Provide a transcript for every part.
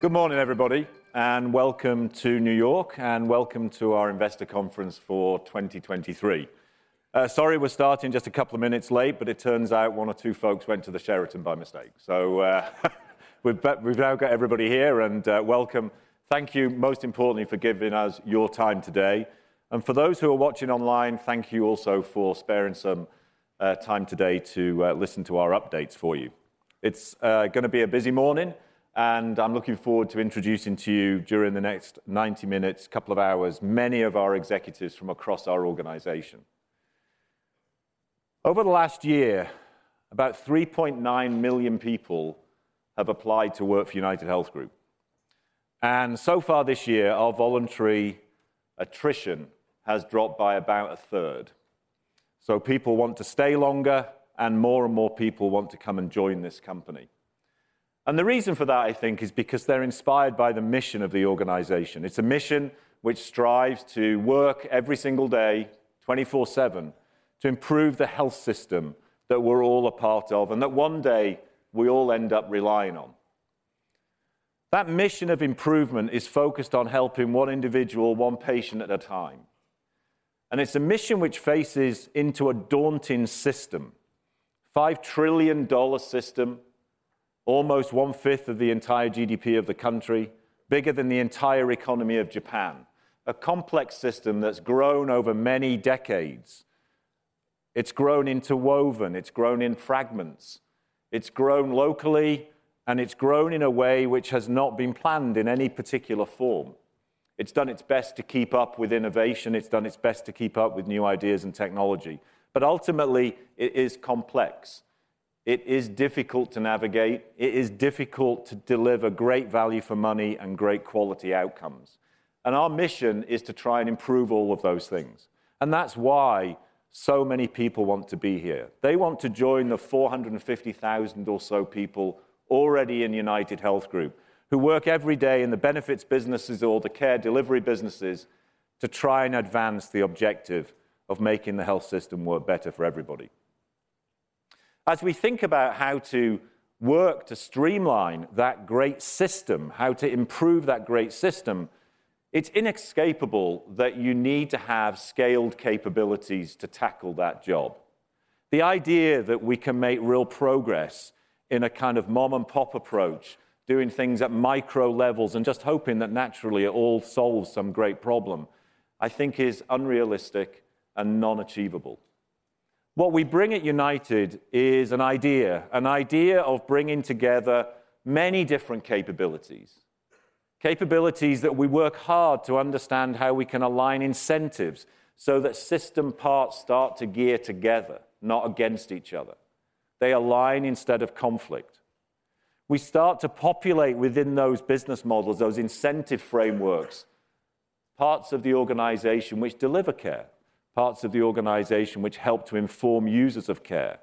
Good morning, everybody, and welcome to New York, and welcome to our investor conference for 2023. Sorry, we're starting just a couple of minutes late, but it turns out one or two folks went to the Sheraton by mistake. So, we've now got everybody here, and welcome. Thank you, most importantly, for giving us your time today, and for those who are watching online, thank you also for sparing some time today to listen to our updates for you. It's gonna be a busy morning, and I'm looking forward to introducing to you, during the next 90 minutes, couple of hours, many of our executives from across our organization. Over the last year, about 3.9 million people have applied to work for UnitedHealth Group, and so far this year, our voluntary attrition has dropped by about a third. So people want to stay longer, and more and more people want to come and join this company, and the reason for that, I think, is because they're inspired by the mission of the organization. It's a mission which strives to work every single day, 24/7, to improve the health system that we're all a part of, and that one day we all end up relying on. That mission of improvement is focused on helping one individual, one patient at a time, and it's a mission which faces into a daunting system, $5 trillion system, almost 1/5 of the entire GDP of the country, bigger than the entire economy of Japan, a complex system that's grown over many decades. It's grown interwoven, it's grown in fragments, it's grown locally, and it's grown in a way which has not been planned in any particular form. It's done its best to keep up with innovation. It's done its best to keep up with new ideas and technology, but ultimately, it is complex. It is difficult to navigate. It is difficult to deliver great value for money and great quality outcomes, and our mission is to try and improve all of those things, and that's why so many people want to be here. They want to join the 450,000 or so people already in UnitedHealth Group, who work every day in the benefits businesses or the care delivery businesses to try and advance the objective of making the health system work better for everybody. As we think about how to work to streamline that great system, how to improve that great system, it's inescapable that you need to have scaled capabilities to tackle that job. The idea that we can make real progress in a kind of mom-and-pop approach, doing things at micro levels and just hoping that naturally it all solves some great problem, I think is unrealistic and non-achievable. What we bring at United is an idea, an idea of bringing together many different capabilities, capabilities that we work hard to understand how we can align incentives so that system parts start to gear together, not against each other. They align instead of conflict. We start to populate within those business models, those incentive frameworks, parts of the organization which deliver care, parts of the organization which help to inform users of care.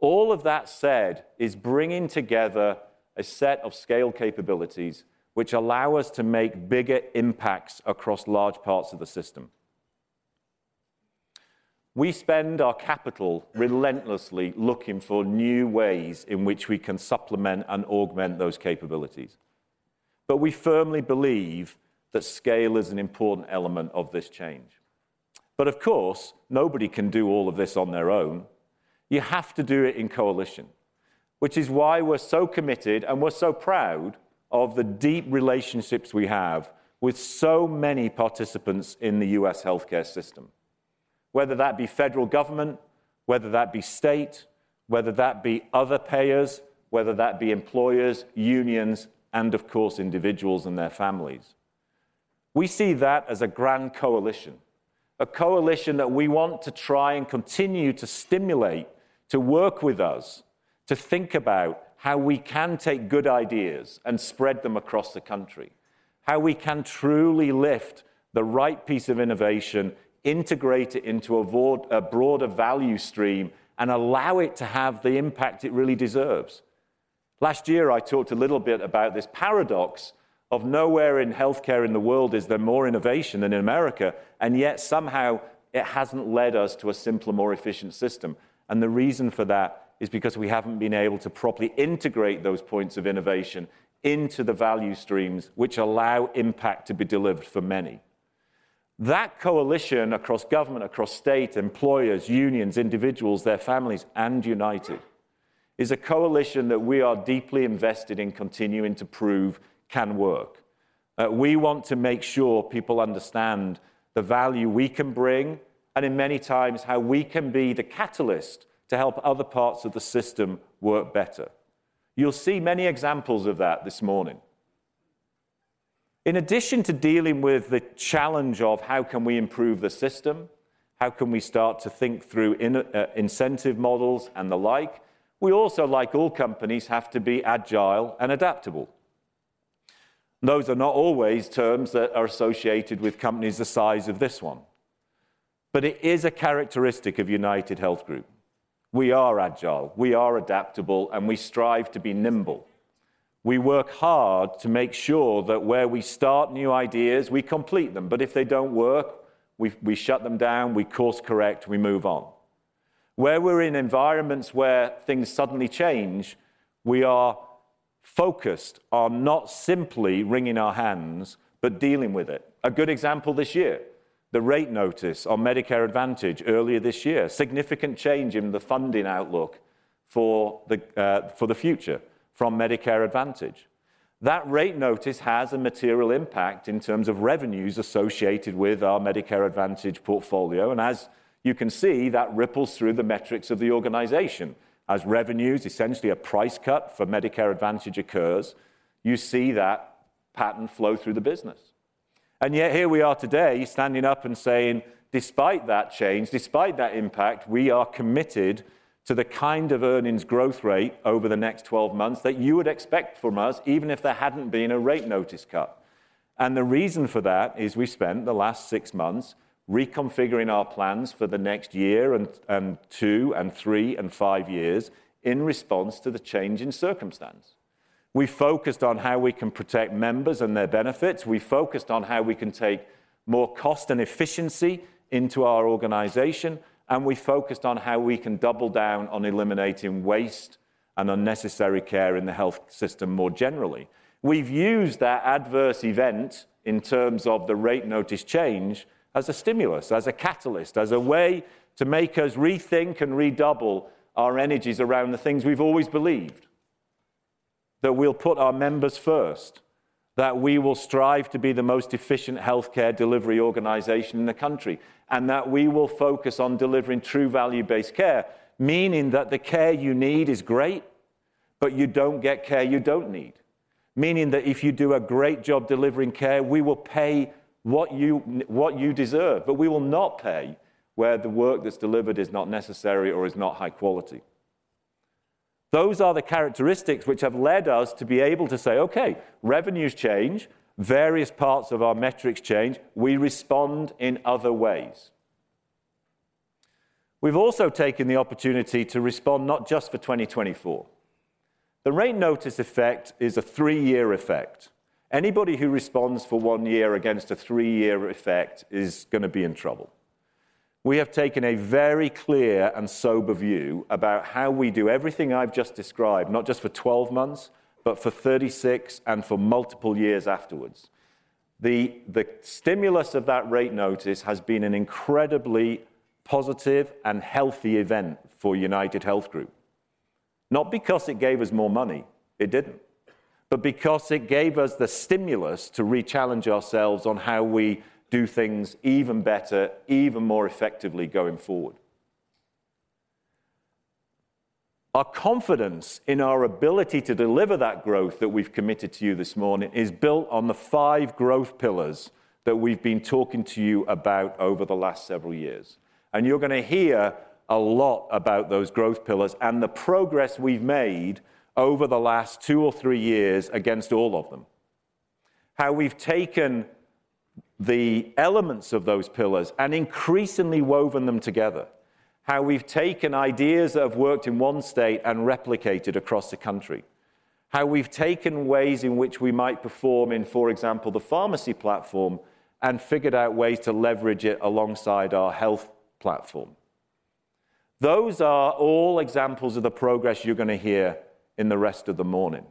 All of that said, is bringing together a set of scale capabilities which allow us to make bigger impacts across large parts of the system. We spend our capital relentlessly looking for new ways in which we can supplement and augment those capabilities, but we firmly believe that scale is an important element of this change. But of course, nobody can do all of this on their own. You have to do it in coalition, which is why we're so committed, and we're so proud of the deep relationships we have with so many participants in the U.S. healthcare system, whether that be federal government, whether that be state, whether that be other payers, whether that be employers, unions, and of course, individuals and their families. We see that as a grand coalition, a coalition that we want to try and continue to stimulate, to work with us, to think about how we can take good ideas and spread them across the country, how we can truly lift the right piece of innovation, integrate it into a broader value stream, and allow it to have the impact it really deserves. Last year, I talked a little bit about this paradox of nowhere in healthcare in the world is there more innovation than in America, and yet, somehow it hasn't led us to a simpler, more efficient system, and the reason for that is because we haven't been able to properly integrate those points of innovation into the value streams which allow impact to be delivered for many. That coalition across government, across state, employers, unions, individuals, their families, and United, is a coalition that we are deeply invested in continuing to prove can work. We want to make sure people understand the value we can bring, and in many times, how we can be the catalyst to help other parts of the system work better. You'll see many examples of that this morning. In addition to dealing with the challenge of how can we improve the system, how can we start to think through in, incentive models and the like, we also, like all companies, have to be agile and adaptable. Those are not always terms that are associated with companies the size of this one, but it is a characteristic of UnitedHealth Group. We are agile, we are adaptable, and we strive to be nimble. We work hard to make sure that where we start new ideas, we complete them, but if they don't work, we shut them down, we course-correct, we move on.... Where we're in environments where things suddenly change, we are focused on not simply wringing our hands, but dealing with it. A good example this year, the rate notice on Medicare Advantage earlier this year. Significant change in the funding outlook for the future from Medicare Advantage. That rate notice has a material impact in terms of revenues associated with our Medicare Advantage portfolio, and as you can see, that ripples through the metrics of the organization. As revenues, essentially a price cut for Medicare Advantage occurs, you see that pattern flow through the business. Yet here we are today, standing up and saying, despite that change, despite that impact, we are committed to the kind of earnings growth rate over the next 12 months that you would expect from us, even if there hadn't been a rate notice cut. The reason for that is we spent the last 6 months reconfiguring our plans for the next year and 2 and 3 and 5 years in response to the change in circumstance. We focused on how we can protect members and their benefits. We focused on how we can take more cost and efficiency into our organization, and we focused on how we can double down on eliminating waste and unnecessary care in the health system more generally. We've used that adverse event in terms of the rate notice change as a stimulus, as a catalyst, as a way to make us rethink and redouble our energies around the things we've always believed: that we'll put our members first, that we will strive to be the most efficient healthcare delivery organization in the country, and that we will focus on delivering true value-based care, meaning that the care you need is great, but you don't get care you don't need. Meaning that if you do a great job delivering care, we will pay what you deserve, but we will not pay where the work that's delivered is not necessary or is not high quality. Those are the characteristics which have led us to be able to say, "Okay, revenues change, various parts of our metrics change, we respond in other ways." We've also taken the opportunity to respond not just for 2024. The rate notice effect is a 3-year effect. Anybody who responds for 1 year against a 3-year effect is gonna be in trouble. We have taken a very clear and sober view about how we do everything I've just described, not just for 12 months, but for 36 and for multiple years afterwards. The stimulus of that rate notice has been an incredibly positive and healthy event for UnitedHealth Group. Not because it gave us more money, it didn't, but because it gave us the stimulus to re-challenge ourselves on how we do things even better, even more effectively going forward. Our confidence in our ability to deliver that growth that we've committed to you this morning is built on the five growth pillars that we've been talking to you about over the last several years. You're gonna hear a lot about those growth pillars and the progress we've made over the last two or three years against all of them. How we've taken the elements of those pillars and increasingly woven them together, how we've taken ideas that have worked in one state and replicated across the country, how we've taken ways in which we might perform in, for example, the pharmacy platform, and figured out ways to leverage it alongside our health platform. Those are all examples of the progress you're gonna hear in the rest of the morning.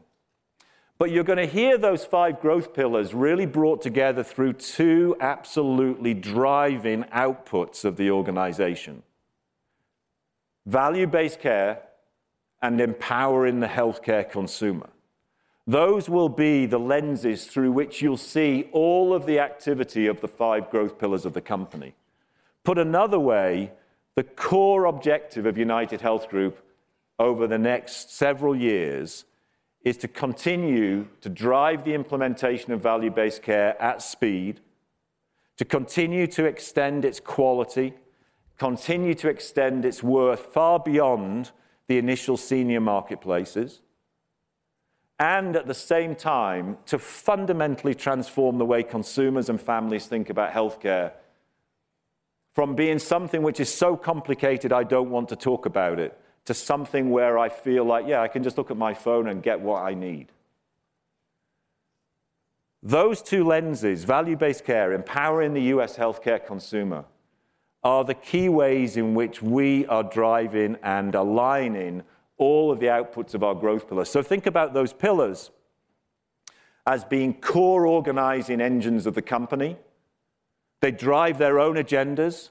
But you're gonna hear those five growth pillars really brought together through two absolutely driving outputs of the organization: value-based care and empowering the healthcare consumer. Those will be the lenses through which you'll see all of the activity of the five growth pillars of the company. Put another way, the core objective of UnitedHealth Group over the next several years is to continue to drive the implementation of value-based care at speed, to continue to extend its quality, continue to extend its worth far beyond the initial senior marketplaces, and at the same time, to fundamentally transform the way consumers and families think about healthcare from being something which is so complicated, I don't want to talk about it, to something where I feel like, "Yeah, I can just look at my phone and get what I need." Those two lenses, value-based care, empowering the U.S. healthcare consumer, are the key ways in which we are driving and aligning all of the outputs of our growth pillars. Think about those pillars as being core organizing engines of the company. They drive their own agendas,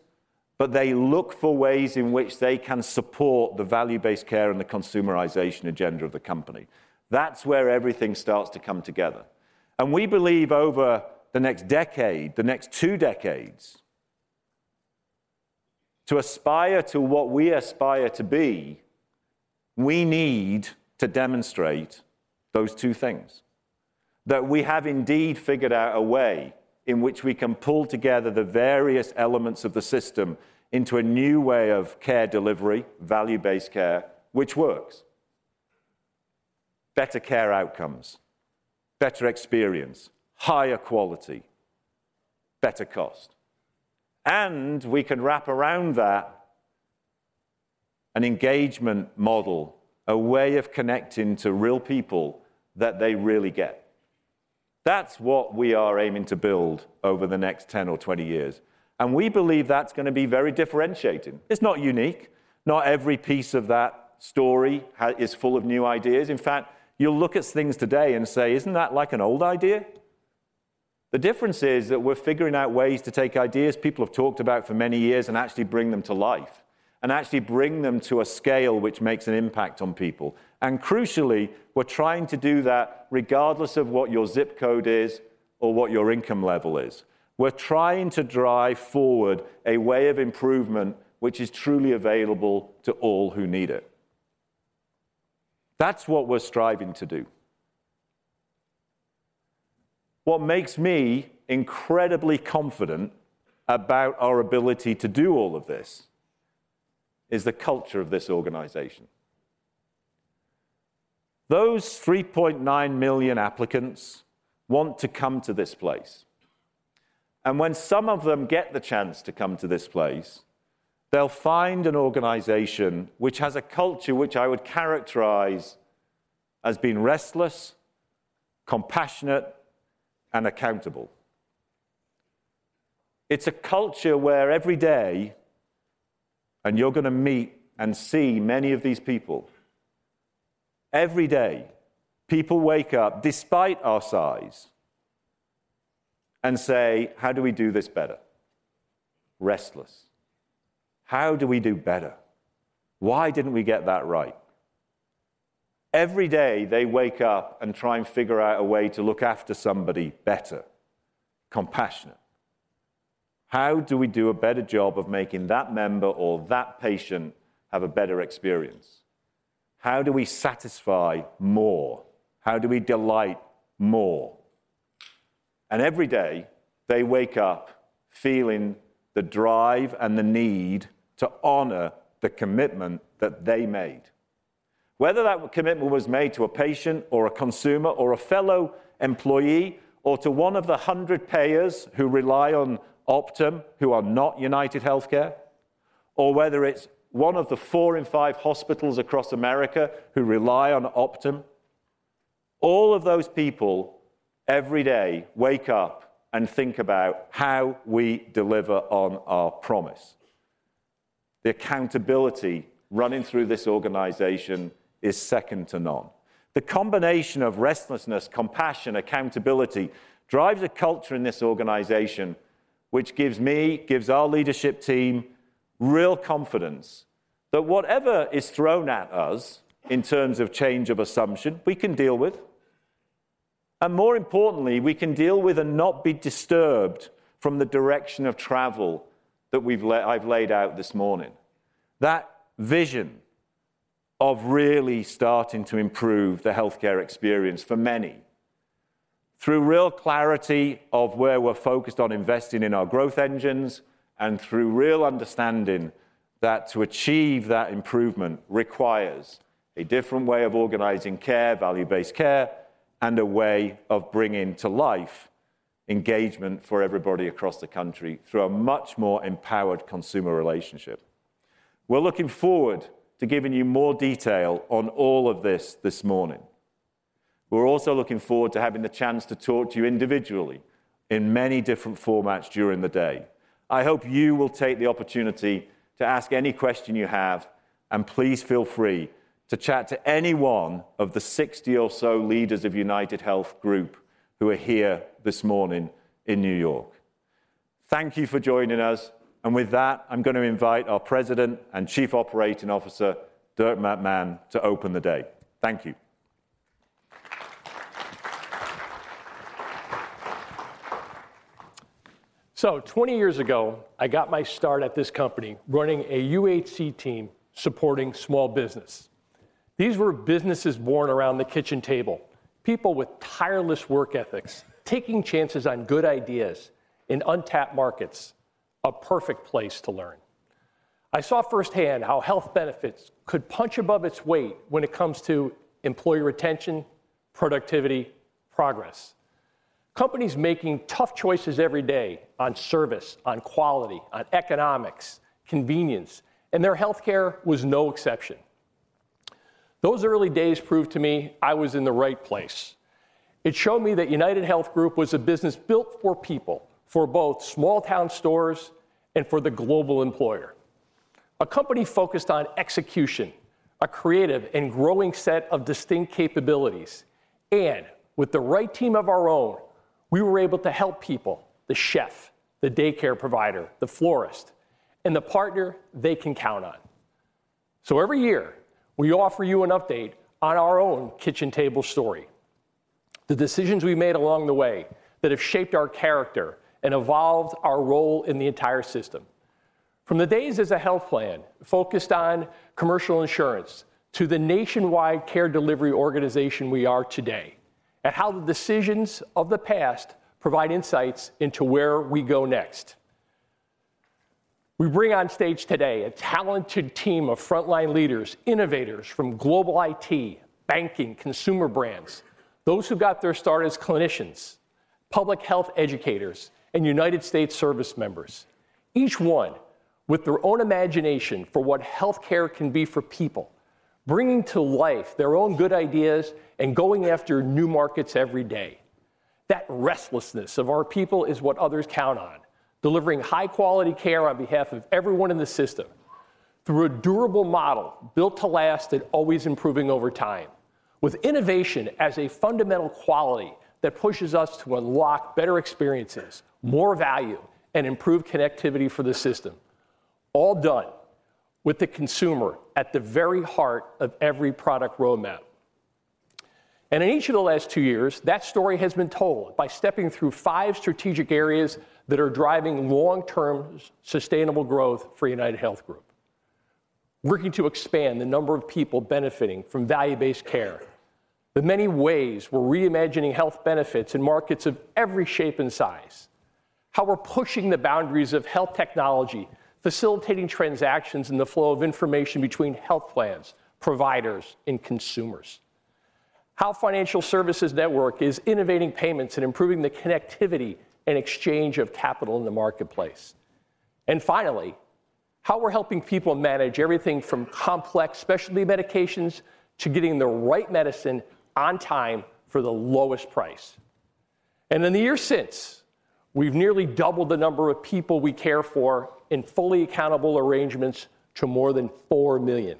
but they look for ways in which they can support the value-based care and the consumerization agenda of the company. That's where everything starts to come together. We believe over the next decade, the next 2 decades, to aspire to what we aspire to be, we need to demonstrate those two things. That we have indeed figured out a way in which we can pull together the various elements of the system into a new way of care delivery, value-based care, which works. Better care outcomes, better experience, higher quality, better cost. We can wrap around that an engagement model, a way of connecting to real people that they really get.... That's what we are aiming to build over the next 10 or 20 years, and we believe that's gonna be very differentiating. It's not unique. Not every piece of that story is full of new ideas. In fact, you'll look at things today and say, "Isn't that like an old idea?" The difference is that we're figuring out ways to take ideas people have talked about for many years and actually bring them to life, and actually bring them to a scale which makes an impact on people. Crucially, we're trying to do that regardless of what your zip code is or what your income level is. We're trying to drive forward a way of improvement which is truly available to all who need it. That's what we're striving to do. What makes me incredibly confident about our ability to do all of this is the culture of this organization. Those 3.9 million applicants want to come to this place, and when some of them get the chance to come to this place, they'll find an organization which has a culture which I would characterize as being restless, compassionate, and accountable. It's a culture where every day, and you're gonna meet and see many of these people, every day, people wake up despite our size and say, "How do we do this better?" Restless. How do we do better? Why didn't we get that right? Every day they wake up and try and figure out a way to look after somebody better. Compassionate. How do we do a better job of making that member or that patient have a better experience? How do we satisfy more? How do we delight more? Every day they wake up feeling the drive and the need to honor the commitment that they made. Whether that commitment was made to a patient or a consumer or a fellow employee, or to one of the 100 payers who rely on Optum, who are not UnitedHealthcare, or whether it's one of the four in five hospitals across America who rely on Optum, all of those people every day wake up and think about how we deliver on our promise. The accountability running through this organization is second to none. The combination of restlessness, compassion, accountability, drives a culture in this organization which gives me, gives our leadership team, real confidence that whatever is thrown at us in terms of change of assumption, we can deal with, and more importantly, we can deal with and not be disturbed from the direction of travel that I've laid out this morning. That vision of really starting to improve the healthcare experience for many through real clarity of where we're focused on investing in our growth engines, and through real understanding that to achieve that improvement requires a different way of organizing care, value-based care, and a way of bringing to life engagement for everybody across the country through a much more empowered consumer relationship. We're looking forward to giving you more detail on all of this, this morning. We're also looking forward to having the chance to talk to you individually in many different formats during the day. I hope you will take the opportunity to ask any question you have, and please feel free to chat to any one of the 60 or so leaders of UnitedHealth Group who are here this morning in New York. Thank you for joining us, and with that, I'm gonna invite our President and Chief Operating Officer, Dirk McMahon, to open the day. Thank you. So, 20 years ago, I got my start at this company running a UHC team supporting small business. These were businesses born around the kitchen table, people with tireless work ethics, taking chances on good ideas in untapped markets, a perfect place to learn. I saw firsthand how health benefits could punch above its weight when it comes to employee retention, productivity, progress. Companies making tough choices every day on service, on quality, on economics, convenience, and their healthcare was no exception. Those early days proved to me I was in the right place. It showed me that UnitedHealth Group was a business built for people, for both small town stores and for the global employer. A company focused on execution, a creative and growing set of distinct capabilities, and with the right team of our own, we were able to help people, the chef, the daycare provider, the florist, and the partner they can count on. So every year, we offer you an update on our own kitchen table story, the decisions we made along the way that have shaped our character and evolved our role in the entire system. From the days as a health plan focused on commercial insurance to the nationwide care delivery organization we are today, and how the decisions of the past provide insights into where we go next. We bring on stage today a talented team of frontline leaders, innovators from global IT, banking, consumer brands, those who got their start as clinicians, public health educators, and United States service members, each one with their own imagination for what healthcare can be for people... bringing to life their own good ideas and going after new markets every day. That restlessness of our people is what others count on, delivering high-quality care on behalf of everyone in the system through a durable model built to last and always improving over time, with innovation as a fundamental quality that pushes us to unlock better experiences, more value, and improve connectivity for the system, all done with the consumer at the very heart of every product roadmap. In each of the last two years, that story has been told by stepping through five strategic areas that are driving long-term sustainable growth for UnitedHealth Group. Working to expand the number of people benefiting from value-based care, the many ways we're reimagining health benefits in markets of every shape and size, how we're pushing the boundaries of health technology, facilitating transactions and the flow of information between health plans, providers, and consumers, how financial services network is innovating payments and improving the connectivity and exchange of capital in the marketplace, and finally, how we're helping people manage everything from complex specialty medications to getting the right medicine on time for the lowest price. In the years since, we've nearly doubled the number of people we care for in fully accountable arrangements to more than four million.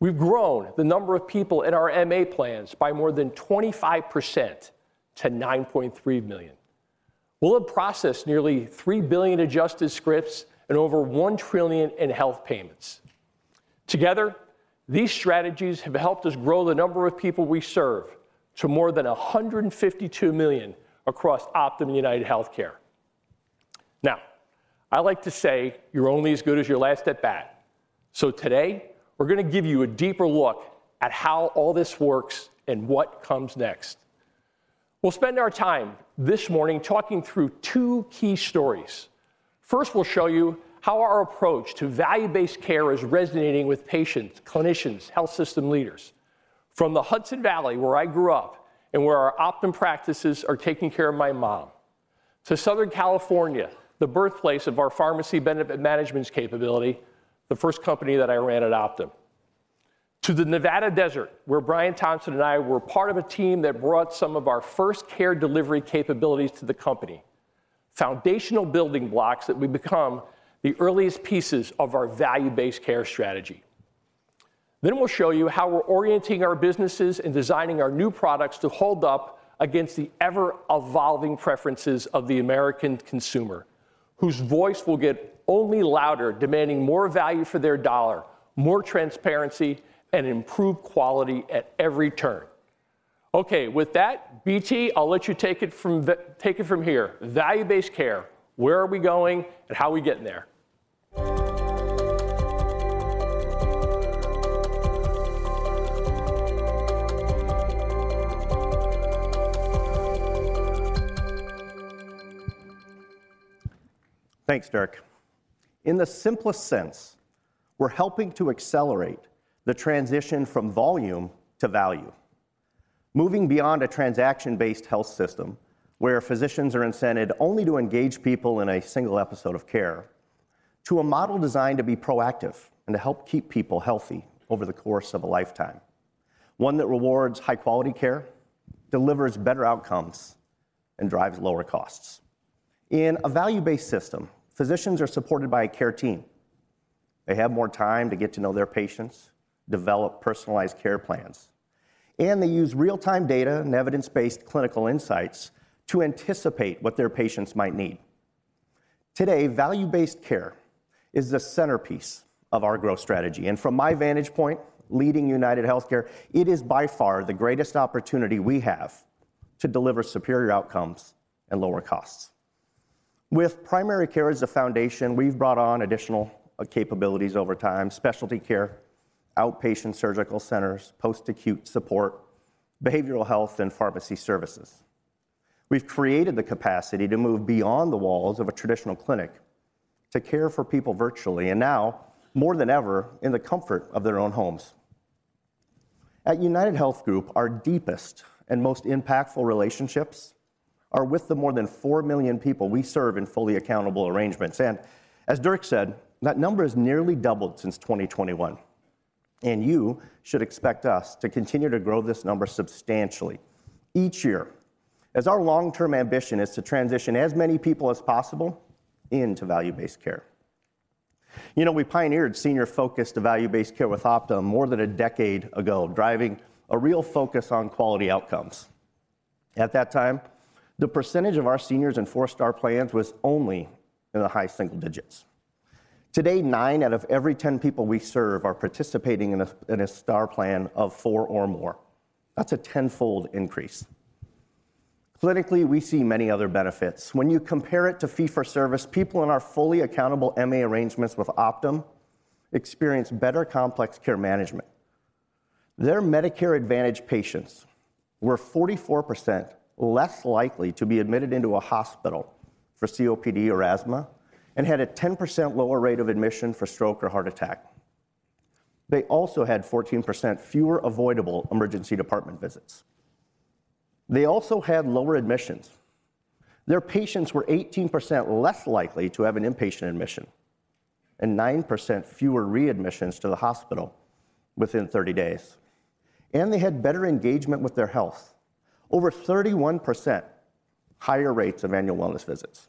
We've grown the number of people in our MA plans by more than 25% to 9.3 million. We'll have processed nearly 3 billion adjusted scripts and over $1 trillion in health payments. Together, these strategies have helped us grow the number of people we serve to more than 152 million across Optum UnitedHealthcare. Now, I like to say you're only as good as your last at-bat, so today we're gonna give you a deeper look at how all this works and what comes next. We'll spend our time this morning talking through two key stories. First, we'll show you how our approach to value-based care is resonating with patients, clinicians, health system leaders. From the Hudson Valley, where I grew up and where our Optum practices are taking care of my mom, to Southern California, the birthplace of our pharmacy benefit management capability, the first company that I ran at Optum, to the Nevada desert, where Brian Thompson and I were part of a team that brought some of our first care delivery capabilities to the company, foundational building blocks that would become the earliest pieces of our value-based care strategy. Then we'll show you how we're orienting our businesses and designing our new products to hold up against the ever-evolving preferences of the American consumer, whose voice will get only louder, demanding more value for their dollar, more transparency, and improved quality at every turn. Okay, with that, BT, I'll let you take it from here. Value-based care: where are we going and how are we getting there? Thanks, Dirk. In the simplest sense, we're helping to accelerate the transition from volume to value, moving beyond a transaction-based health system where physicians are incented only to engage people in a single episode of care, to a model designed to be proactive and to help keep people healthy over the course of a lifetime, one that rewards high-quality care, delivers better outcomes, and drives lower costs. In a value-based system, physicians are supported by a care team. They have more time to get to know their patients, develop personalized care plans, and they use real-time data and evidence-based clinical insights to anticipate what their patients might need. Today, value-based care is the centerpiece of our growth strategy, and from my vantage point, leading UnitedHealthcare, it is by far the greatest opportunity we have to deliver superior outcomes and lower costs. With primary care as a foundation, we've brought on additional capabilities over time, specialty care, outpatient surgical centers, post-acute support, behavioral health, and pharmacy services. We've created the capacity to move beyond the walls of a traditional clinic to care for people virtually, and now, more than ever, in the comfort of their own homes. At UnitedHealth Group, our deepest and most impactful relationships are with the more than 4 million people we serve in fully accountable arrangements, and as Dirk said, that number has nearly doubled since 2021. You should expect us to continue to grow this number substantially each year, as our long-term ambition is to transition as many people as possible into value-based care. You know, we pioneered senior-focused value-based care with Optum more than a decade ago, driving a real focus on quality outcomes. At that time, the percentage of our seniors in four-star plans was only in the high single digits. Today, 9 out of every 10 people we serve are participating in a Star plan of 4 or more. That's a tenfold increase. Clinically, we see many other benefits. When you compare it to fee-for-service, people in our fully accountable MA arrangements with Optum experience better complex care management. Their Medicare Advantage patients were 44% less likely to be admitted into a hospital for COPD or asthma and had a 10% lower rate of admission for stroke or heart attack. They also had 14% fewer avoidable emergency department visits. They also had lower admissions. Their patients were 18% less likely to have an inpatient admission, and 9% fewer readmissions to the hospital within 30 days. They had better engagement with their health, over 31% higher rates of annual wellness visits.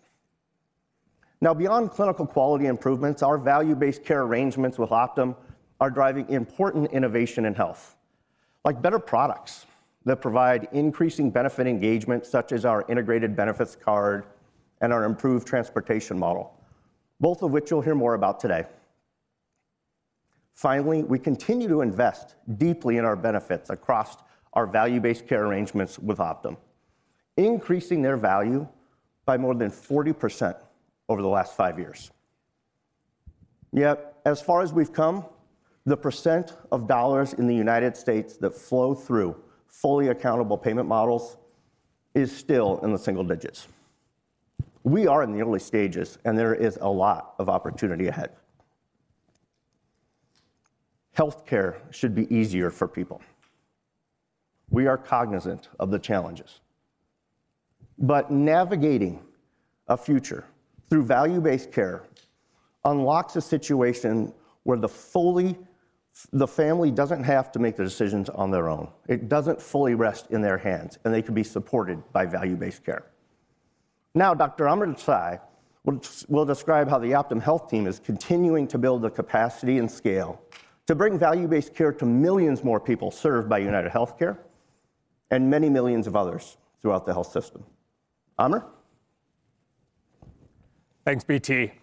Now, beyond clinical quality improvements, our value-based care arrangements with Optum are driving important innovation in health, like better products that provide increasing benefit engagement, such as our integrated benefits card and our improved transportation model, both of which you'll hear more about today. Finally, we continue to invest deeply in our benefits across our value-based care arrangements with Optum, increasing their value by more than 40% over the last 5 years. Yet, as far as we've come, the percent of dollars in the United States that flow through fully accountable payment models is still in the single digits. We are in the early stages, and there is a lot of opportunity ahead. Healthcare should be easier for people. We are cognizant of the challenges, but navigating a future through value-based care unlocks a situation where the family doesn't have to make the decisions on their own. It doesn't fully rest in their hands, and they can be supported by value-based care. Now, Dr. Amar Desai will describe how the Optum Health team is continuing to build the capacity and scale to bring value-based care to millions more people served by UnitedHealthcare and many millions of others throughout the health system. Amar? Thanks, BT.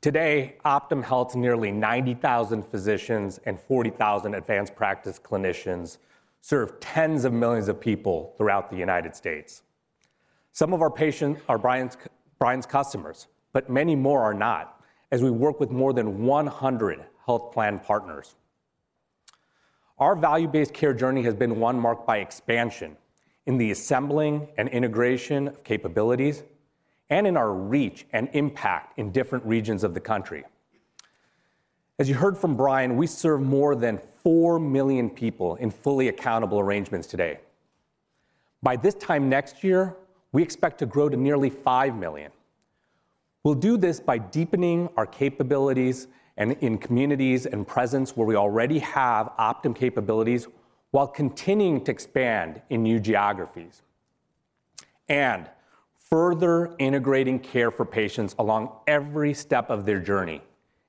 Today, Optum Health's nearly 90,000 physicians and 40,000 advanced practice clinicians serve tens of millions of people throughout the United States. Some of our patients are Brian's customers, but many more are not, as we work with more than 100 health plan partners. Our value-based care journey has been one marked by expansion in the assembling and integration of capabilities and in our reach and impact in different regions of the country. As you heard from Brian, we serve more than 4 million people in fully accountable arrangements today. By this time next year, we expect to grow to nearly 5 million. We'll do this by deepening our capabilities and in communities and presence where we already have Optum capabilities, while continuing to expand in new geographies, and further integrating care for patients along every step of their journey,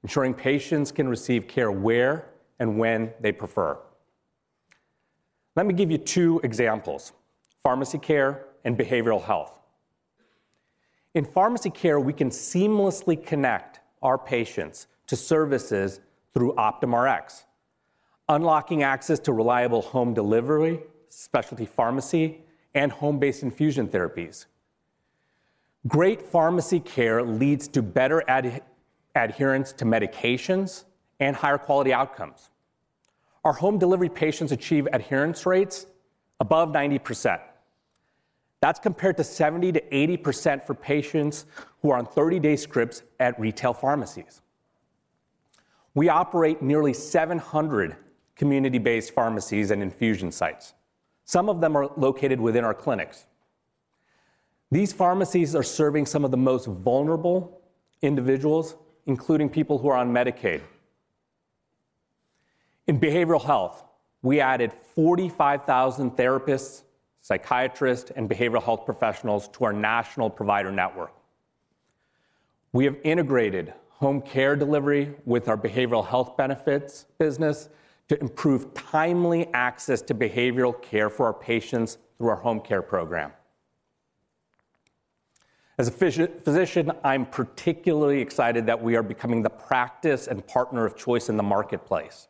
ensuring patients can receive care where and when they prefer. Let me give you two examples: pharmacy care and behavioral health. In pharmacy care, we can seamlessly connect our patients to services through Optum Rx, unlocking access to reliable home delivery, specialty pharmacy, and home-based infusion therapies. Great pharmacy care leads to better adherence to medications and higher quality outcomes. Our home delivery patients achieve adherence rates above 90%. That's compared to 70%-80% for patients who are on 30-day scripts at retail pharmacies. We operate nearly 700 community-based pharmacies and infusion sites. Some of them are located within our clinics. These pharmacies are serving some of the most vulnerable individuals, including people who are on Medicaid. In behavioral health, we added 45,000 therapists, psychiatrists, and behavioral health professionals to our national provider network. We have integrated home care delivery with our behavioral health benefits business to improve timely access to behavioral care for our patients through our home care program. As a physician, I'm particularly excited that we are becoming the practice and partner of choice in the marketplace.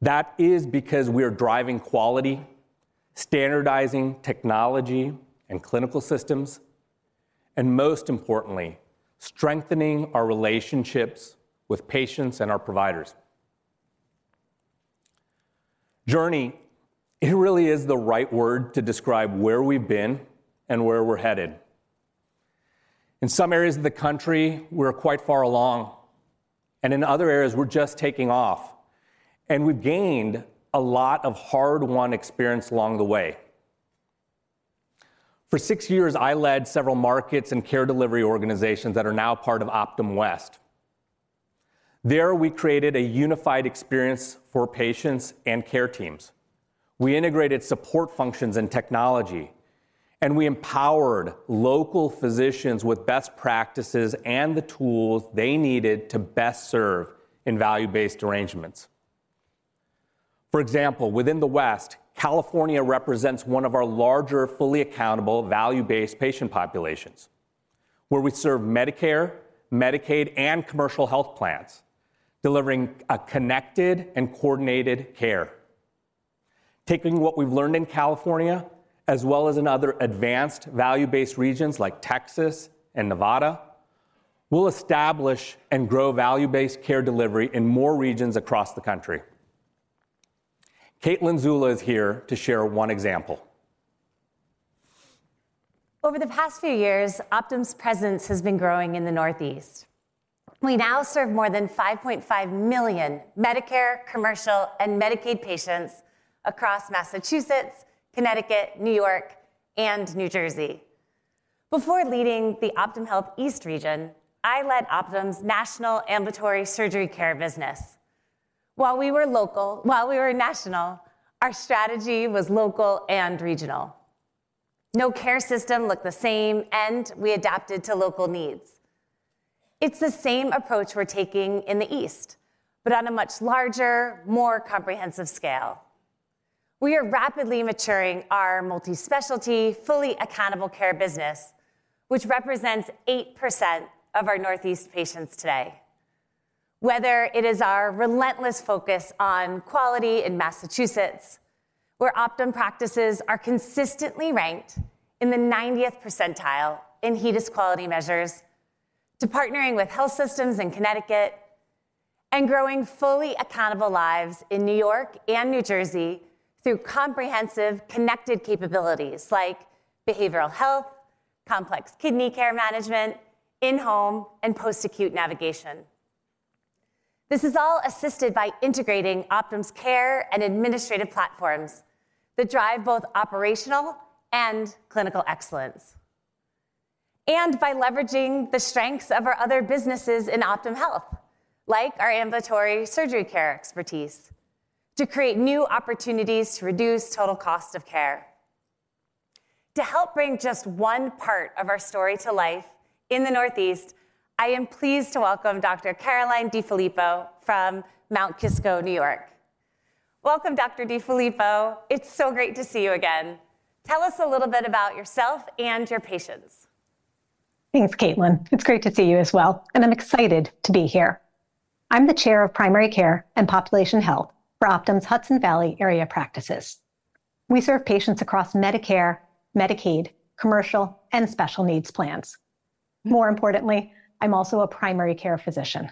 That is because we are driving quality, standardizing technology and clinical systems, and most importantly, strengthening our relationships with patients and our providers. Journey, it really is the right word to describe where we've been and where we're headed. In some areas of the country, we're quite far along, and in other areas, we're just taking off, and we've gained a lot of hard-won experience along the way. For six years, I led several markets and care delivery organizations that are now part of Optum West. There, we created a unified experience for patients and care teams. We integrated support functions and technology, and we empowered local physicians with best practices and the tools they needed to best serve in value-based arrangements. For example, within the West, California represents one of our larger, fully accountable, value-based patient populations, where we serve Medicare, Medicaid, and commercial health plans, delivering a connected and coordinated care. Taking what we've learned in California, as well as in other advanced value-based regions like Texas and Nevada, we'll establish and grow value-based care delivery in more regions across the country. Caitlin Zulla is here to share one example. Over the past few years, Optum's presence has been growing in the Northeast. We now serve more than 5.5 million Medicare, commercial, and Medicaid patients across Massachusetts, Connecticut, New York, and New Jersey. Before leading the Optum Health East region, I led Optum's national ambulatory surgery care business. While we were national, our strategy was local and regional. No care system looked the same, and we adapted to local needs. It's the same approach we're taking in the East, but on a much larger, more comprehensive scale. We are rapidly maturing our multi-specialty, fully accountable care business which represents 8% of our Northeast patients today. Whether it is our relentless focus on quality in Massachusetts where Optum practices are consistently ranked in the 90th percentile in HEDIS quality measures to partnering with health systems in Connecticut and growing fully accountable lives in New York and New Jersey through comprehensive connected capabilities like behavioral health, complex kidney care management, in-home, and post-acute navigation. This is all assisted by integrating Optum's care and administrative platforms that drive both operational and clinical excellence, and by leveraging the strengths of our other businesses in Optum Health, like our ambulatory surgery care expertise, to create new opportunities to reduce total cost of care. To help bring just one part of our story to life in the Northeast, I am pleased to welcome Dr. Caroline DeFilippo from Mount Kisco, New York. Welcome, Dr. DeFilippo. It's so great to see you again. Tell us a little bit about yourself and your patients. Thanks, Caitlin. It's great to see you as well, and I'm excited to be here. I'm the chair of Primary Care and Population Health for Optum's Hudson Valley area practices. We serve patients across Medicare, Medicaid, commercial, and special needs plans. More importantly, I'm also a primary care physician.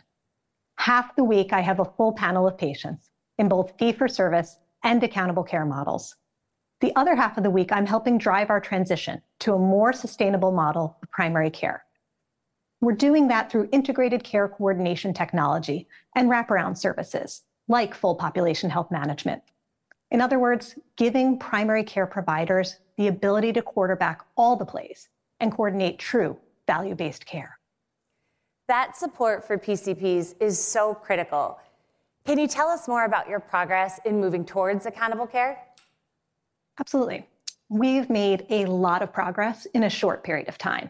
Half the week, I have a full panel of patients in both fee-for-service and accountable care models. The other half of the week, I'm helping drive our transition to a more sustainable model of primary care. We're doing that through integrated care coordination technology and wraparound services like full population health management. In other words, giving primary care providers the ability to quarterback all the plays and coordinate true value-based care. That support for PCPs is so critical. Can you tell us more about your progress in moving toward accountable care? Absolutely. We've made a lot of progress in a short period of time.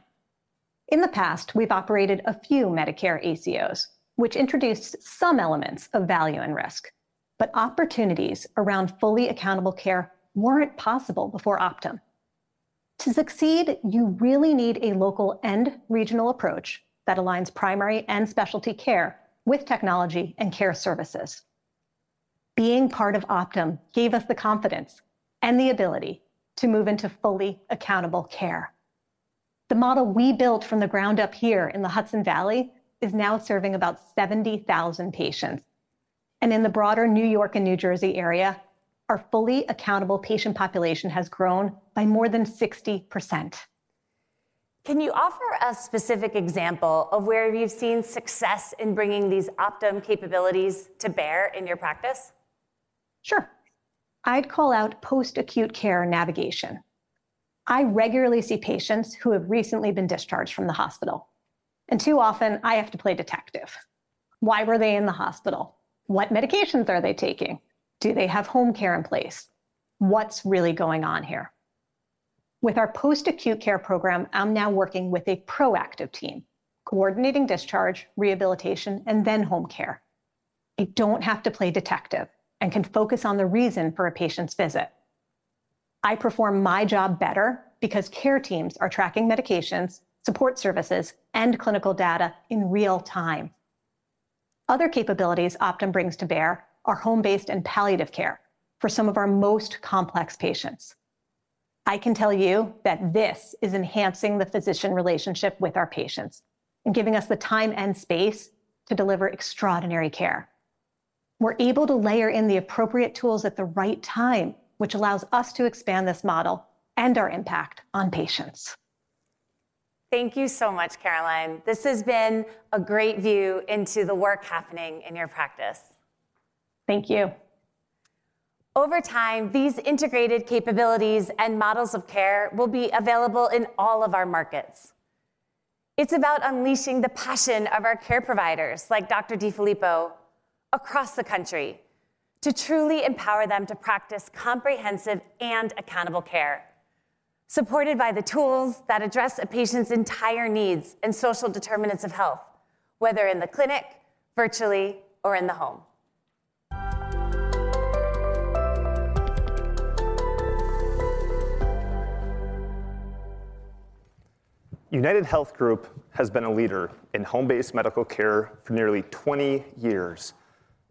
In the past, we've operated a few Medicare ACOs, which introduced some elements of value and risk, but opportunities around fully accountable care weren't possible before Optum. To succeed, you really need a local and regional approach that aligns primary and specialty care with technology and care services. Being part of Optum gave us the confidence and the ability to move into fully accountable care. The model we built from the ground up here in the Hudson Valley is now serving about 70,000 patients, and in the broader New York and New Jersey area, our fully accountable patient population has grown by more than 60%. Can you offer a specific example of where you've seen success in bringing these Optum capabilities to bear in your practice? Sure. I'd call out post-acute care navigation. I regularly see patients who have recently been discharged from the hospital, and too often, I have to play detective. Why were they in the hospital? What medications are they taking? Do they have home care in place? What's really going on here? With our post-acute care program, I'm now working with a proactive team, coordinating discharge, rehabilitation, and then home care. I don't have to play detective and can focus on the reason for a patient's visit. I perform my job better because care teams are tracking medications, support services, and clinical data in real time. Other capabilities Optum brings to bear are home-based and palliative care for some of our most complex patients. I can tell you that this is enhancing the physician relationship with our patients and giving us the time and space to deliver extraordinary care. We're able to layer in the appropriate tools at the right time, which allows us to expand this model and our impact on patients. Thank you so much, Caroline. This has been a great view into the work happening in your practice. Thank you. Over time, these integrated capabilities and models of care will be available in all of our markets. It's about unleashing the passion of our care providers, like Dr. DeFilippo, across the country to truly empower them to practice comprehensive and accountable care, supported by the tools that address a patient's entire needs and social determinants of health, whether in the clinic, virtually, or in the home. UnitedHealth Group has been a leader in home-based medical care for nearly 20 years,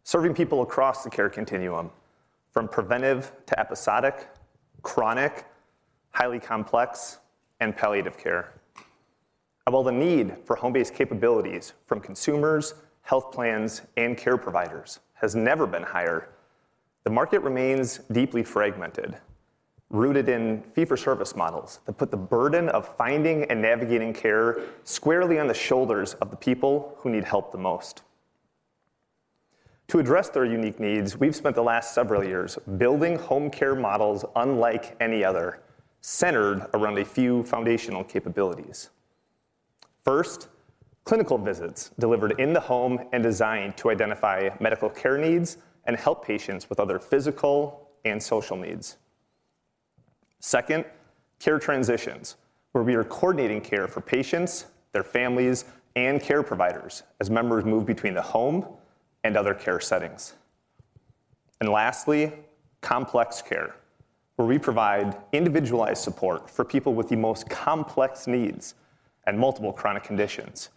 serving people across the care continuum, from preventive to episodic, chronic, highly complex, and palliative care. While the need for home-based capabilities from consumers, health plans, and care providers has never been higher, the market remains deeply fragmented, rooted in fee-for-service models that put the burden of finding and navigating care squarely on the shoulders of the people who need help the most. To address their unique needs, we've spent the last several years building home care models unlike any other, centered around a few foundational capabilities. First, clinical visits delivered in the home and designed to identify medical care needs and help patients with other physical and social needs. Second, care transitions, where we are coordinating care for patients, their families, and care providers as members move between the home and other care settings. Lastly, complex care, where we provide individualized support for people with the most complex needs and multiple chronic conditions,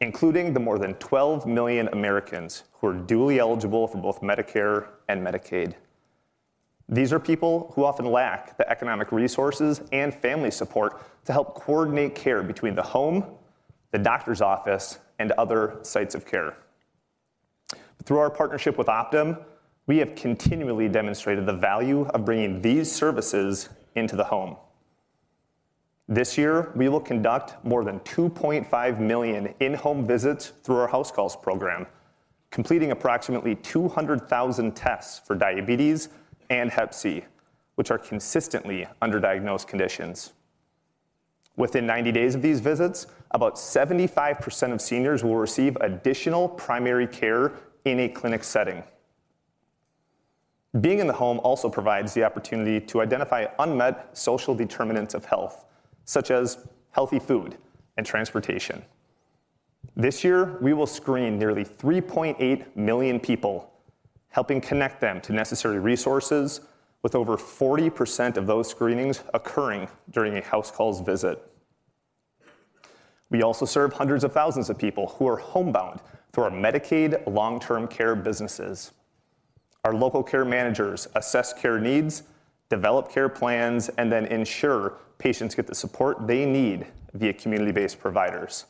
including the more than 12 million Americans who are dually eligible for both Medicare and Medicaid. These are people who often lack the economic resources and family support to help coordinate care between the home, the doctor's office, and other sites of care. Through our partnership with Optum, we have continually demonstrated the value of bringing these services into the home. This year, we will conduct more than 2.5 million in-home visits through our House Calls program, completing approximately 200,000 tests for diabetes and Hep C, which are consistently under-diagnosed conditions. Within 90 days of these visits, about 75% of seniors will receive additional primary care in a clinic setting. Being in the home also provides the opportunity to identify unmet social determinants of health, such as healthy food and transportation. This year, we will screen nearly 3.8 million people, helping connect them to necessary resources, with over 40% of those screenings occurring during a House Calls visit. We also serve hundreds of thousands of people who are homebound through our Medicaid long-term care businesses. Our local care managers assess care needs, develop care plans, and then ensure patients get the support they need via community-based providers.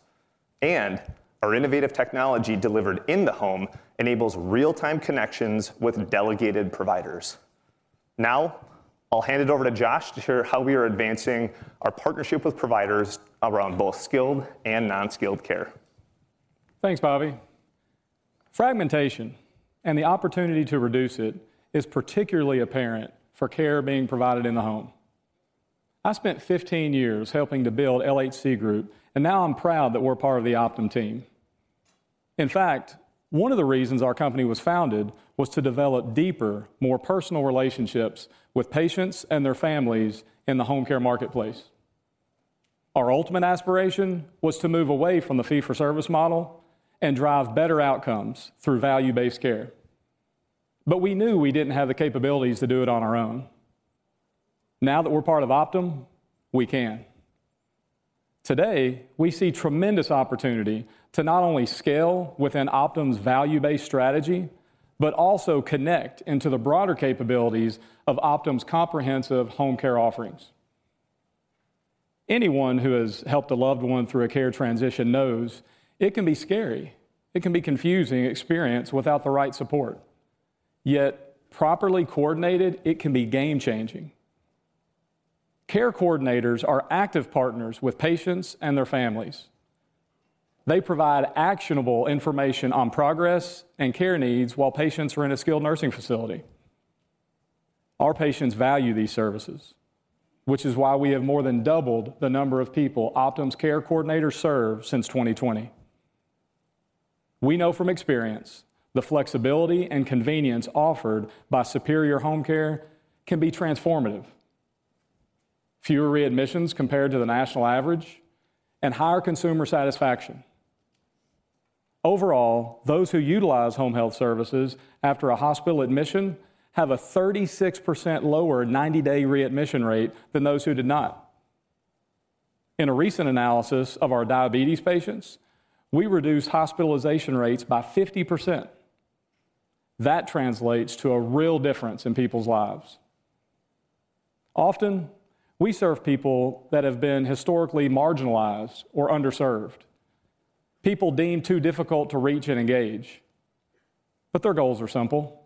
And our innovative technology delivered in the home enables real-time connections with delegated providers. Now, I'll hand it over to Josh to share how we are advancing our partnership with providers around both skilled and non-skilled care. Thanks, Bobby. Fragmentation and the opportunity to reduce it is particularly apparent for care being provided in the home. I spent 15 years helping to build LHC Group, and now I'm proud that we're part of the Optum team. In fact, one of the reasons our company was founded was to develop deeper, more personal relationships with patients and their families in the home care marketplace. Our ultimate aspiration was to move away from the Fee-for-Service model and drive better outcomes through Value-Based Care. But we knew we didn't have the capabilities to do it on our own. Now that we're part of Optum, we can. Today, we see tremendous opportunity to not only scale within Optum's value-based strategy, but also connect into the broader capabilities of Optum's comprehensive home care offerings. Anyone who has helped a loved one through a care transition knows it can be scary. It can be a confusing experience without the right support. Yet properly coordinated, it can be game-changing. Care coordinators are active partners with patients and their families. They provide actionable information on progress and care needs while patients are in a skilled nursing facility. Our patients value these services, which is why we have more than doubled the number of people Optum's care coordinators serve since 2020. We know from experience the flexibility and convenience offered by superior home care can be transformative: fewer readmissions compared to the national average and higher consumer satisfaction. Overall, those who utilize home health services after a hospital admission have a 36% lower 90-day readmission rate than those who did not. In a recent analysis of our diabetes patients, we reduced hospitalization rates by 50%. That translates to a real difference in people's lives. Often, we serve people that have been historically marginalized or underserved, people deemed too difficult to reach and engage, but their goals are simple.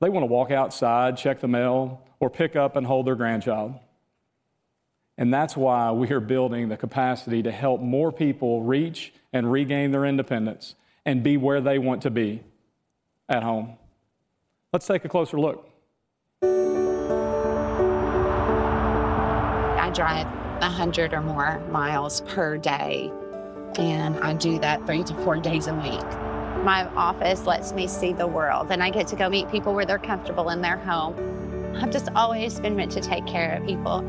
They want to walk outside, check the mail, or pick up and hold their grandchild, and that's why we are building the capacity to help more people reach and regain their independence and be where they want to be, at home. Let's take a closer look. I drive 100 or more miles per day, and I do that 3-4 days a week. My office lets me see the world, and I get to go meet people where they're comfortable in their home. I've just always been meant to take care of people.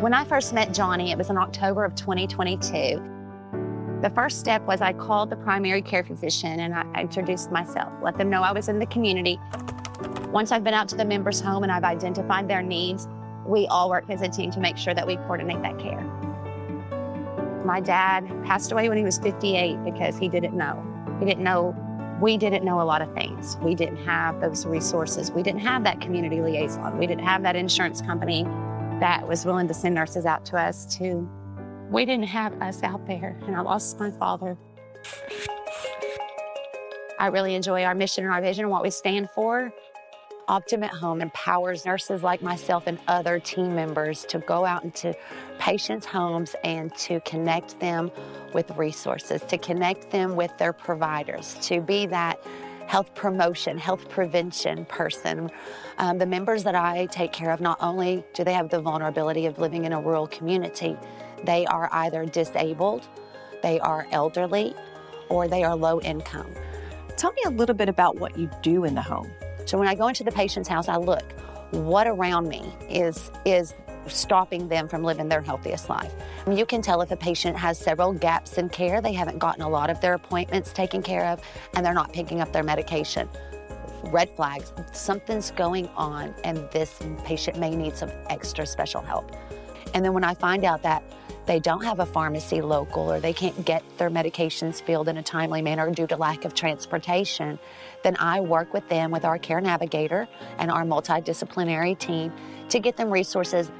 When I first met Johnny, it was in October of 2022. The first step was I called the primary care physician, and I introduced myself, let them know I was in the community. Once I've been out to the member's home, and I've identified their needs, we all work as a team to make sure that we coordinate that care.... My dad passed away when he was 58 because he didn't know. He didn't know - we didn't know a lot of things. We didn't have those resources. We didn't have that comm`unity liaison. We didn't have that insurance company that was willing to send nurses out to us to... We didn't have us out there, and I lost my father. I really enjoy our mission and our vision and what we stand for. Optum at Home empowers nurses like myself and other team members to go out into patients' homes and to connect them with resources, to connect them with their providers, to be that health promotion, health prevention person. The members that I take care of, not only do they have the vulnerability of living in a rural community, they are either disabled, they are elderly, or they are low income. Tell me a little bit about what you do in the home? So when I go into the patient's house, I look. What around me is stopping them from living their healthiest life? You can tell if a patient has several gaps in care, they haven't gotten a lot of their appointments taken care of, and they're not picking up their medication. Red flags. Something's going on, and this patient may need some extra special help. And then when I find out that they don't have a pharmacy local, or they can't get their medications filled in a timely manner due to lack of transportation, then I work with them, with our care navigator and our multidisciplinary team, to get them resources.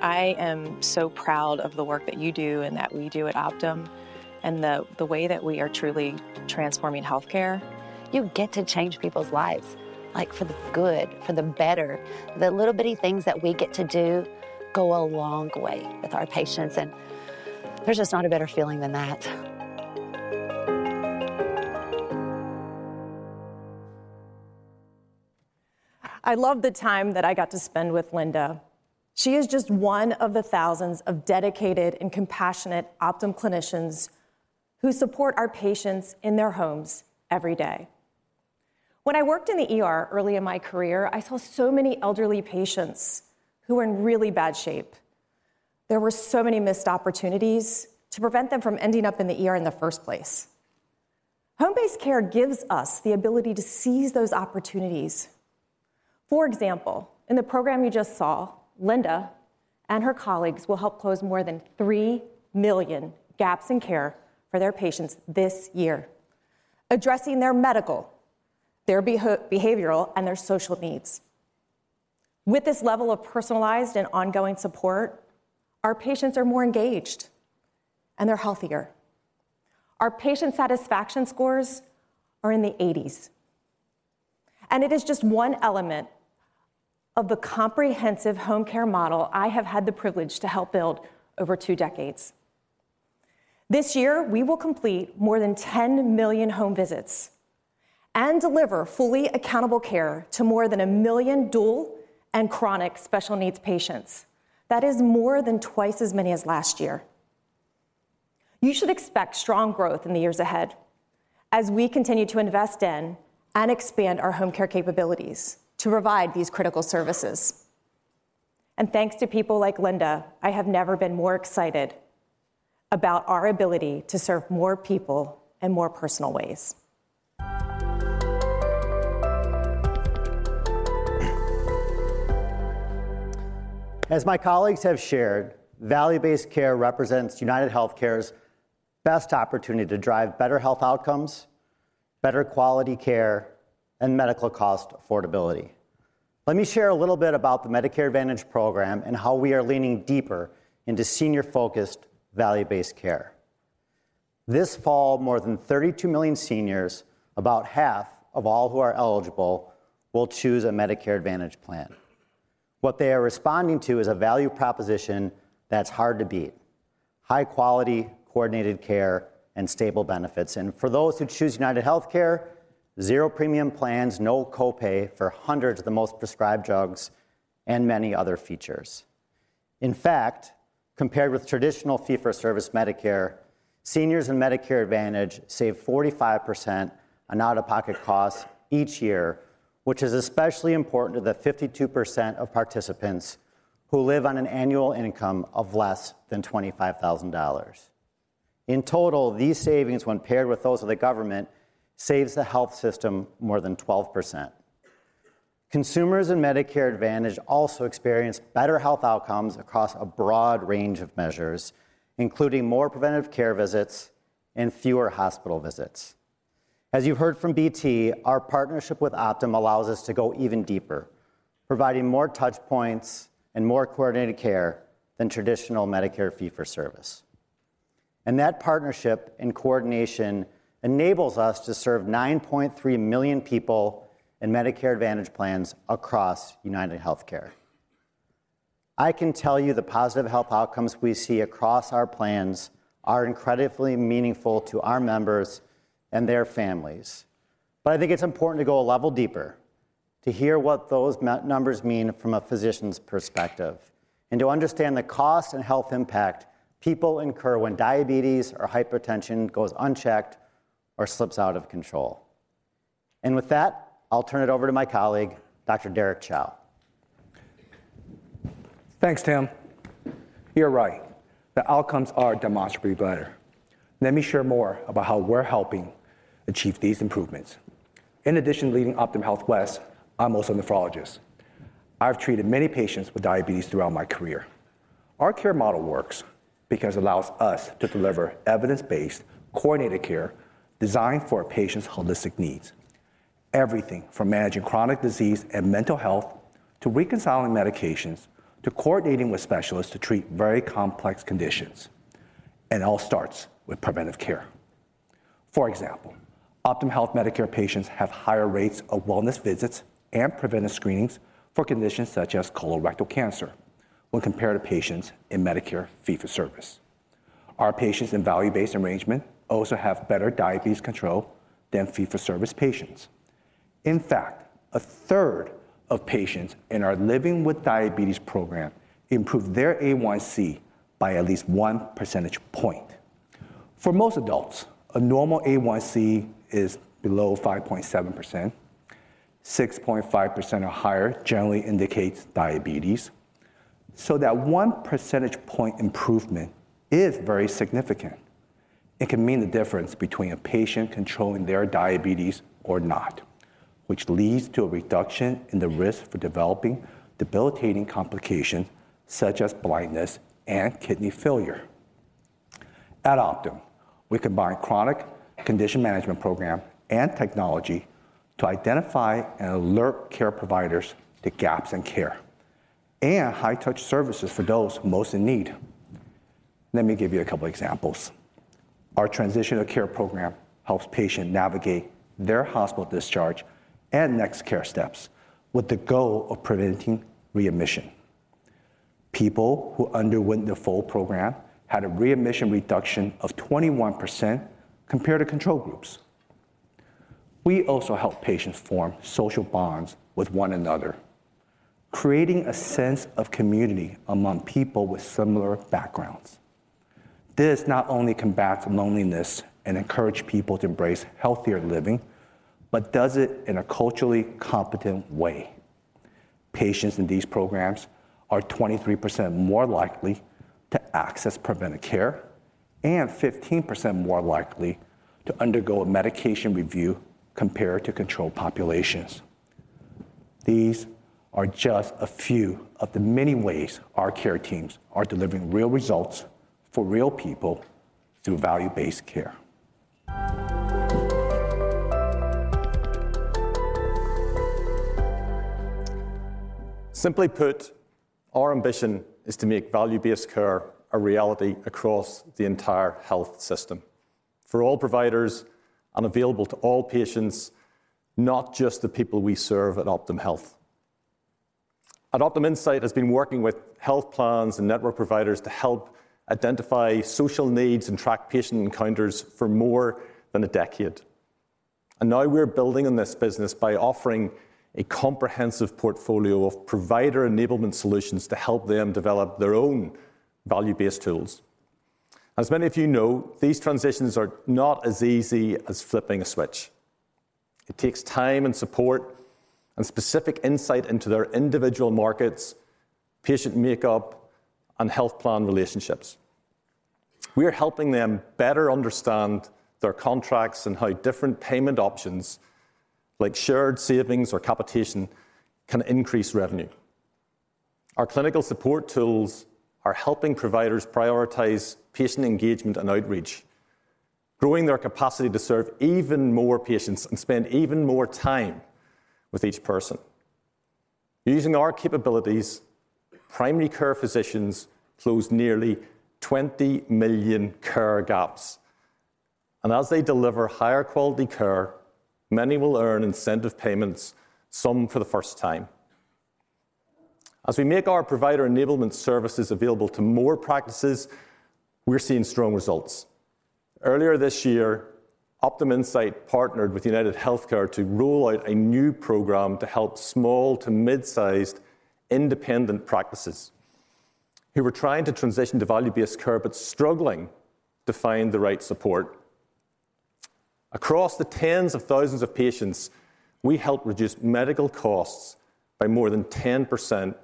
I am so proud of the work that you do and that we do at Optum, and the way that we are truly transforming healthcare. You get to change people's lives, like, for the good, for the better. The little bitty things that we get to do go a long way with our patients, and there's just not a better feeling than that. I loved the time that I got to spend with Linda. She is just one of the thousands of dedicated and compassionate Optum clinicians who support our patients in their homes every day. When I worked in the ER early in my career, I saw so many elderly patients who were in really bad shape. There were so many missed opportunities to prevent them from ending up in the ER in the first place. Home-based care gives us the ability to seize those opportunities. For example, in the program you just saw, Linda and her colleagues will help close more than 3 million gaps in care for their patients this year, addressing their medical, their behavioral, and their social needs. With this level of personalized and ongoing support, our patients are more engaged, and they're healthier. Our patient satisfaction scores are in the 80s, and it is just one element of the comprehensive home care model I have had the privilege to help build over two decades. This year, we will complete more than 10 million home visits and deliver fully accountable care to more than 1 million dual and chronic special needs patients. That is more than twice as many as last year. You should expect strong growth in the years ahead as we continue to invest in and expand our home care capabilities to provide these critical services. And thanks to people like Linda, I have never been more excited about our ability to serve more people in more personal ways. As my colleagues have shared, value-based care represents UnitedHealthcare's best opportunity to drive better health outcomes, better quality care, and medical cost affordability. Let me share a little bit about the Medicare Advantage program and how we are leaning deeper into senior-focused, value-based care. This fall, more than 32 million seniors, about half of all who are eligible, will choose a Medicare Advantage plan. What they are responding to is a value proposition that's hard to beat: high quality, coordinated care, and stable benefits, and for those who choose UnitedHealthcare, zero premium plans, no copay for hundreds of the most prescribed drugs, and many other features. In fact, compared with traditional fee-for-service Medicare, seniors in Medicare Advantage save 45% on out-of-pocket costs each year, which is especially important to the 52% of participants who live on an annual income of less than $25,000. In total, these savings, when paired with those of the government, saves the health system more than 12%. Consumers in Medicare Advantage also experience better health outcomes across a broad range of measures, including more preventive care visits and fewer hospital visits. As you heard from BT, our partnership with Optum allows us to go even deeper, providing more touchpoints and more coordinated care than traditional Medicare fee-for-service. And that partnership and coordination enables us to serve 9.3 million people in Medicare Advantage plans across UnitedHealthcare. I can tell you the positive health outcomes we see across our plans are incredibly meaningful to our members and their families. I think it's important to go a level deeper, to hear what those numbers mean from a physician's perspective and to understand the cost and health impact people incur when diabetes or hypertension goes unchecked or slips out of control. With that, I'll turn it over to my colleague, Dr. Derek Chao. Thanks, Tim. You're right. The outcomes are demonstrably better.... Let me share more about how we're helping achieve these improvements. In addition to leading Optum Health West, I'm also a nephrologist. I've treated many patients with diabetes throughout my career. Our care model works because it allows us to deliver evidence-based, coordinated care designed for a patient's holistic needs, everything from managing chronic disease and mental health, to reconciling medications, to coordinating with specialists to treat very complex conditions, and it all starts with preventive care. For example, Optum Health Medicare patients have higher rates of wellness visits and preventive screenings for conditions such as colorectal cancer when compared to patients in Medicare fee-for-service. Our patients in value-based arrangement also have better diabetes control than fee-for-service patients. In fact, a third of patients in our Living with Diabetes program improved their A1C by at least one percentage point. For most adults, a normal A1C is below 5.7%. 6.5% or higher generally indicates diabetes, so that one percentage point improvement is very significant. It can mean the difference between a patient controlling their diabetes or not, which leads to a reduction in the risk for developing debilitating complications such as blindness and kidney failure. At Optum, we combine chronic condition management program and technology to identify and alert care providers to gaps in care and high-touch services for those most in need. Let me give you a couple examples. Our transitional care program helps patients navigate their hospital discharge and next care steps with the goal of preventing readmission. People who underwent the full program had a readmission reduction of 21% compared to control groups. We also help patients form social bonds with one another, creating a sense of community among people with similar backgrounds. This not only combats loneliness and encourages people to embrace healthier living, but does it in a culturally competent way. Patients in these programs are 23% more likely to access preventive care and 15% more likely to undergo a medication review compared to control populations. These are just a few of the many ways our care teams are delivering real results for real people through value-based care. Simply put, our ambition is to make value-based care a reality across the entire health system for all providers and available to all patients, not just the people we serve at Optum Health. Optum Insight has been working with health plans and network providers to help identify social needs and track patient encounters for more than a decade. Now we're building on this business by offering a comprehensive portfolio of provider enablement solutions to help them develop their own value-based tools. As many of you know, these transitions are not as easy as flipping a switch. It takes time and support and specific insight into their individual markets, patient makeup, and health plan relationships. We are helping them better understand their contracts and how different payment options like shared savings or capitation can increase revenue. Our clinical support tools are helping providers prioritize patient engagement and outreach, growing their capacity to serve even more patients and spend even more time with each person. Using our capabilities, primary care physicians closed nearly 20 million care gaps, and as they deliver higher quality care, many will earn incentive payments, some for the first time. As we make our provider enablement services available to more practices, we're seeing strong results. Earlier this year, Optum Insight partnered with UnitedHealthcare to roll out a new program to help small to mid-sized independent practices who were trying to transition to value-based care but struggling to find the right support. Across the tens of thousands of patients, we helped reduce medical costs by more than 10%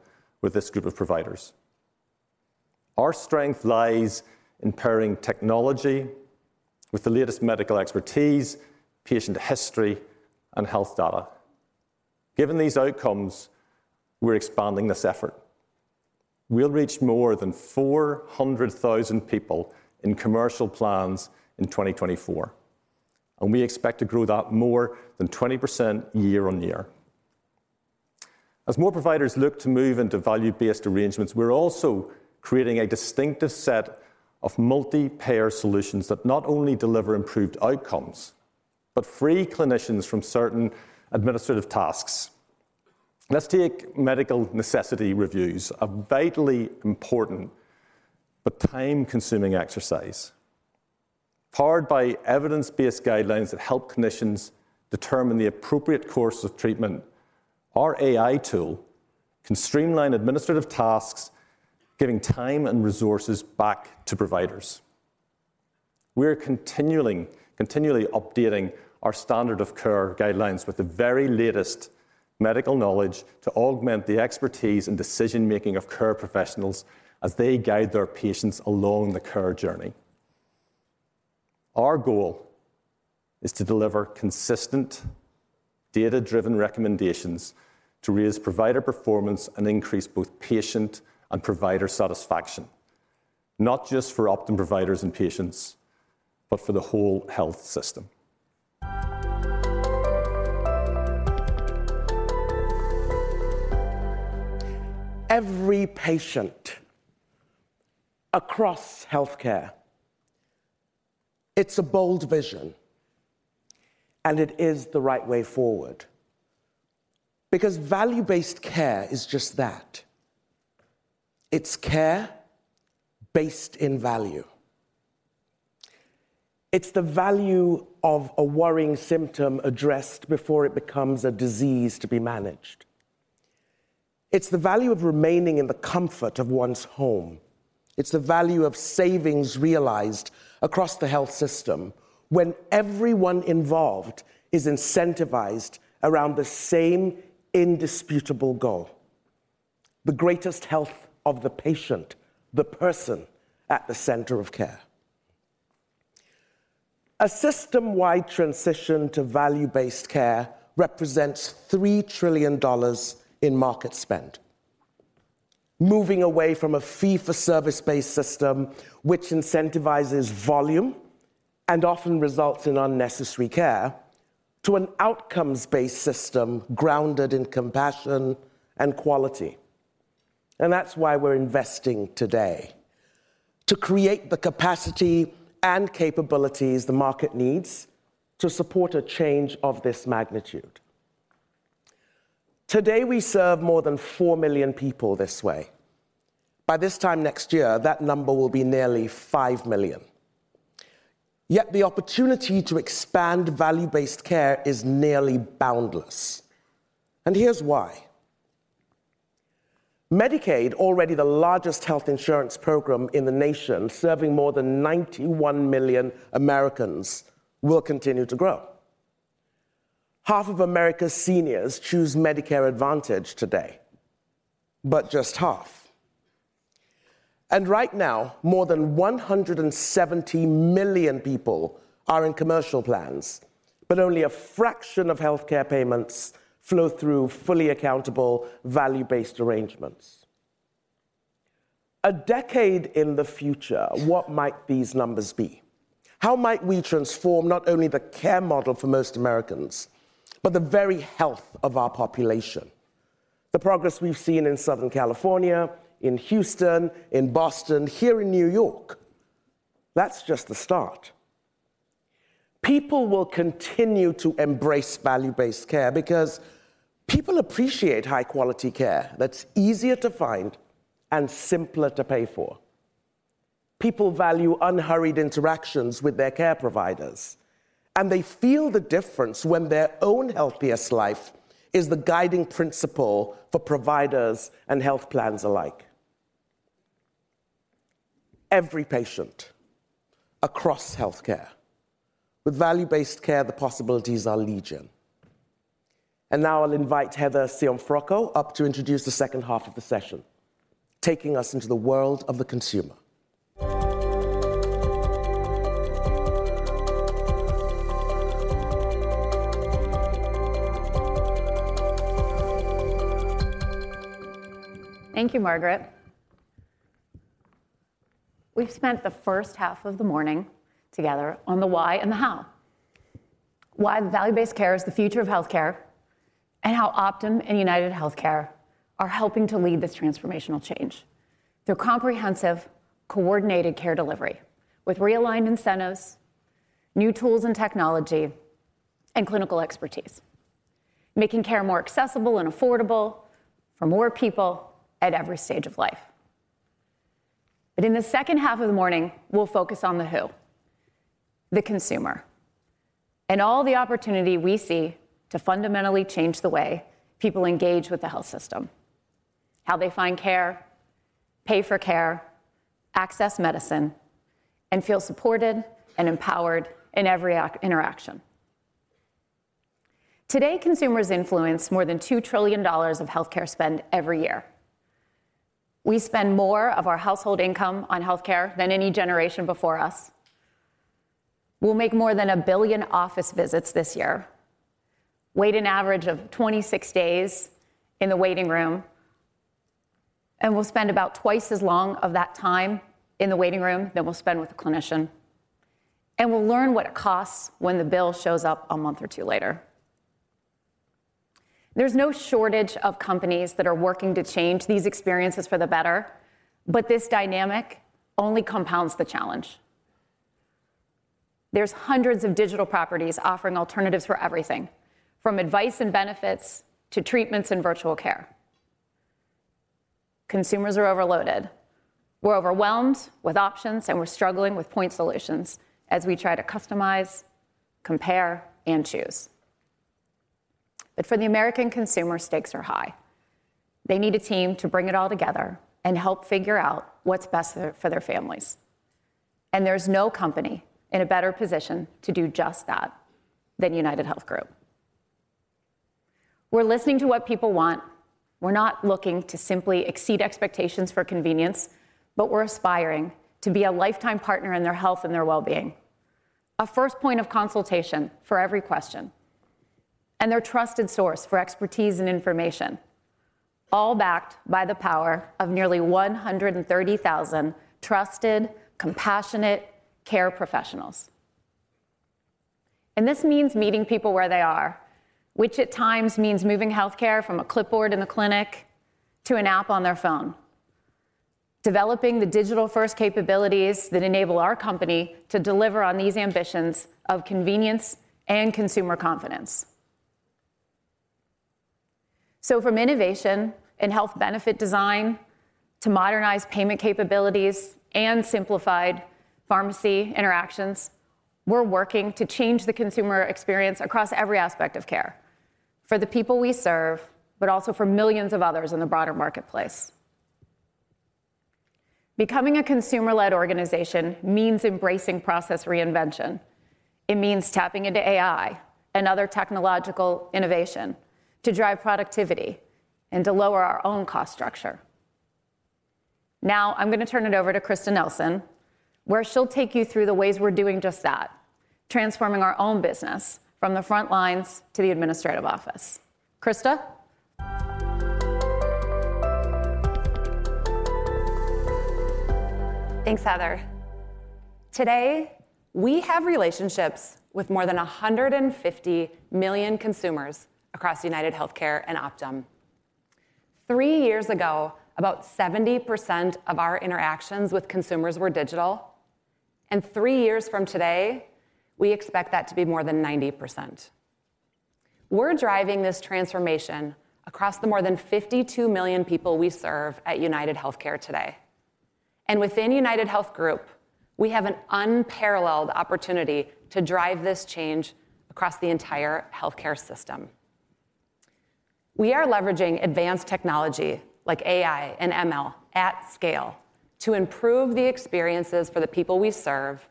with this group of providers. Our strength lies in pairing technology with the latest medical expertise, patient history, and health data. Given these outcomes, we're expanding this effort. We'll reach more than 400,000 people in commercial plans in 2024, and we expect to grow that more than 20% year-on-year. As more providers look to move into value-based arrangements, we're also creating a distinctive set of multi-payer solutions that not only deliver improved outcomes, but free clinicians from certain administrative tasks. Let's take medical necessity reviews, a vitally important but time-consuming exercise. Powered by evidence-based guidelines that help clinicians determine the appropriate course of treatment, our AI tool can streamline administrative tasks, giving time and resources back to providers. We are continually updating our standard of care guidelines with the very latest medical knowledge to augment the expertise and decision-making of care professionals as they guide their patients along the care journey. Our goal is to deliver consistent, data-driven recommendations to raise provider performance and increase both patient and provider satisfaction, not just for Optum providers and patients, but for the whole health system. Every patient across healthcare, it's a bold vision, and it is the right way forward. Because value-based care is just that: it's care based in value. It's the value of a worrying symptom addressed before it becomes a disease to be managed. It's the value of remaining in the comfort of one's home. It's the value of savings realized across the health system when everyone involved is incentivized around the same indisputable goal, the greatest health of the patient, the person at the center of care. A system-wide transition to value-based care represents $3 trillion in market spend. Moving away from a fee-for-service-based system, which incentivizes volume and often results in unnecessary care, to an outcomes-based system grounded in compassion and quality. And that's why we're investing today, to create the capacity and capabilities the market needs to support a change of this magnitude. Today, we serve more than 4 million people this way. By this time next year, that number will be nearly 5 million. Yet the opportunity to expand value-based care is nearly boundless, and here's why. Medicaid, already the largest health insurance program in the nation, serving more than 91 million Americans, will continue to grow. Half of America's seniors choose Medicare Advantage today, but just half. And right now, more than 170 million people are in commercial plans, but only a fraction of healthcare payments flow through fully accountable, value-based arrangements. A decade in the future, what might these numbers be? How might we transform not only the care model for most Americans, but the very health of our population? The progress we've seen in Southern California, in Houston, in Boston, here in New York, that's just the start. People will continue to embrace value-based care because people appreciate high-quality care that's easier to find and simpler to pay for. People value unhurried interactions with their care providers, and they feel the difference when their own healthiest life is the guiding principle for providers and health plans alike. Every patient across healthcare, with value-based care, the possibilities are legion. Now I'll invite Heather Cianfrocco up to introduce the second half of the session, taking us into the world of the consumer. Thank you, Margaret. We've spent the first half of the morning together on the why and the how. Why value-based care is the future of healthcare, and how Optum and UnitedHealthcare are helping to lead this transformational change through comprehensive, coordinated care delivery, with realigned incentives, new tools and technology, and clinical expertise, making care more accessible and affordable for more people at every stage of life. In the second half of the morning, we'll focus on the who, the consumer, and all the opportunity we see to fundamentally change the way people engage with the health system, how they find care, pay for care, access medicine, and feel supported and empowered in every interaction. Today, consumers influence more than $2 trillion of healthcare spend every year. We spend more of our household income on healthcare than any generation before us. We'll make more than 1 billion office visits this year, wait an average of 26 days in the waiting room, and we'll spend about twice as long of that time in the waiting room than we'll spend with a clinician, and we'll learn what it costs when the bill shows up a month or 2 later. There's no shortage of companies that are working to change these experiences for the better, but this dynamic only compounds the challenge. There's hundreds of digital properties offering alternatives for everything, from advice and benefits to treatments and virtual care. Consumers are overloaded. We're overwhelmed with options, and we're struggling with point solutions as we try to customize, compare, and choose. But for the American consumer, stakes are high. They need a team to bring it all together and help figure out what's best for, for their families.... There's no company in a better position to do just that than UnitedHealth Group. We're listening to what people want. We're not looking to simply exceed expectations for convenience but we're aspiring to be a lifetime partner in their health and their well-being, a first point of consultation for every question and their trusted source for expertise and information, all backed by the power of nearly 130,000 trusted, compassionate care professionals. This means meeting people where they are, which at times means moving healthcare from a clipboard in the clinic to an app on their phone, developing the digital-first capabilities that enable our company to deliver on these ambitions of convenience and consumer confidence. So from innovation and health benefit design to modernized payment capabilities and simplified pharmacy interactions, we're working to change the consumer experience across every aspect of care for the people we serve, but also for millions of others in the broader marketplace. Becoming a consumer-led organization means embracing process reinvention. It means tapping into AI and other technological innovation to drive productivity and to lower our own cost structure. Now, I'm gonna turn it over to Krista Nelson, where she'll take you through the ways we're doing just that, transforming our own business from the front lines to the administrative office. Krista? Thanks, Heather. Today, we have relationships with more than 150 million consumers across UnitedHealthcare and Optum. Three years ago, about 70% of our interactions with consumers were digital, and three years from today, we expect that to be more than 90%. We're driving this transformation across the more than 52 million people we serve at UnitedHealthcare today. And within UnitedHealth Group, we have an unparalleled opportunity to drive this change across the entire healthcare system. We are leveraging advanced technology, like AI and ML, at scale to improve the experiences for the people we serve,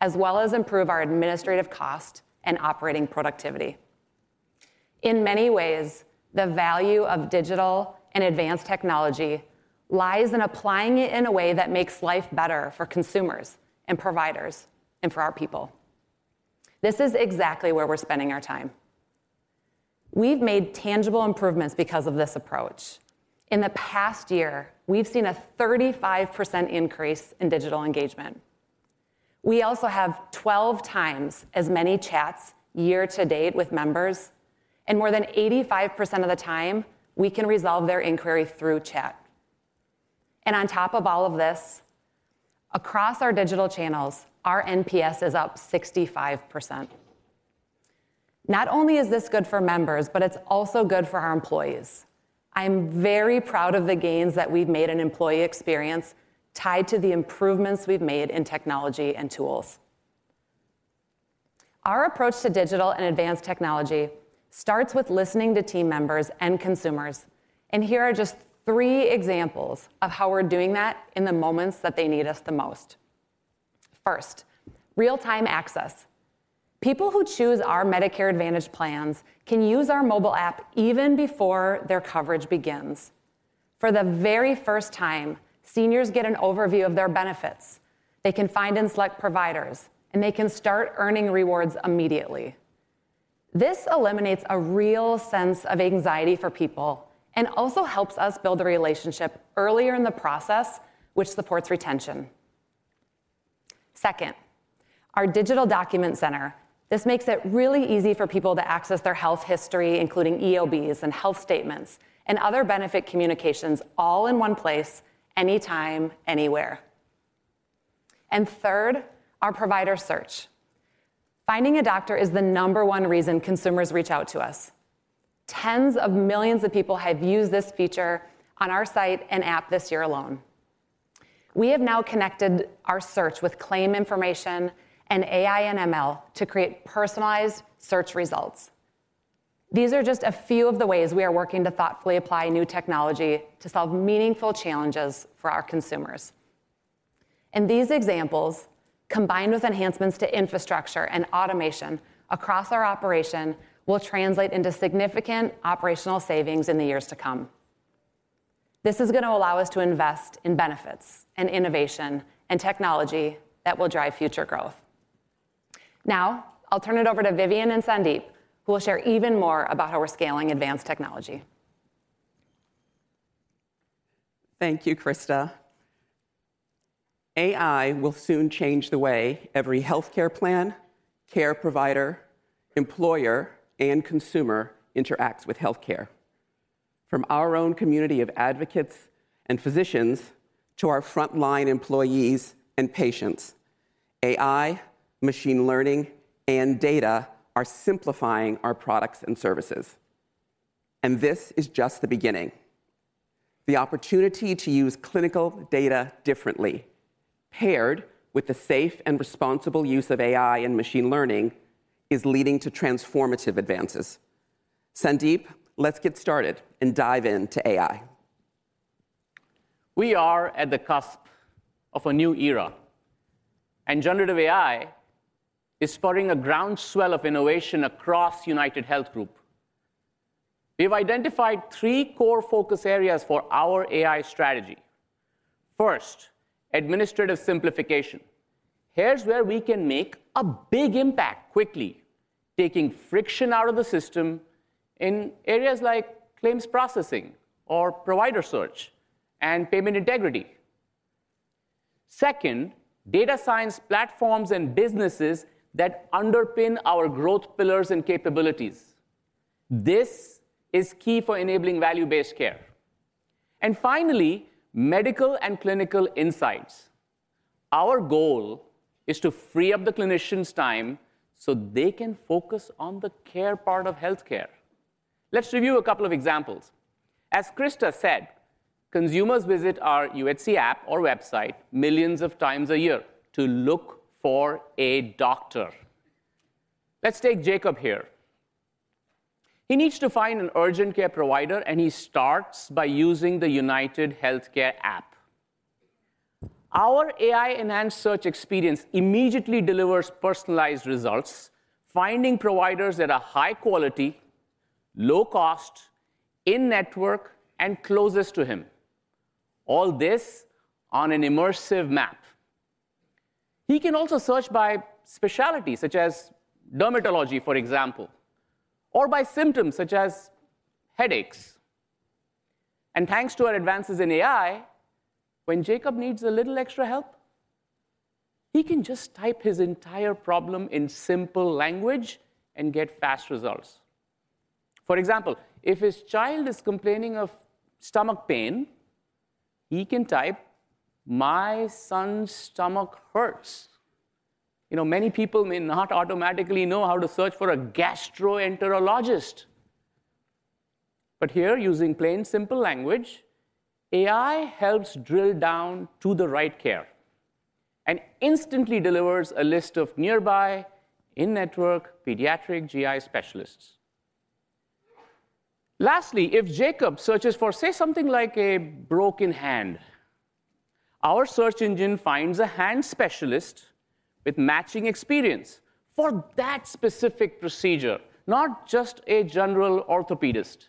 as well as improve our administrative cost and operating productivity. In many ways, the value of digital and advanced technology lies in applying it in a way that makes life better for consumers and providers and for our people. This is exactly where we're spending our time. We've made tangible improvements because of this approach. In the past year, we've seen a 35% increase in digital engagement. We also have 12 times as many chats year to date with members, and more than 85% of the time, we can resolve their inquiry through chat. On top of all of this, across our digital channels, our NPS is up 65%. Not only is this good for members, but it's also good for our employees. I'm very proud of the gains that we've made in employee experience tied to the improvements we've made in technology and tools. Our approach to digital and advanced technology starts with listening to team members and consumers, and here are just three examples of how we're doing that in the moments that they need us the most. First, real-time access. People who choose our Medicare Advantage plans can use our mobile app even before their coverage begins. For the very first time, seniors get an overview of their benefits. They can find and select providers, and they can start earning rewards immediately. This eliminates a real sense of anxiety for people and also helps us build the relationship earlier in the process, which supports retention. Second, our digital document center. This makes it really easy for people to access their health history, including EOBs and health statements, and other benefit communications all in one place, anytime, anywhere. And third, our provider search. Finding a doctor is the number one reason consumers reach out to us. Tens of millions of people have used this feature on our site and app this year alone. We have now connected our search with claim information and AI and ML to create personalized search results. These are just a few of the ways we are working to thoughtfully apply new technology to solve meaningful challenges for our consumers. These examples, combined with enhancements to infrastructure and automation across our operation, will translate into significant operational savings in the years to come. This is gonna allow us to invest in benefits and innovation and technology that will drive future growth. Now, I'll turn it over to Vivian and Sandeep, who will share even more about how we're scaling advanced technology. Thank you, Krista. AI will soon change the way every healthcare plan, care provider, employer, and consumer interacts with healthcare. From our own community of advocates and physicians to our frontline employees and patients, AI, machine learning, and data are simplifying our products and services, and this is just the beginning. The opportunity to use clinical data differently, paired with the safe and responsible use of AI and machine learning, is leading to transformative advances. Sandeep, let's get started and dive into AI. We are at the cusp of a new era, and generative AI is spurring a groundswell of innovation across UnitedHealth Group. We've identified three core focus areas for our AI strategy. First, administrative simplification. Here's where we can make a big impact quickly, taking friction out of the system in areas like claims processing or provider search and payment integrity. Second, data science platforms and businesses that underpin our growth pillars and capabilities. This is key for enabling value-based care. And finally, medical and clinical insights. Our goal is to free up the clinicians' time so they can focus on the care part of healthcare. Let's review a couple of examples. As Krista said, consumers visit our UHC app or website millions of times a year to look for a doctor. Let's take Jacob here. He needs to find an urgent care provider, and he starts by using the UnitedHealthcare app. Our AI-enhanced search experience immediately delivers personalized results, finding providers that are high quality, low cost, in-network, and closest to him. All this on an immersive map. He can also search by specialty, such as dermatology, for example, or by symptoms, such as headaches. Thanks to our advances in AI, when Jacob needs a little extra help, he can just type his entire problem in simple language and get fast results. For example, if his child is complaining of stomach pain, he can type, "My son's stomach hurts." You know, many people may not automatically know how to search for a gastroenterologist. But here, using plain, simple language, AI helps drill down to the right care and instantly delivers a list of nearby, in-network pediatric GI specialists. Lastly, if Jacob searches for, say, something like a broken hand, our search engine finds a hand specialist with matching experience for that specific procedure, not just a general orthopedist.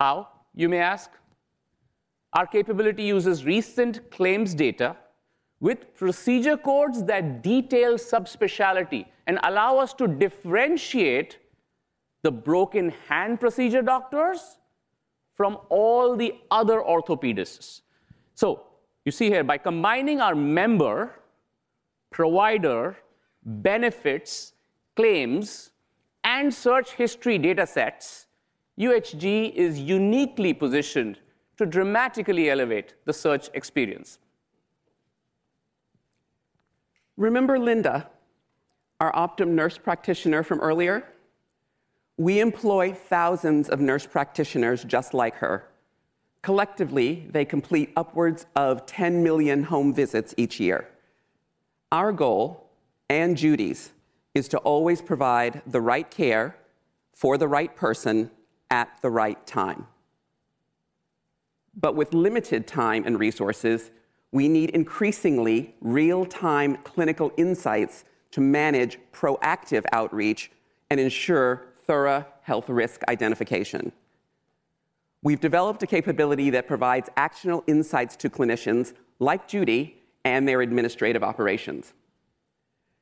How, you may ask? Our capability uses recent claims data with procedure codes that detail subspecialty and allow us to differentiate the broken hand procedure doctors from all the other orthopedists. So you see here, by combining our member, provider, benefits, claims, and search history datasets, UHG is uniquely positioned to dramatically elevate the search experience. Remember Linda, our Optum nurse practitioner from earlier? We employ thousands of nurse practitioners just like her. Collectively, they complete upwards of 10 million home visits each year. Our goal, and Judy's, is to always provide the right care for the right person at the right time. But with limited time and resources, we need increasingly real-time clinical insights to manage proactive outreach and ensure thorough health risk identification. We've developed a capability that provides actionable insights to clinicians like Judy and their administrative operations.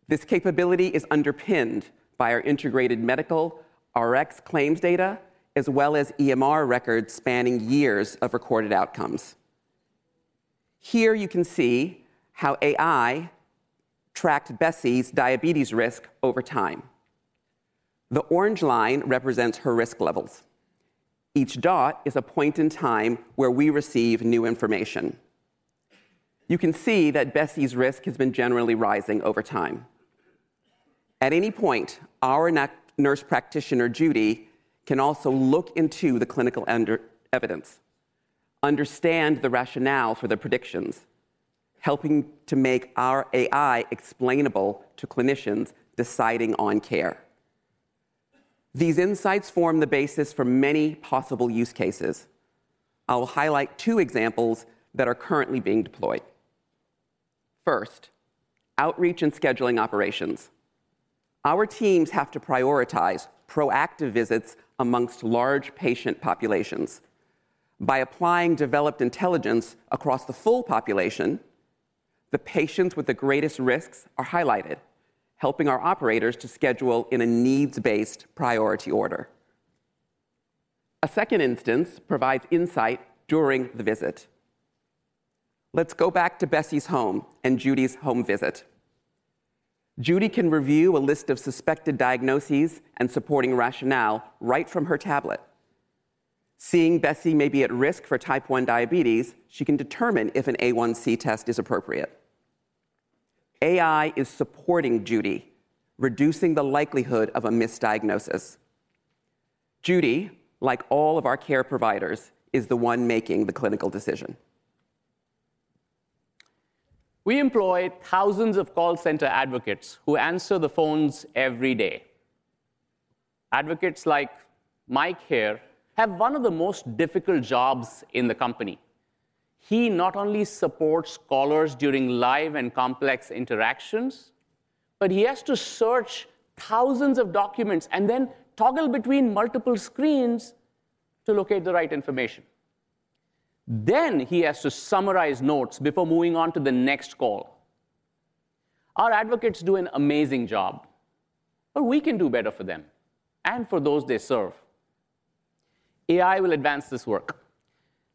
This capability is underpinned by our integrated medical Rx claims data, as well as EMR records spanning years of recorded outcomes. Here you can see how AI tracked Bessie's diabetes risk over time. The orange line represents her risk levels. Each dot is a point in time where we receive new information. You can see that Bessie's risk has been generally rising over time. At any point, our nurse practitioner, Judy, can also look into the clinical underlying evidence, understand the rationale for the predictions, helping to make our AI explainable to clinicians deciding on care. These insights form the basis for many possible use cases. I will highlight two examples that are currently being deployed. First, outreach and scheduling operations. Our teams have to prioritize proactive visits amongst large patient populations. By applying developed intelligence across the full population, the patients with the greatest risks are highlighted, helping our operators to schedule in a needs-based priority order. A second instance provides insight during the visit. Let's go back to Bessie's home and Judy's home visit. Judy can review a list of suspected diagnoses and supporting rationale right from her tablet. Seeing Bessie may be at risk for Type 1 diabetes, she can determine if an A1C test is appropriate. AI is supporting Judy, reducing the likelihood of a misdiagnosis. Judy, like all of our care providers, is the one making the clinical decision. We employ thousands of call center advocates who answer the phones every day. Advocates like Mike here have one of the most difficult jobs in the company. He not only supports callers during live and complex interactions, but he has to search thousands of documents and then toggle between multiple screens to locate the right information. Then he has to summarize notes before moving on to the next call. Our advocates do an amazing job, but we can do better for them and for those they serve. AI will advance this work.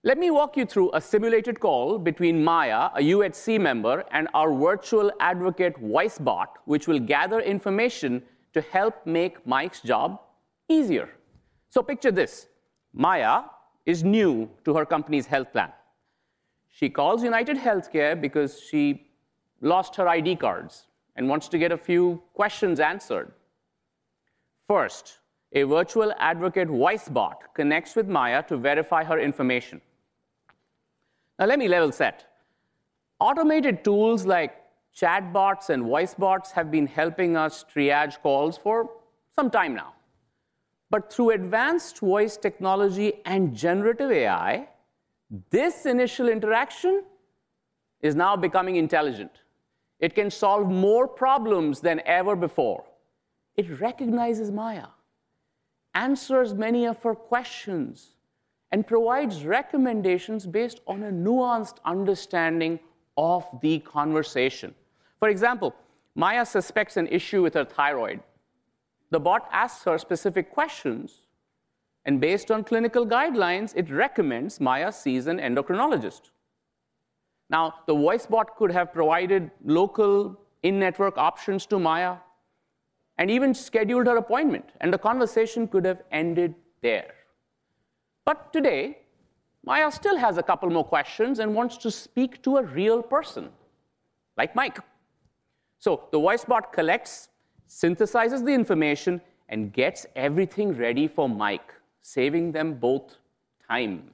Let me walk you through a simulated call between Maya, a UHC member, and our virtual advocate, Wise Bot, which will gather information to help make Mike's job easier. So picture this: Maya is new to her company's health plan. She calls UnitedHealthcare because she lost her ID cards and wants to get a few questions answered. First, a virtual advocate, Wise Bot, connects with Maya to verify her information. Now, let me level set. Automated tools like chatbots and Wise Bots have been helping us triage calls for some time now. But through advanced voice technology and generative AI, this initial interaction is now becoming intelligent. It can solve more problems than ever before. It recognizes Maya, answers many of her questions, and provides recommendations based on a nuanced understanding of the conversation. For example, Maya suspects an issue with her thyroid. The bot asks her specific questions, and based on clinical guidelines, it recommends Maya sees an endocrinologist. Now, the Wise Bot could have provided local in-network options to Maya and even scheduled her appointment, and the conversation could have ended there. But today, Maya still has a couple more questions and wants to speak to a real person, like Mike. So the Wise Bot collects, synthesizes the information, and gets everything ready for Mike, saving them both time.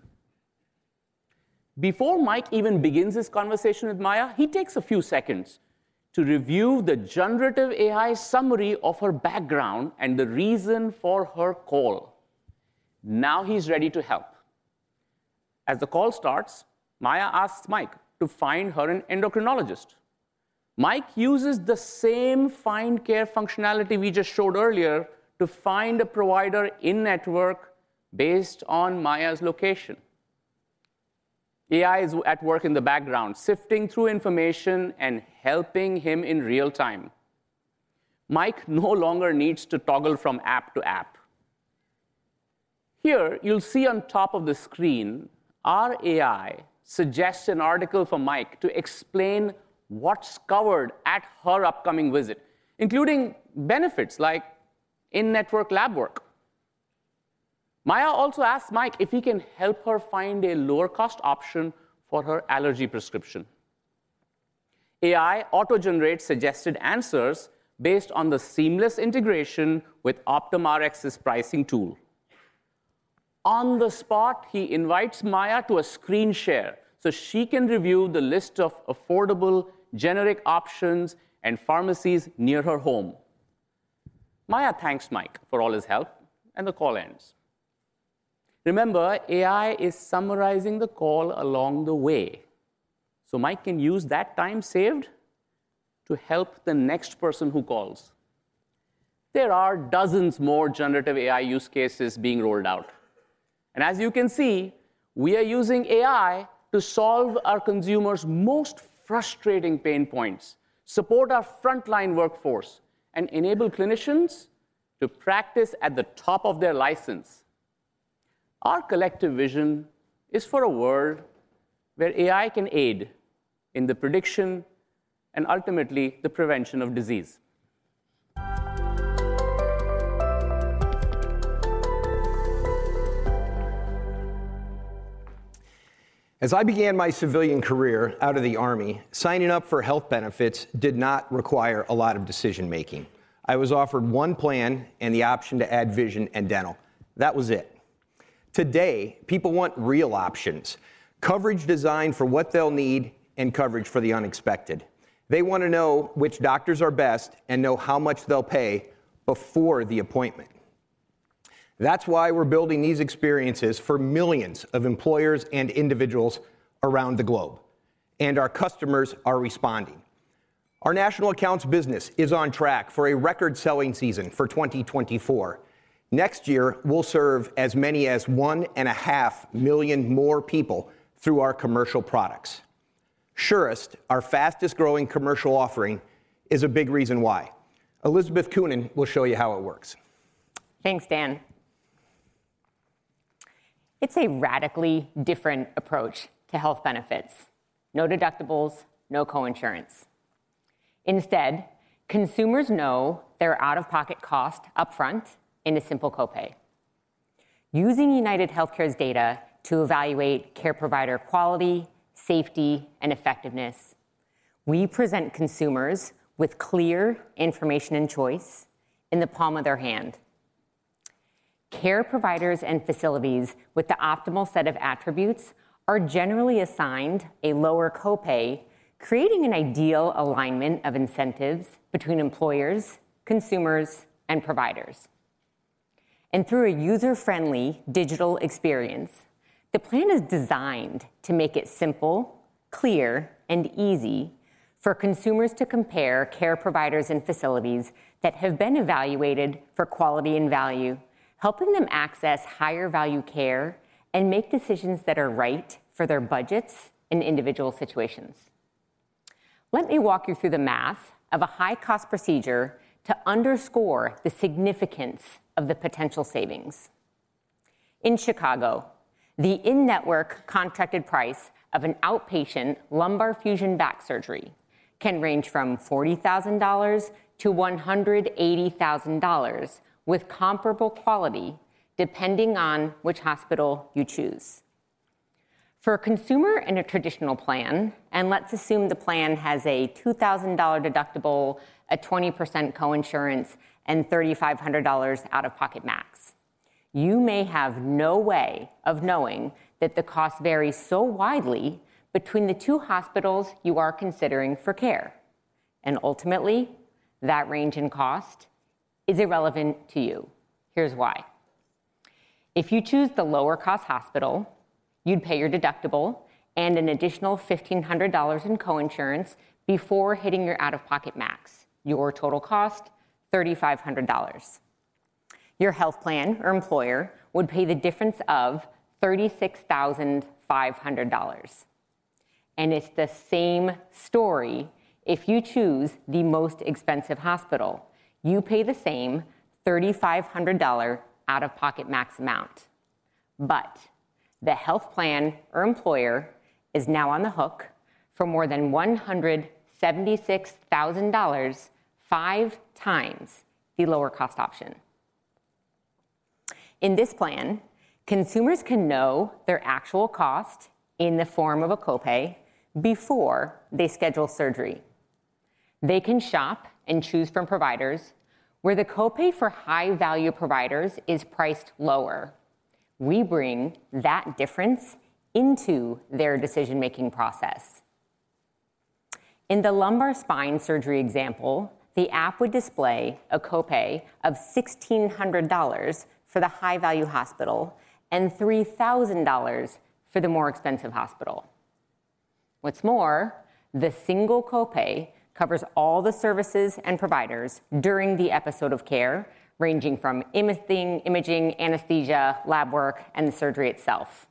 Before Mike even begins his conversation with Maya, he takes a few seconds to review the generative AI summary of her background and the reason for her call. Now, he's ready to help. As the call starts, Maya asks Mike to find her an endocrinologist. Mike uses the same find care functionality we just showed earlier to find a provider in-network based on Maya's location. AI is at work in the background, sifting through information and helping him in real time. Mike no longer needs to toggle from app to app. Here, you'll see on top of the screen, our AI suggests an article for Mike to explain what's covered at her upcoming visit, including benefits like in-network lab work. Maya also asks Mike if he can help her find a lower-cost option for her allergy prescription. AI auto-generates suggested answers based on the seamless integration with Optum Rx's pricing tool. On the spot, he invites Maya to a screen share so she can review the list of affordable generic options and pharmacies near her home. Maya thanks Mike for all his help, and the call ends. Remember, AI is summarizing the call along the way, so Mike can use that time saved to help the next person who calls. There are dozens more generative AI use cases being rolled out, and as you can see, we are using AI to solve our consumers' most frustrating pain points, support our frontline workforce, and enable clinicians to practice at the top of their license. Our collective vision is for a world where AI can aid in the prediction and ultimately the prevention of disease. As I began my civilian career out of the Army, signing up for health benefits did not require a lot of decision-making. I was offered one plan and the option to add vision and dental. That was it. Today, people want real options, coverage designed for what they'll need, and coverage for the unexpected. They want to know which doctors are best and know how much they'll pay before the appointment. That's why we're building these experiences for millions of employers and individuals around the globe, and our customers are responding. Our national accounts business is on track for a record-selling season for 2024. Next year, we'll serve as many as 1.5 million more people through our commercial products. Surest, our fastest-growing commercial offering, is a big reason why. Elizabeth Coonan will show you how it works. Thanks, Dan. It's a radically different approach to health benefits: no deductibles, no coinsurance. Instead, consumers know their out-of-pocket cost upfront in a simple copay. Using UnitedHealthcare's data to evaluate care provider quality, safety, and effectiveness, we present consumers with clear information and choice in the palm of their hand... Care providers and facilities with the optimal set of attributes are generally assigned a lower copay, creating an ideal alignment of incentives between employers, consumers, and providers. And through a user-friendly digital experience, the plan is designed to make it simple, clear, and easy for consumers to compare care providers and facilities that have been evaluated for quality and value, helping them access higher value care and make decisions that are right for their budgets and individual situations. Let me walk you through the math of a high-cost procedure to underscore the significance of the potential savings. In Chicago, the in-network contracted price of an outpatient lumbar fusion back surgery can range from $40,000 to $180,000, with comparable quality, depending on which hospital you choose. For a consumer in a traditional plan, and let's assume the plan has a $2,000 deductible, a 20% coinsurance, and $3,500 out-of-pocket max, you may have no way of knowing that the cost varies so widely between the two hospitals you are considering for care, and ultimately, that range in cost is irrelevant to you. Here's why. If you choose the lower-cost hospital, you'd pay your deductible and an additional $1,500 in coinsurance before hitting your out-of-pocket max. Your total cost, $3,500. Your health plan or employer would pay the difference of $36,500, and it's the same story if you choose the most expensive hospital. You pay the same $3,500 out-of-pocket max amount, but the health plan or employer is now on the hook for more than $176,000, 5 times the lower cost option. In this plan, consumers can know their actual cost in the form of a copay before they schedule surgery. They can shop and choose from providers where the copay for high-value providers is priced lower. We bring that difference into their decision-making process. In the lumbar spine surgery example, the app would display a copay of $1,600 for the high-value hospital and $3,000 for the more expensive hospital. What's more, the single copay covers all the services and providers during the episode of care, ranging from imaging, anesthesia, lab work, and the surgery itself.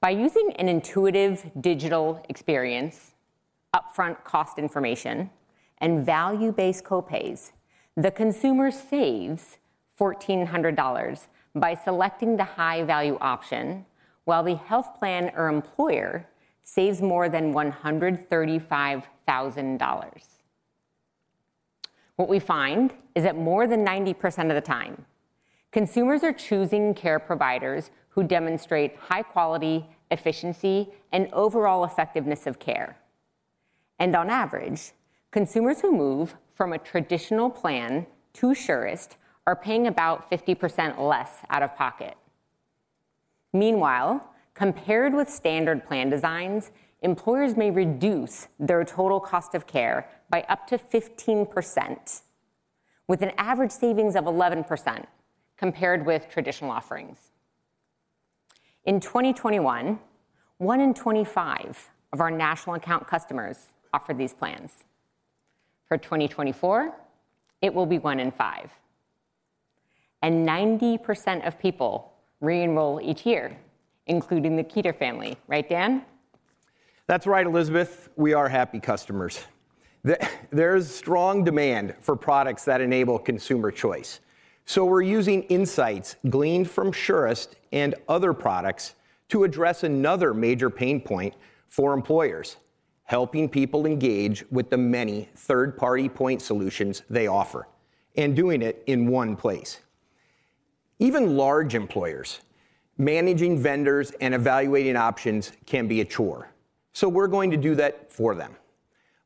By using an intuitive digital experience, upfront cost information, and value-based copays, the consumer saves $1,400 by selecting the high-value option, while the health plan or employer saves more than $135,000. What we find is that more than 90% of the time, consumers are choosing care providers who demonstrate high quality, efficiency, and overall effectiveness of care. And on average, consumers who move from a traditional plan to Surest are paying about 50% less out of pocket. Meanwhile, compared with standard plan designs, employers may reduce their total cost of care by up to 15%, with an average savings of 11% compared with traditional offerings. In 2021, 1 in 25 of our national account customers offered these plans. For 2024, it will be 1 in 5, and 90% of people re-enroll each year, including the Kueter family. Right, Dan? That's right, Elizabeth. We are happy customers. There's strong demand for products that enable consumer choice, so we're using insights gleaned from Surest and other products to address another major pain point for employers: helping people engage with the many third-party point solutions they offer, and doing it in one place. Even large employers, managing vendors and evaluating options, can be a chore, so we're going to do that for them.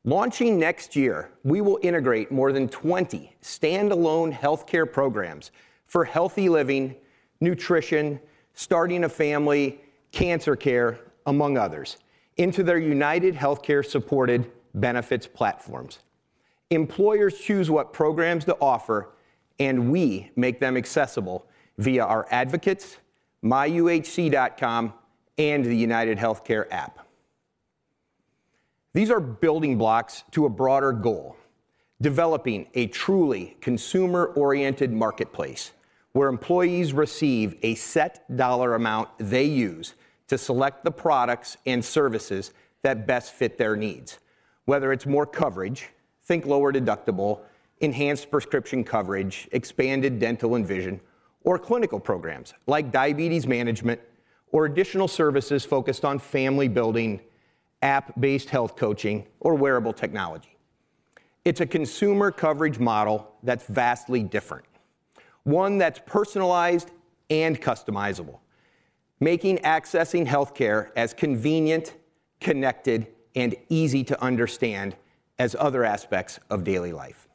Launching next year, we will integrate more than 20 standalone healthcare programs for healthy living, nutrition, starting a family, cancer care, among others, into their UnitedHealthcare supported benefits platforms. Employers choose what programs to offer, and we make them accessible via our advocates, myuhc.com, and the UnitedHealthcare app. These are building blocks to a broader goal, developing a truly consumer-oriented marketplace where employees receive a set dollar amount they use to select the products and services that best fit their needs, whether it's more coverage, think lower deductible, enhanced prescription coverage, expanded dental and vision, or clinical programs like diabetes management or additional services focused on family building, app-based health coaching, or wearable technology. It's a consumer coverage model that's vastly different, one that's personalized and customizable. making accessing healthcare as convenient, connected, and easy to understand as other aspects of daily life.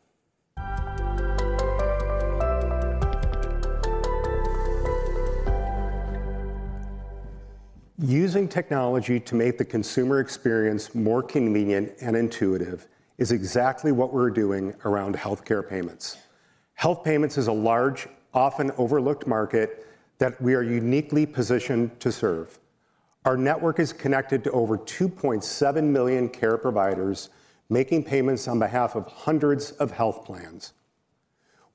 Using technology to make the consumer experience more convenient and intuitive is exactly what we're doing around healthcare payments. Health payments is a large, often overlooked market that we are uniquely positioned to serve. Our network is connected to over 2.7 million care providers, making payments on behalf of hundreds of health plans.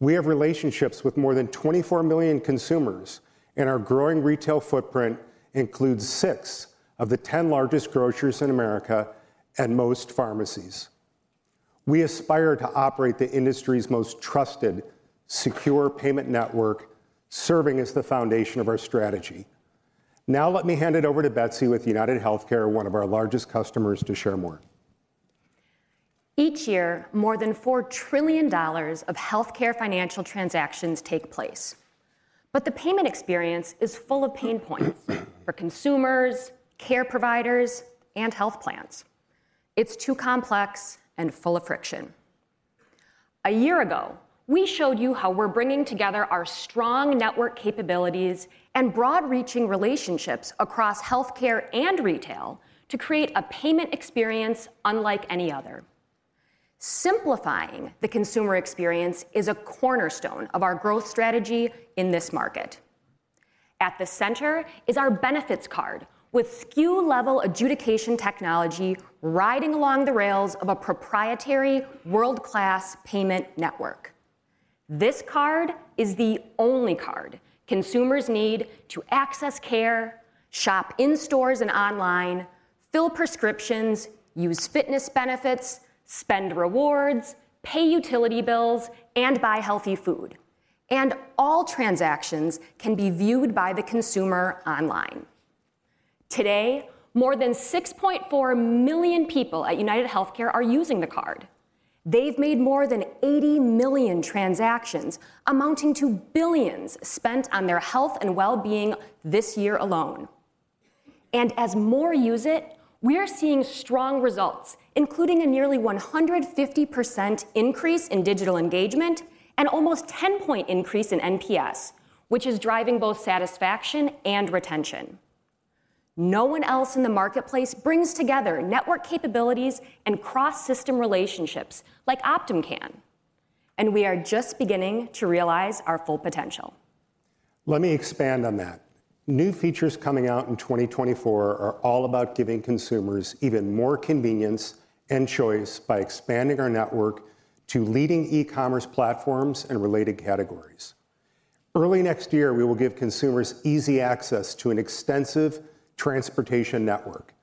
We have relationships with more than 24 million consumers, and our growing retail footprint includes 6 of the 10 largest grocers in America and most pharmacies. We aspire to operate the industry's most trusted, secure payment network, serving as the foundation of our strategy. Now let me hand it over to Betsy with UnitedHealthcare, one of our largest customers, to share more. Each year, more than $4 trillion of healthcare financial transactions take place. But the payment experience is full of pain points for consumers, care providers, and health plans. It's too complex and full of friction. A year ago, we showed you how we're bringing together our strong network capabilities and broad-reaching relationships across healthcare and retail to create a payment experience unlike any other. Simplifying the consumer experience is a cornerstone of our growth strategy in this market. At the center is our benefits card, with SKU-level adjudication technology riding along the rails of a proprietary world-class payment network. This card is the only card consumers need to access care, shop in stores and online, fill prescriptions, use fitness benefits, spend rewards, pay utility bills, and buy healthy food. All transactions can be viewed by the consumer online. Today, more than 6.4 million people at UnitedHealthcare are using the card. They've made more than 80 million transactions, amounting to $ billions spent on their health and well-being this year alone. And as more use it, we are seeing strong results, including a nearly 150% increase in digital engagement and almost 10-point increase in NPS, which is driving both satisfaction and retention. No one else in the marketplace brings together network capabilities and cross-system relationships like Optum can, and we are just beginning to realize our full potential. Let me expand on that. New features coming out in 2024 are all about giving consumers even more convenience and choice by expanding our network to leading e-commerce platforms and related categories. Early next year, we will give consumers easy access to an extensive transportation network.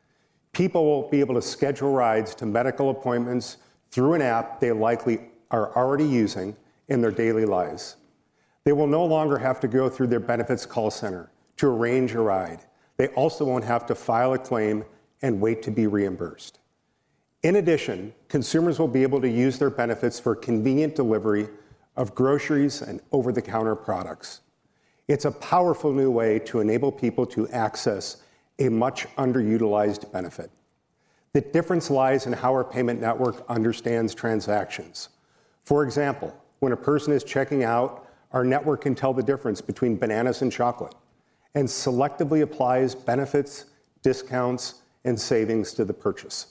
People will be able to schedule rides to medical appointments through an app they likely are already using in their daily lives. They will no longer have to go through their benefits call center to arrange a ride. They also won't have to file a claim and wait to be reimbursed. In addition, consumers will be able to use their benefits for convenient delivery of groceries and over-the-counter products. It's a powerful new way to enable people to access a much underutilized benefit. The difference lies in how our payment network understands transactions. For example, when a person is checking out, our network can tell the difference between bananas and chocolate, and selectively applies benefits, discounts, and savings to the purchase.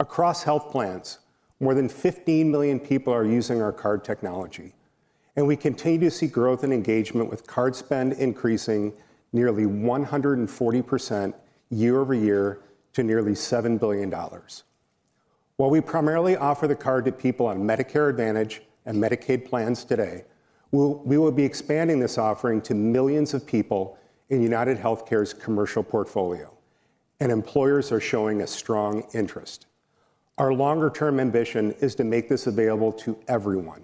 Across health plans, more than 15 million people are using our card technology, and we continue to see growth and engagement, with card spend increasing nearly 140% year-over-year to nearly $7 billion. While we primarily offer the card to people on Medicare Advantage and Medicaid plans today, we will be expanding this offering to millions of people in UnitedHealthcare's commercial portfolio, and employers are showing a strong interest. Our longer-term ambition is to make this available to everyone,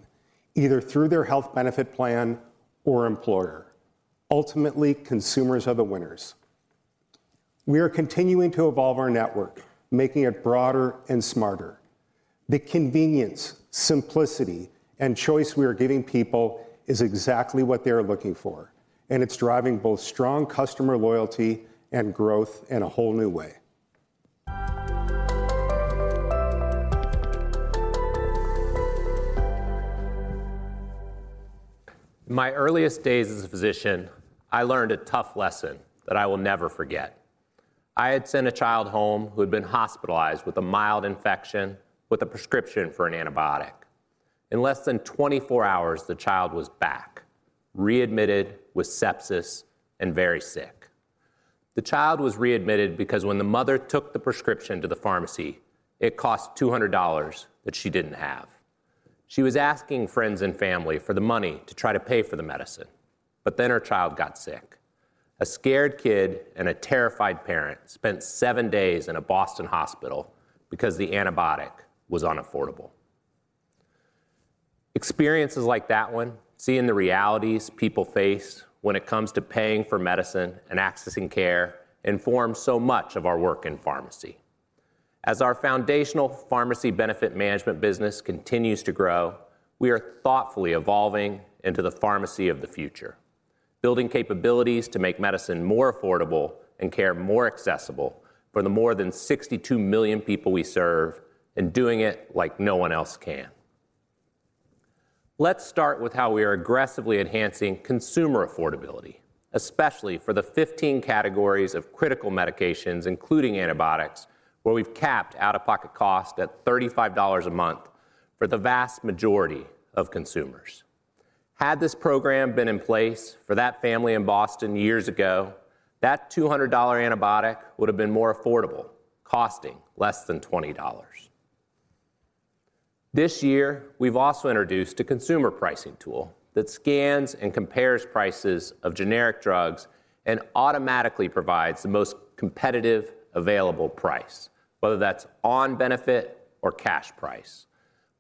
either through their health benefit plan or employer. Ultimately, consumers are the winners. We are continuing to evolve our network, making it broader and smarter. The convenience, simplicity, and choice we are giving people is exactly what they are looking for, and it's driving both strong customer loyalty and growth in a whole new way. In my earliest days as a physician, I learned a tough lesson that I will never forget. I had sent a child home who had been hospitalized with a mild infection, with a prescription for an antibiotic. In less than 24 hours, the child was back, readmitted with sepsis and very sick. The child was readmitted because when the mother took the prescription to the pharmacy, it cost $200 that she didn't have. She was asking friends and family for the money to try to pay for the medicine, but then her child got sick. A scared kid and a terrified parent spent 7 days in a Boston hospital because the antibiotic was unaffordable. Experiences like that one, seeing the realities people face when it comes to paying for medicine and accessing care, inform so much of our work in pharmacy.... As our foundational pharmacy benefit management business continues to grow, we are thoughtfully evolving into the pharmacy of the future, building capabilities to make medicine more affordable and care more accessible for the more than 62 million people we serve, and doing it like no one else can. Let's start with how we are aggressively enhancing consumer affordability, especially for the 15 categories of critical medications, including antibiotics, where we've capped out-of-pocket cost at $35 a month for the vast majority of consumers. Had this program been in place for that family in Boston years ago, that $200 antibiotic would have been more affordable, costing less than $20. This year, we've also introduced a consumer pricing tool that scans and compares prices of generic drugs and automatically provides the most competitive available price, whether that's on benefit or cash price.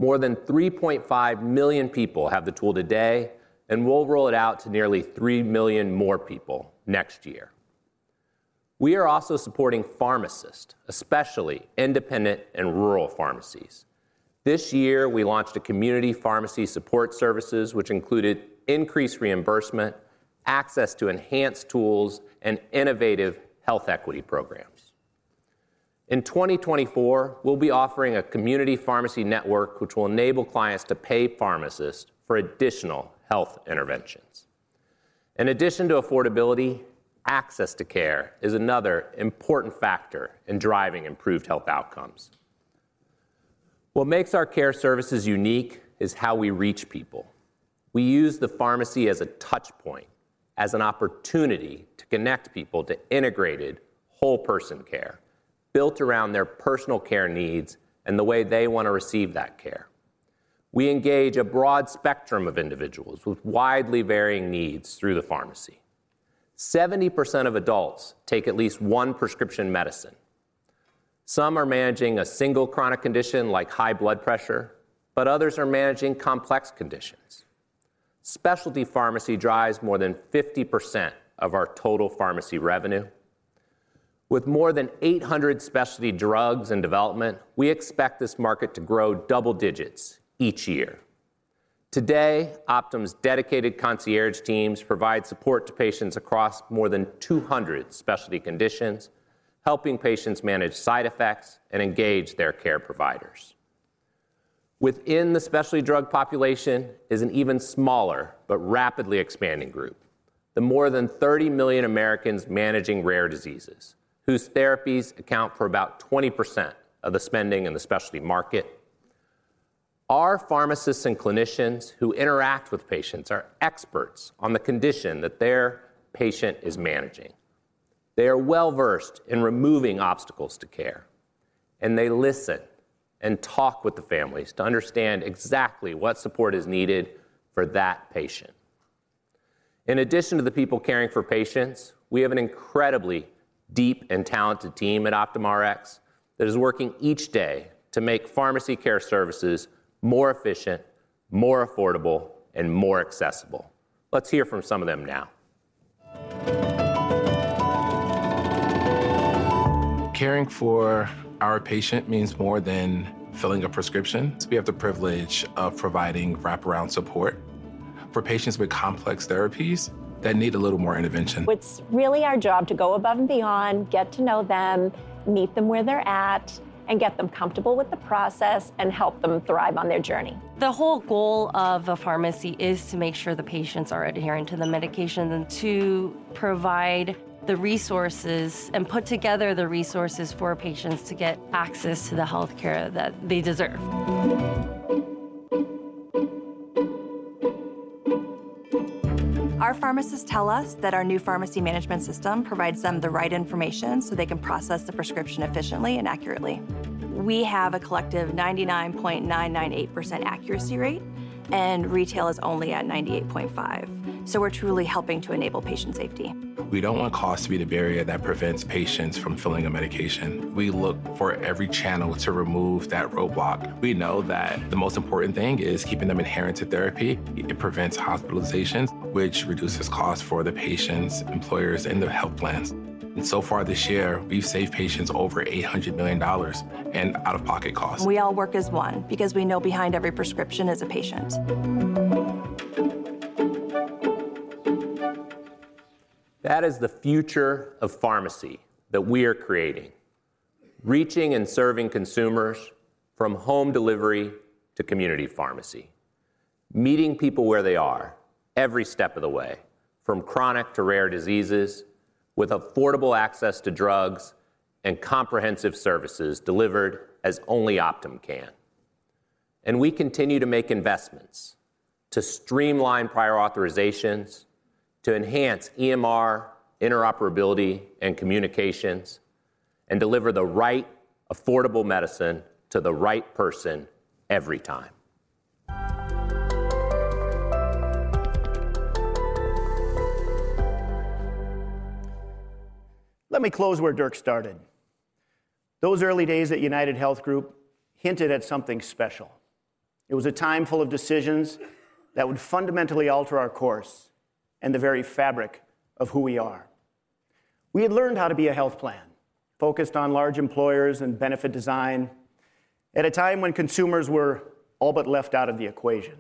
More than 3.5 million people have the tool today, and we'll roll it out to nearly 3 million more people next year. We are also supporting pharmacists, especially independent and rural pharmacies. This year, we launched a community pharmacy support services, which included increased reimbursement, access to enhanced tools, and innovative health equity programs. In 2024, we'll be offering a community pharmacy network, which will enable clients to pay pharmacists for additional health interventions. In addition to affordability, access to care is another important factor in driving improved health outcomes. What makes our care services unique is how we reach people. We use the pharmacy as a touch point, as an opportunity to connect people to integrated whole-person care, built around their personal care needs and the way they want to receive that care. We engage a broad spectrum of individuals with widely varying needs through the pharmacy. 70% of adults take at least one prescription medicine. Some are managing a single chronic condition like high blood pressure, but others are managing complex conditions. Specialty pharmacy drives more than 50% of our total pharmacy revenue. With more than 800 specialty drugs in development, we expect this market to grow double digits each year. Today, Optum's dedicated concierge teams provide support to patients across more than 200 specialty conditions, helping patients manage side effects and engage their care providers. Within the specialty drug population is an even smaller but rapidly expanding group, the more than 30 million Americans managing rare diseases, whose therapies account for about 20% of the spending in the specialty market. Our pharmacists and clinicians who interact with patients are experts on the condition that their patient is managing. They are well-versed in removing obstacles to care, and they listen and talk with the families to understand exactly what support is needed for that patient. In addition to the people caring for patients, we have an incredibly deep and talented team at OptumRx that is working each day to make pharmacy care services more efficient, more affordable, and more accessible. Let's hear from some of them now. Caring for our patient means more than filling a prescription. We have the privilege of providing wraparound support for patients with complex therapies that need a little more intervention. It's really our job to go above and beyond, get to know them, meet them where they're at, and get them comfortable with the process, and help them thrive on their journey. The whole goal of a pharmacy is to make sure the patients are adhering to the medication and to provide the resources and put together the resources for patients to get access to the healthcare that they deserve. Our pharmacists tell us that our new pharmacy management system provides them the right information so they can process the prescription efficiently and accurately. We have a collective 99.998% accuracy rate, and retail is only at 98.5%. So we're truly helping to enable patient safety. We don't want cost to be the barrier that prevents patients from filling a medication. We look for every channel to remove that roadblock. We know that the most important thing is keeping them adherent to therapy. It prevents hospitalizations, which reduces costs for the patients, employers, and their health plans. And so far this year, we've saved patients over $800 million in out-of-pocket costs. We all work as one because we know behind every prescription is a patient. That is the future of pharmacy that we are creating, reaching and serving consumers from home delivery to community pharmacy, meeting people where they are every step of the way, from chronic to rare diseases, with affordable access to drugs and comprehensive services delivered as only Optum can. We continue to make investments to streamline prior authorizations, to enhance EMR interoperability and communications, and deliver the right affordable medicine to the right person every time. Let me close where Dirk started. Those early days at UnitedHealth Group hinted at something special.... It was a time full of decisions that would fundamentally alter our course and the very fabric of who we are. We had learned how to be a health plan, focused on large employers and benefit design at a time when consumers were all but left out of the equation.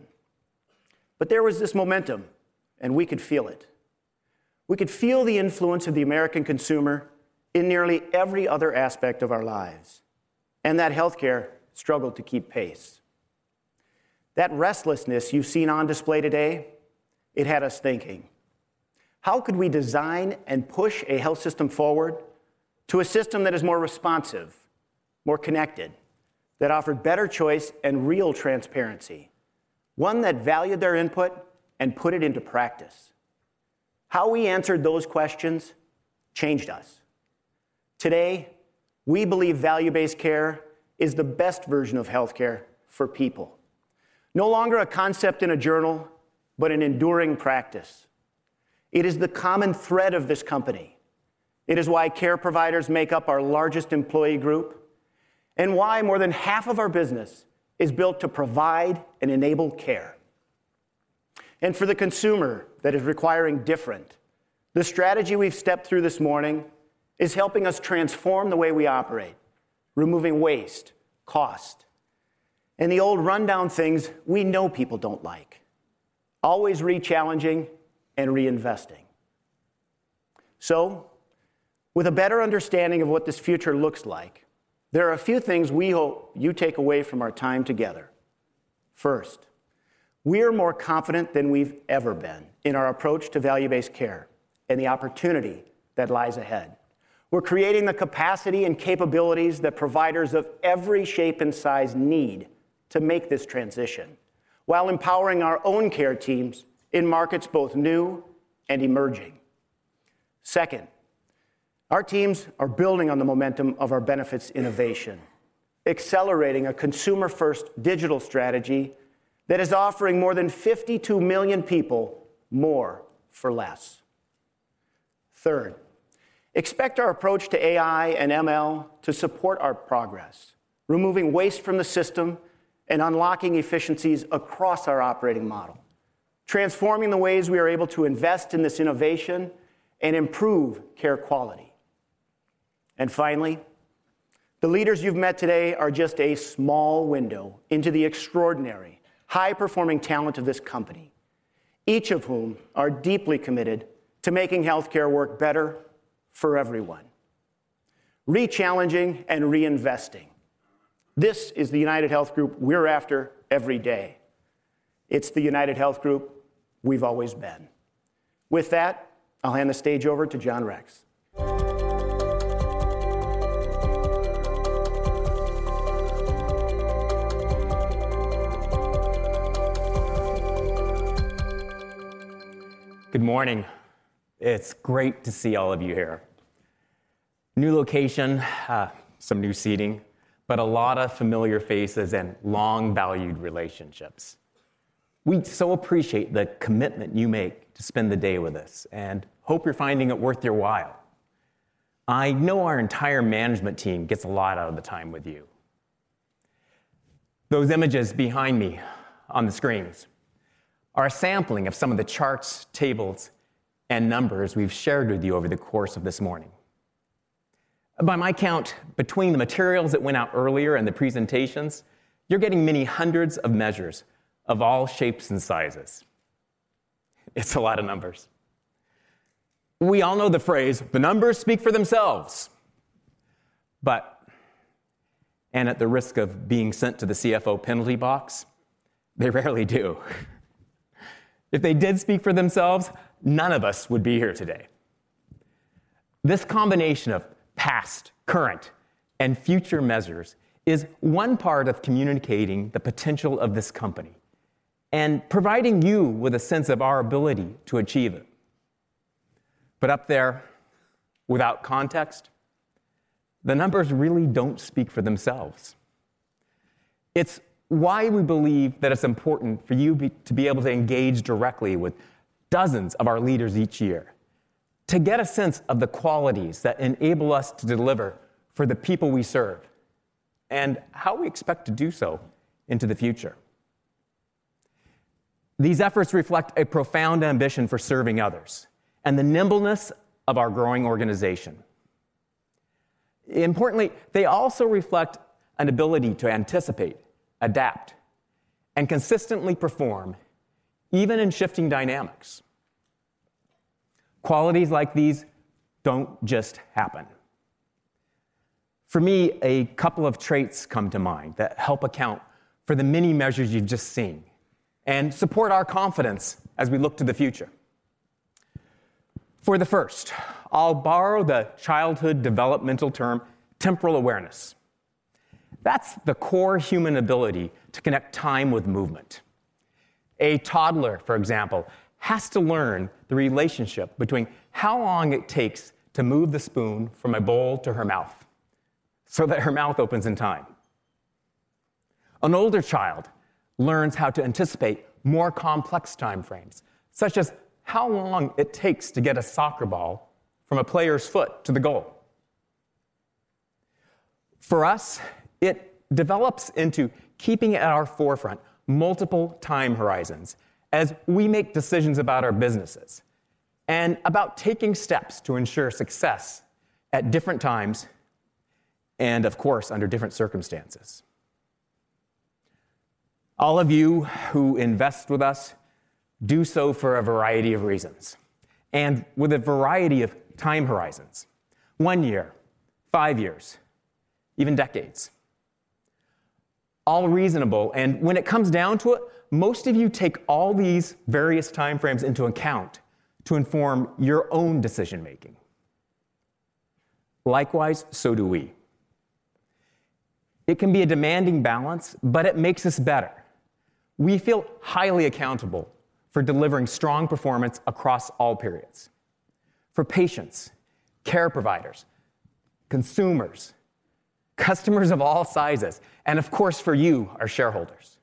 But there was this momentum, and we could feel it. We could feel the influence of the American consumer in nearly every other aspect of our lives, and that healthcare struggled to keep pace. That restlessness you've seen on display today, it had us thinking: how could we design and push a health system forward to a system that is more responsive, more connected, that offered better choice and real transparency, one that valued their input and put it into practice? How we answered those questions changed us. Today, we believe value-based care is the best version of healthcare for people. No longer a concept in a journal, but an enduring practice. It is the common thread of this company. It is why care providers make up our largest employee group, and why more than half of our business is built to provide and enable care. For the consumer that is requiring different, the strategy we've stepped through this morning is helping us transform the way we operate, removing waste, cost, and the old rundown things we know people don't like, always rechallenging and reinvesting. With a better understanding of what this future looks like, there are a few things we hope you take away from our time together. First, we are more confident than we've ever been in our approach to value-based care and the opportunity that lies ahead. We're creating the capacity and capabilities that providers of every shape and size need to make this transition, while empowering our own care teams in markets both new and emerging. Second, our teams are building on the momentum of our benefits innovation, accelerating a consumer-first digital strategy that is offering more than 52 million people more for less. Third, expect our approach to AI and ML to support our progress, removing waste from the system and unlocking efficiencies across our operating model, transforming the ways we are able to invest in this innovation and improve care quality. Finally, the leaders you've met today are just a small window into the extraordinary, high-performing talent of this company, each of whom are deeply committed to making healthcare work better for everyone. Rechallenging and reinvesting, this is the UnitedHealth Group we're after every day. It's the UnitedHealth Group we've always been. With that, I'll hand the stage over to John Rex. Good morning. It's great to see all of you here. New location, some new seating, but a lot of familiar faces and long-valued relationships. We so appreciate the commitment you make to spend the day with us, and hope you're finding it worth your while. I know our entire management team gets a lot out of the time with you. Those images behind me on the screens are a sampling of some of the charts, tables, and numbers we've shared with you over the course of this morning. By my count, between the materials that went out earlier and the presentations, you're getting many hundreds of measures of all shapes and sizes. It's a lot of numbers. We all know the phrase, "The numbers speak for themselves," but, and at the risk of being sent to the CFO penalty box, they rarely do. If they did speak for themselves, none of us would be here today. This combination of past, current, and future measures is one part of communicating the potential of this company and providing you with a sense of our ability to achieve it. But up there, without context, the numbers really don't speak for themselves. It's why we believe that it's important for you to be able to engage directly with dozens of our leaders each year, to get a sense of the qualities that enable us to deliver for the people we serve and how we expect to do so into the future. These efforts reflect a profound ambition for serving others and the nimbleness of our growing organization. Importantly, they also reflect an ability to anticipate, adapt, and consistently perform, even in shifting dynamics. Qualities like these don't just happen. For me, a couple of traits come to mind that help account for the many measures you've just seen and support our confidence as we look to the future. For the first, I'll borrow the childhood developmental term, temporal awareness. That's the core human ability to connect time with movement. A toddler, for example, has to learn the relationship between how long it takes to move the spoon from a bowl to her mouth, so that her mouth opens in time. An older child learns how to anticipate more complex time frames, such as how long it takes to get a soccer ball from a player's foot to the goal.... For us, it develops into keeping at our forefront multiple time horizons as we make decisions about our businesses, and about taking steps to ensure success at different times and, of course, under different circumstances. All of you who invest with us do so for a variety of reasons, and with a variety of time horizons: 1 year, 5 years, even decades. All reasonable, and when it comes down to it, most of you take all these various time frames into account to inform your own decision making. Likewise, so do we. It can be a demanding balance, but it makes us better. We feel highly accountable for delivering strong performance across all periods for patients, care providers, consumers, customers of all sizes, and of course, for you, our shareholders.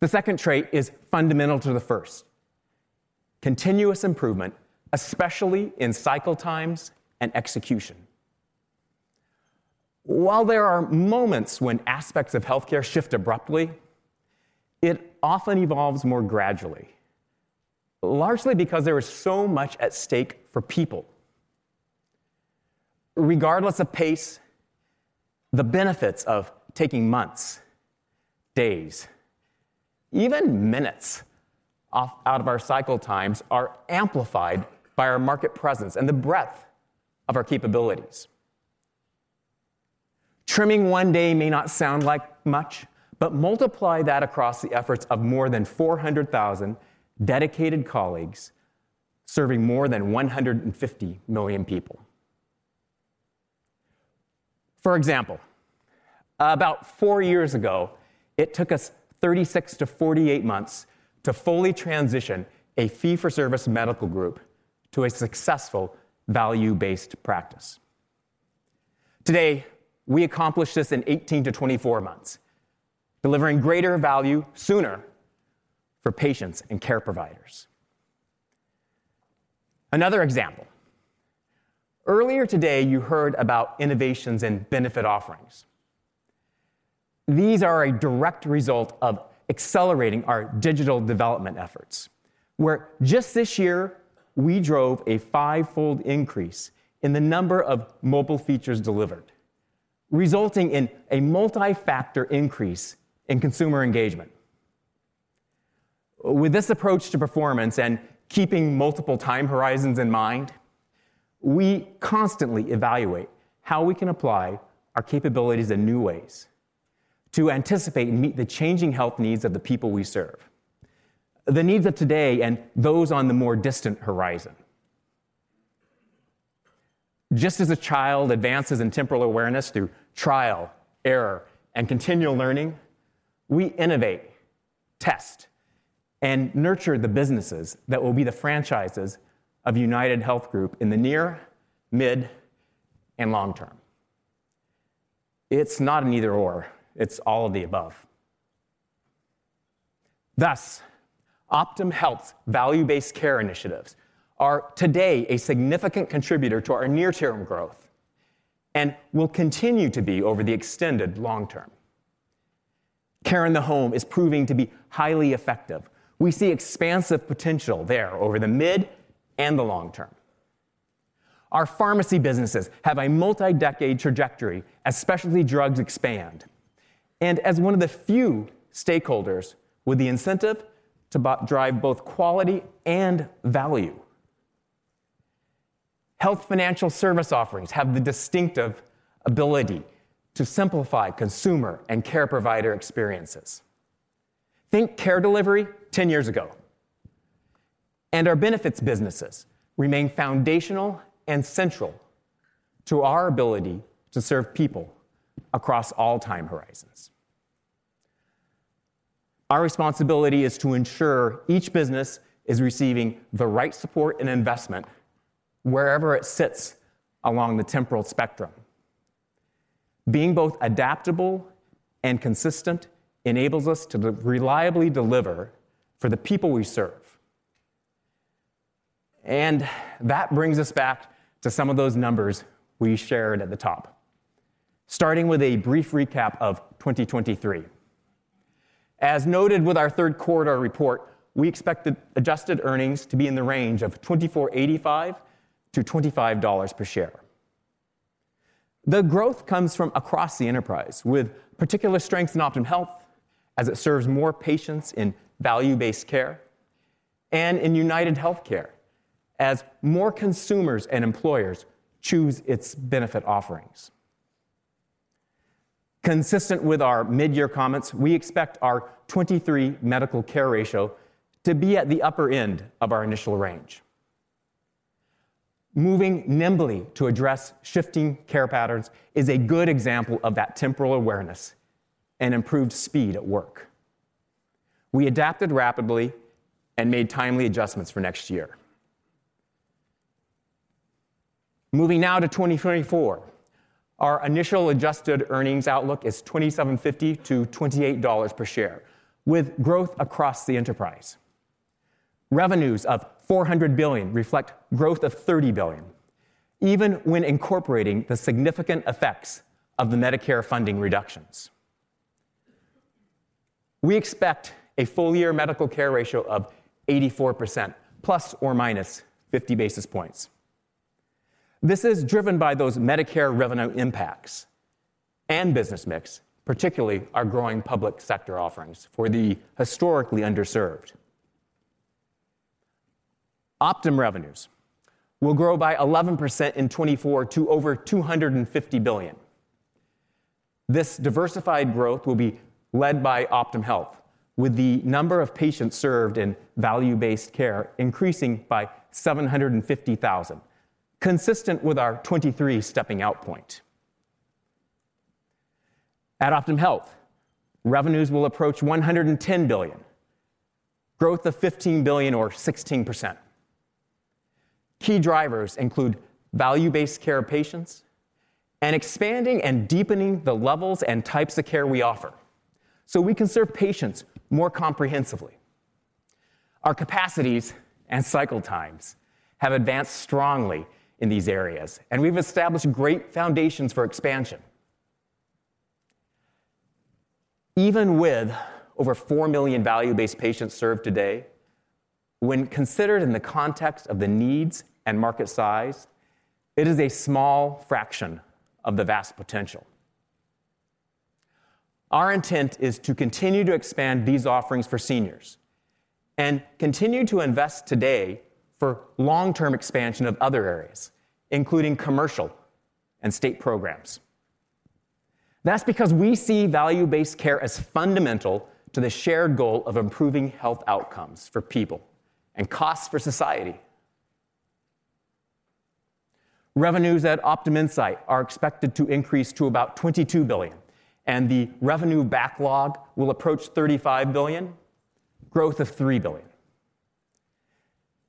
The second trait is fundamental to the first: continuous improvement, especially in cycle times and execution. While there are moments when aspects of healthcare shift abruptly, it often evolves more gradually, largely because there is so much at stake for people. Regardless of pace, the benefits of taking months, days, even minutes off out of our cycle times are amplified by our market presence and the breadth of our capabilities. Trimming 1 day may not sound like much, but multiply that across the efforts of more than 400,000 dedicated colleagues serving more than 150 million people. For example, about 4 years ago, it took us 36-48 months to fully transition a fee-for-service medical group to a successful value-based practice. Today, we accomplish this in 18-24 months, delivering greater value sooner for patients and care providers. Another example. Earlier today, you heard about innovations in benefit offerings. These are a direct result of accelerating our digital development efforts, where just this year, we drove a 5-fold increase in the number of mobile features delivered, resulting in a multi-factor increase in consumer engagement. With this approach to performance and keeping multiple time horizons in mind, we constantly evaluate how we can apply our capabilities in new ways to anticipate and meet the changing health needs of the people we serve, the needs of today and those on the more distant horizon. Just as a child advances in temporal awareness through trial, error, and continual learning, we innovate, test, and nurture the businesses that will be the franchises of UnitedHealth Group in the near, mid, and long term. It's not an either/or, it's all of the above. Thus, Optum Health's value-based care initiatives are today a significant contributor to our near-term growth and will continue to be over the extended long term. Care in the home is proving to be highly effective. We see expansive potential there over the mid and the long term. Our pharmacy businesses have a multi-decade trajectory as specialty drugs expand, and as one of the few stakeholders with the incentive to drive both quality and value. Health financial service offerings have the distinctive ability to simplify consumer and care provider experiences. Think care delivery ten years ago. Our benefits businesses remain foundational and central to our ability to serve people across all time horizons. Our responsibility is to ensure each business is receiving the right support and investment wherever it sits along the temporal spectrum. Being both adaptable and consistent enables us to reliably deliver for the people we serve. That brings us back to some of those numbers we shared at the top, starting with a brief recap of 2023. As noted with our third quarter report, we expect the adjusted earnings to be in the range of $24.85-$25 per share. The growth comes from across the enterprise, with particular strength in Optum Health as it serves more patients in value-based care and in UnitedHealthcare as more consumers and employers choose its benefit offerings. Consistent with our mid-year comments, we expect our 2023 medical care ratio to be at the upper end of our initial range. Moving nimbly to address shifting care patterns is a good example of that temporal awareness and improved speed at work. We adapted rapidly and made timely adjustments for next year. Moving now to 2024. Our initial adjusted earnings outlook is $27.50-$28 per share, with growth across the enterprise.... Revenues of $400 billion reflect growth of $30 billion, even when incorporating the significant effects of the Medicare funding reductions. We expect a full-year medical care ratio of 84%, ±50 basis points. This is driven by those Medicare revenue impacts and business mix, particularly our growing public sector offerings for the historically underserved. Optum revenues will grow by 11% in 2024 to over $250 billion. This diversified growth will be led by Optum Health, with the number of patients served in value-based care increasing by 750,000, consistent with our 2023 stepping-out point. At Optum Health, revenues will approach $110 billion, growth of $15 billion or 16%. Key drivers include value-based care patients and expanding and deepening the levels and types of care we offer, so we can serve patients more comprehensively. Our capacities and cycle times have advanced strongly in these areas, and we've established great foundations for expansion. Even with over 4 million value-based patients served today, when considered in the context of the needs and market size, it is a small fraction of the vast potential. Our intent is to continue to expand these offerings for seniors and continue to invest today for long-term expansion of other areas, including commercial and state programs. That's because we see value-based care as fundamental to the shared goal of improving health outcomes for people and costs for society. Revenues at Optum Insight are expected to increase to about $22 billion, and the revenue backlog will approach $35 billion, growth of $3 billion.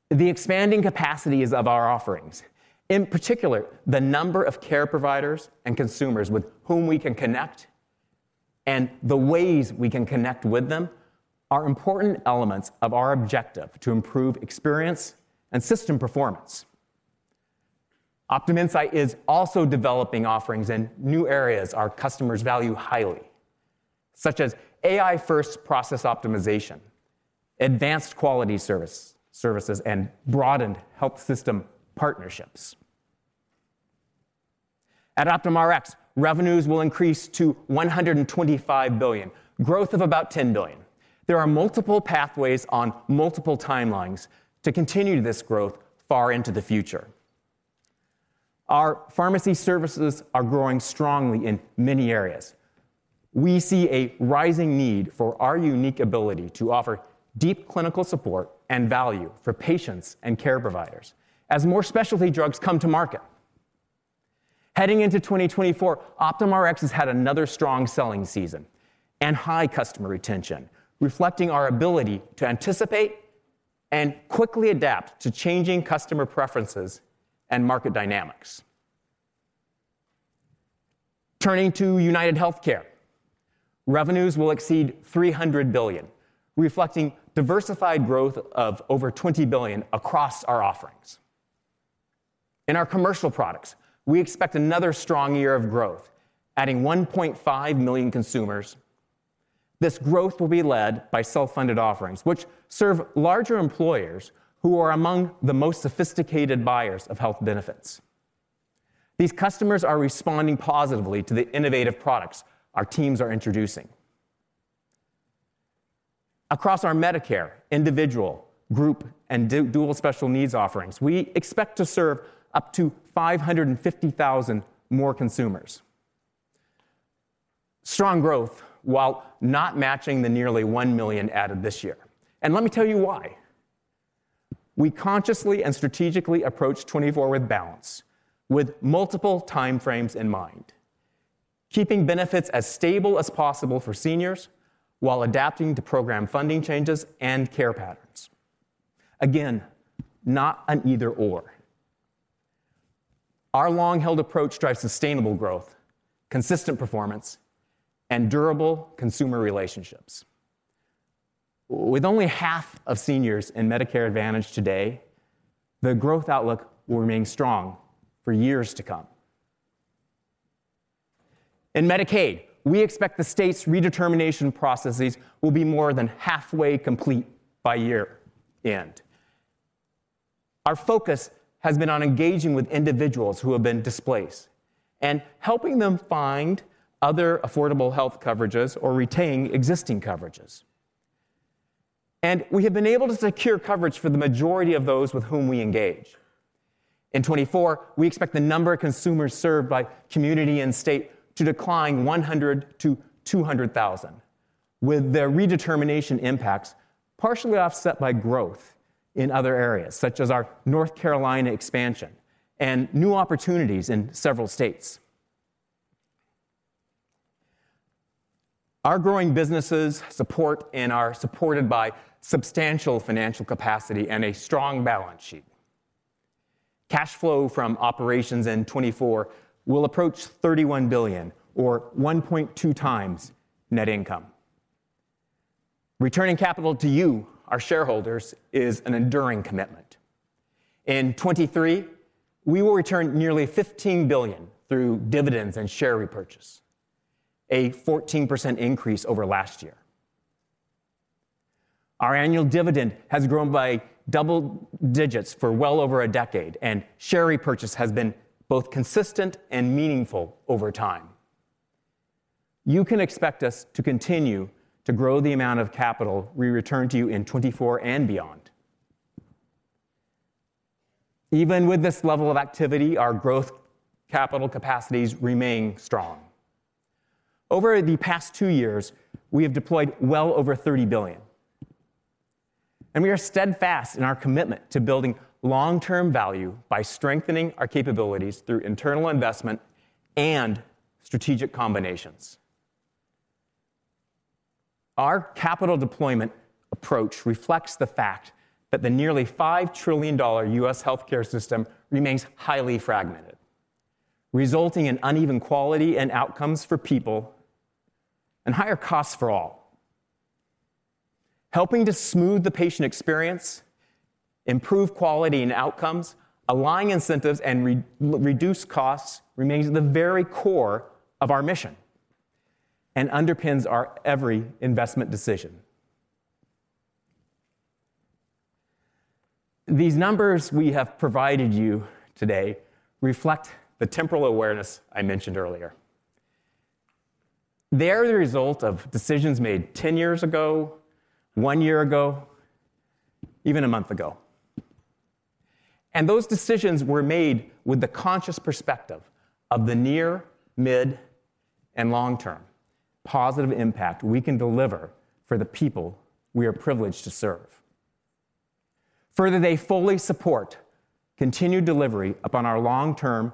The expanding capacities of our offerings, in particular, the number of care providers and consumers with whom we can connect and the ways we can connect with them, are important elements of our objective to improve experience and system performance. Optum Insight is also developing offerings in new areas our customers value highly, such as AI-first process optimization, advanced quality services, and broadened health system partnerships. At Optum Rx, revenues will increase to $125 billion, growth of about $10 billion. There are multiple pathways on multiple timelines to continue this growth far into the future. Our pharmacy services are growing strongly in many areas. We see a rising need for our unique ability to offer deep clinical support and value for patients and care providers as more specialty drugs come to market. Heading into 2024, OptumRx has had another strong selling season and high customer retention, reflecting our ability to anticipate and quickly adapt to changing customer preferences and market dynamics. Turning to UnitedHealthcare, revenues will exceed $300 billion, reflecting diversified growth of over $20 billion across our offerings. In our commercial products, we expect another strong year of growth, adding 1.5 million consumers. This growth will be led by self-funded offerings, which serve larger employers who are among the most sophisticated buyers of health benefits. These customers are responding positively to the innovative products our teams are introducing. Across our Medicare, individual, group, and dual special needs offerings, we expect to serve up to 550,000 more consumers. Strong growth, while not matching the nearly 1 million added this year. And let me tell you why. We consciously and strategically approached 2024 with balance, with multiple time frames in mind, keeping benefits as stable as possible for seniors while adapting to program funding changes and care patterns. Again, not an either/or. Our long-held approach drives sustainable growth, consistent performance, and durable consumer relationships. With only half of seniors in Medicare Advantage today, the growth outlook will remain strong for years to come. In Medicaid, we expect the state's redetermination processes will be more than halfway complete by year end. Our focus has been on engaging with individuals who have been displaced and helping them find other affordable health coverages or retain existing coverages, and we have been able to secure coverage for the majority of those with whom we engage. In 2024, we expect the number of consumers served by Community and State to decline 100,000-200,000, with their redetermination impacts partially offset by growth in other areas, such as our North Carolina expansion and new opportunities in several states. Our growing businesses support and are supported by substantial financial capacity and a strong balance sheet. Cash flow from operations in 2024 will approach $31 billion, or 1.2 times net income. Returning capital to you, our shareholders, is an enduring commitment. In 2023, we will return nearly $15 billion through dividends and share repurchase, a 14% increase over last year. Our annual dividend has grown by double digits for well over a decade, and share repurchase has been both consistent and meaningful over time. You can expect us to continue to grow the amount of capital we return to you in 2024 and beyond. Even with this level of activity, our growth capital capacities remain strong. Over the past two years, we have deployed well over $30 billion, and we are steadfast in our commitment to building long-term value by strengthening our capabilities through internal investment and strategic combinations. Our capital deployment approach reflects the fact that the nearly $5 trillion U.S. healthcare system remains highly fragmented, resulting in uneven quality and outcomes for people and higher costs for all. Helping to smooth the patient experience, improve quality and outcomes, align incentives, and reduce costs remains at the very core of our mission and underpins our every investment decision. These numbers we have provided you today reflect the temporal awareness I mentioned earlier. They are the result of decisions made 10 years ago, one year ago, even a month ago, and those decisions were made with the conscious perspective of the near, mid-, and long-term positive impact we can deliver for the people we are privileged to serve. Further, they fully support continued delivery upon our long-term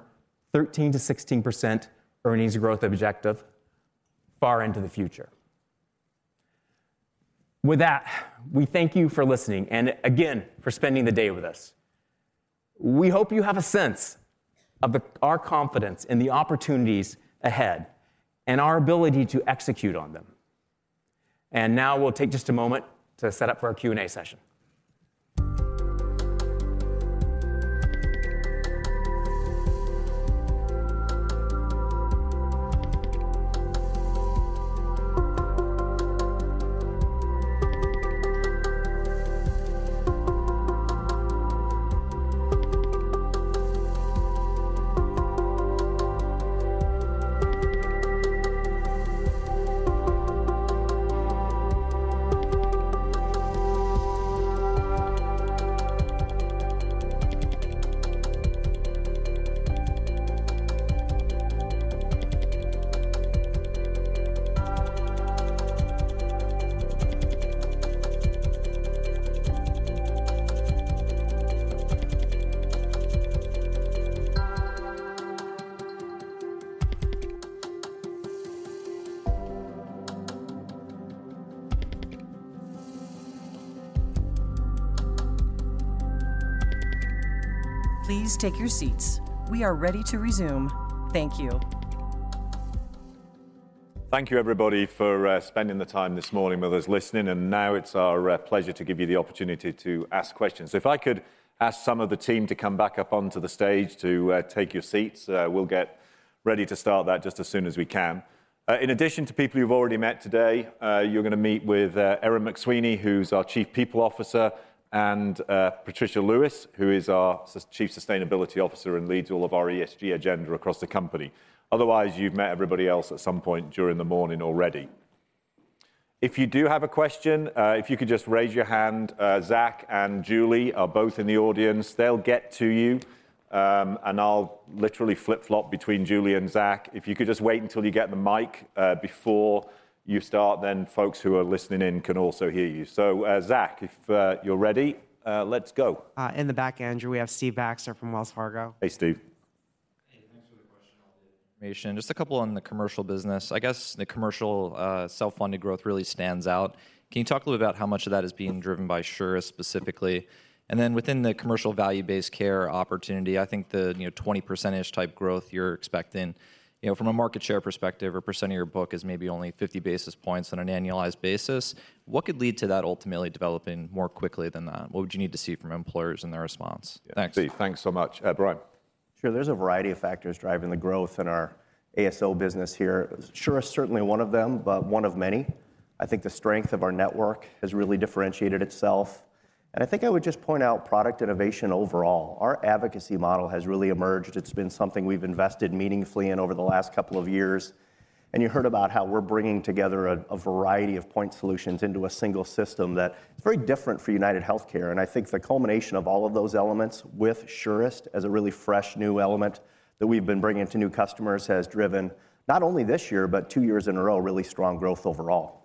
13%-16% earnings growth objective far into the future. With that, we thank you for listening, and again, for spending the day with us. We hope you have a sense of the, our confidence in the opportunities ahead and our ability to execute on them. And now we'll take just a moment to set up for our Q&A session. Please take your seats. We are ready to resume. Thank you. Thank you, everybody, for spending the time this morning with us, listening, and now it's our pleasure to give you the opportunity to ask questions. So if I could ask some of the team to come back up onto the stage to take your seats, we'll get ready to start that just as soon as we can. In addition to people you've already met today, you're gonna meet with Erin McSweeney, who's our Chief People Officer, and Patricia Lewis, who is our Chief Sustainability Officer and leads all of our ESG agenda across the company. Otherwise, you've met everybody else at some point during the morning already. If you do have a question, if you could just raise your hand. Zach and Julie are both in the audience. They'll get to you, and I'll literally flip-flop between Julie and Zach. If you could just wait until you get the mic before you start, then folks who are listening in can also hear you. Zach, if you're ready, let's go. In the back, Andrew, we have Steve Baxter from Wells Fargo. Hey, Steve. Hey, thanks for the question, all the information. Just a couple on the commercial business. I guess the commercial self-funded growth really stands out. Can you talk a little about how much of that is being driven by Surest specifically? And then within the commercial value-based care opportunity, I think the, you know, 20% type growth you're expecting, you know, from a market share perspective, 1% of your book is maybe only 50 basis points on an annualized basis. What could lead to that ultimately developing more quickly than that? What would you need to see from employers and their response? Thanks. Steve, thanks so much. Brian? Sure, there's a variety of factors driving the growth in our ASO business here. Surest is certainly one of them, but one of many. I think the strength of our network has really differentiated itself, and I think I would just point out product innovation overall. Our advocacy model has really emerged. It's been something we've invested meaningfully in over the last couple of years, and you heard about how we're bringing together a variety of point solutions into a single system that is very different for UnitedHealthcare, and I think the culmination of all of those elements with Surest as a really fresh, new element that we've been bringing to new customers has driven, not only this year, but two years in a row, really strong growth overall.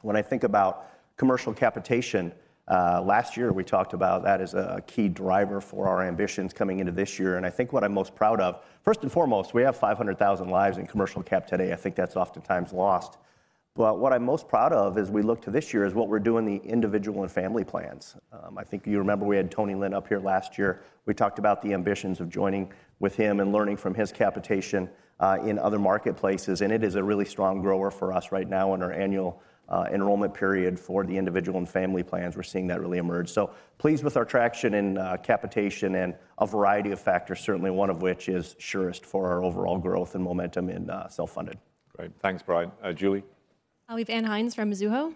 When I think about commercial capitation, last year we talked about that as a key driver for our ambitions coming into this year, and I think what I'm most proud of. First and foremost, we have 500,000 lives in commercial cap today. I think that's oftentimes lost. But what I'm most proud of as we look to this year is what we're doing in the individual and family plans. I think you remember we had Tony Lin up here last year. We talked about the ambitions of joining with him and learning from his capitation in other marketplaces, and it is a really strong grower for us right now in our annual enrollment period for the individual and family plans, we're seeing that really emerge. So pleased with our traction in capitation and a variety of factors, certainly one of which is Surest for our overall growth and momentum in self-funded. Great. Thanks, Brian. Julie? We have Ann Hynes from Mizuho.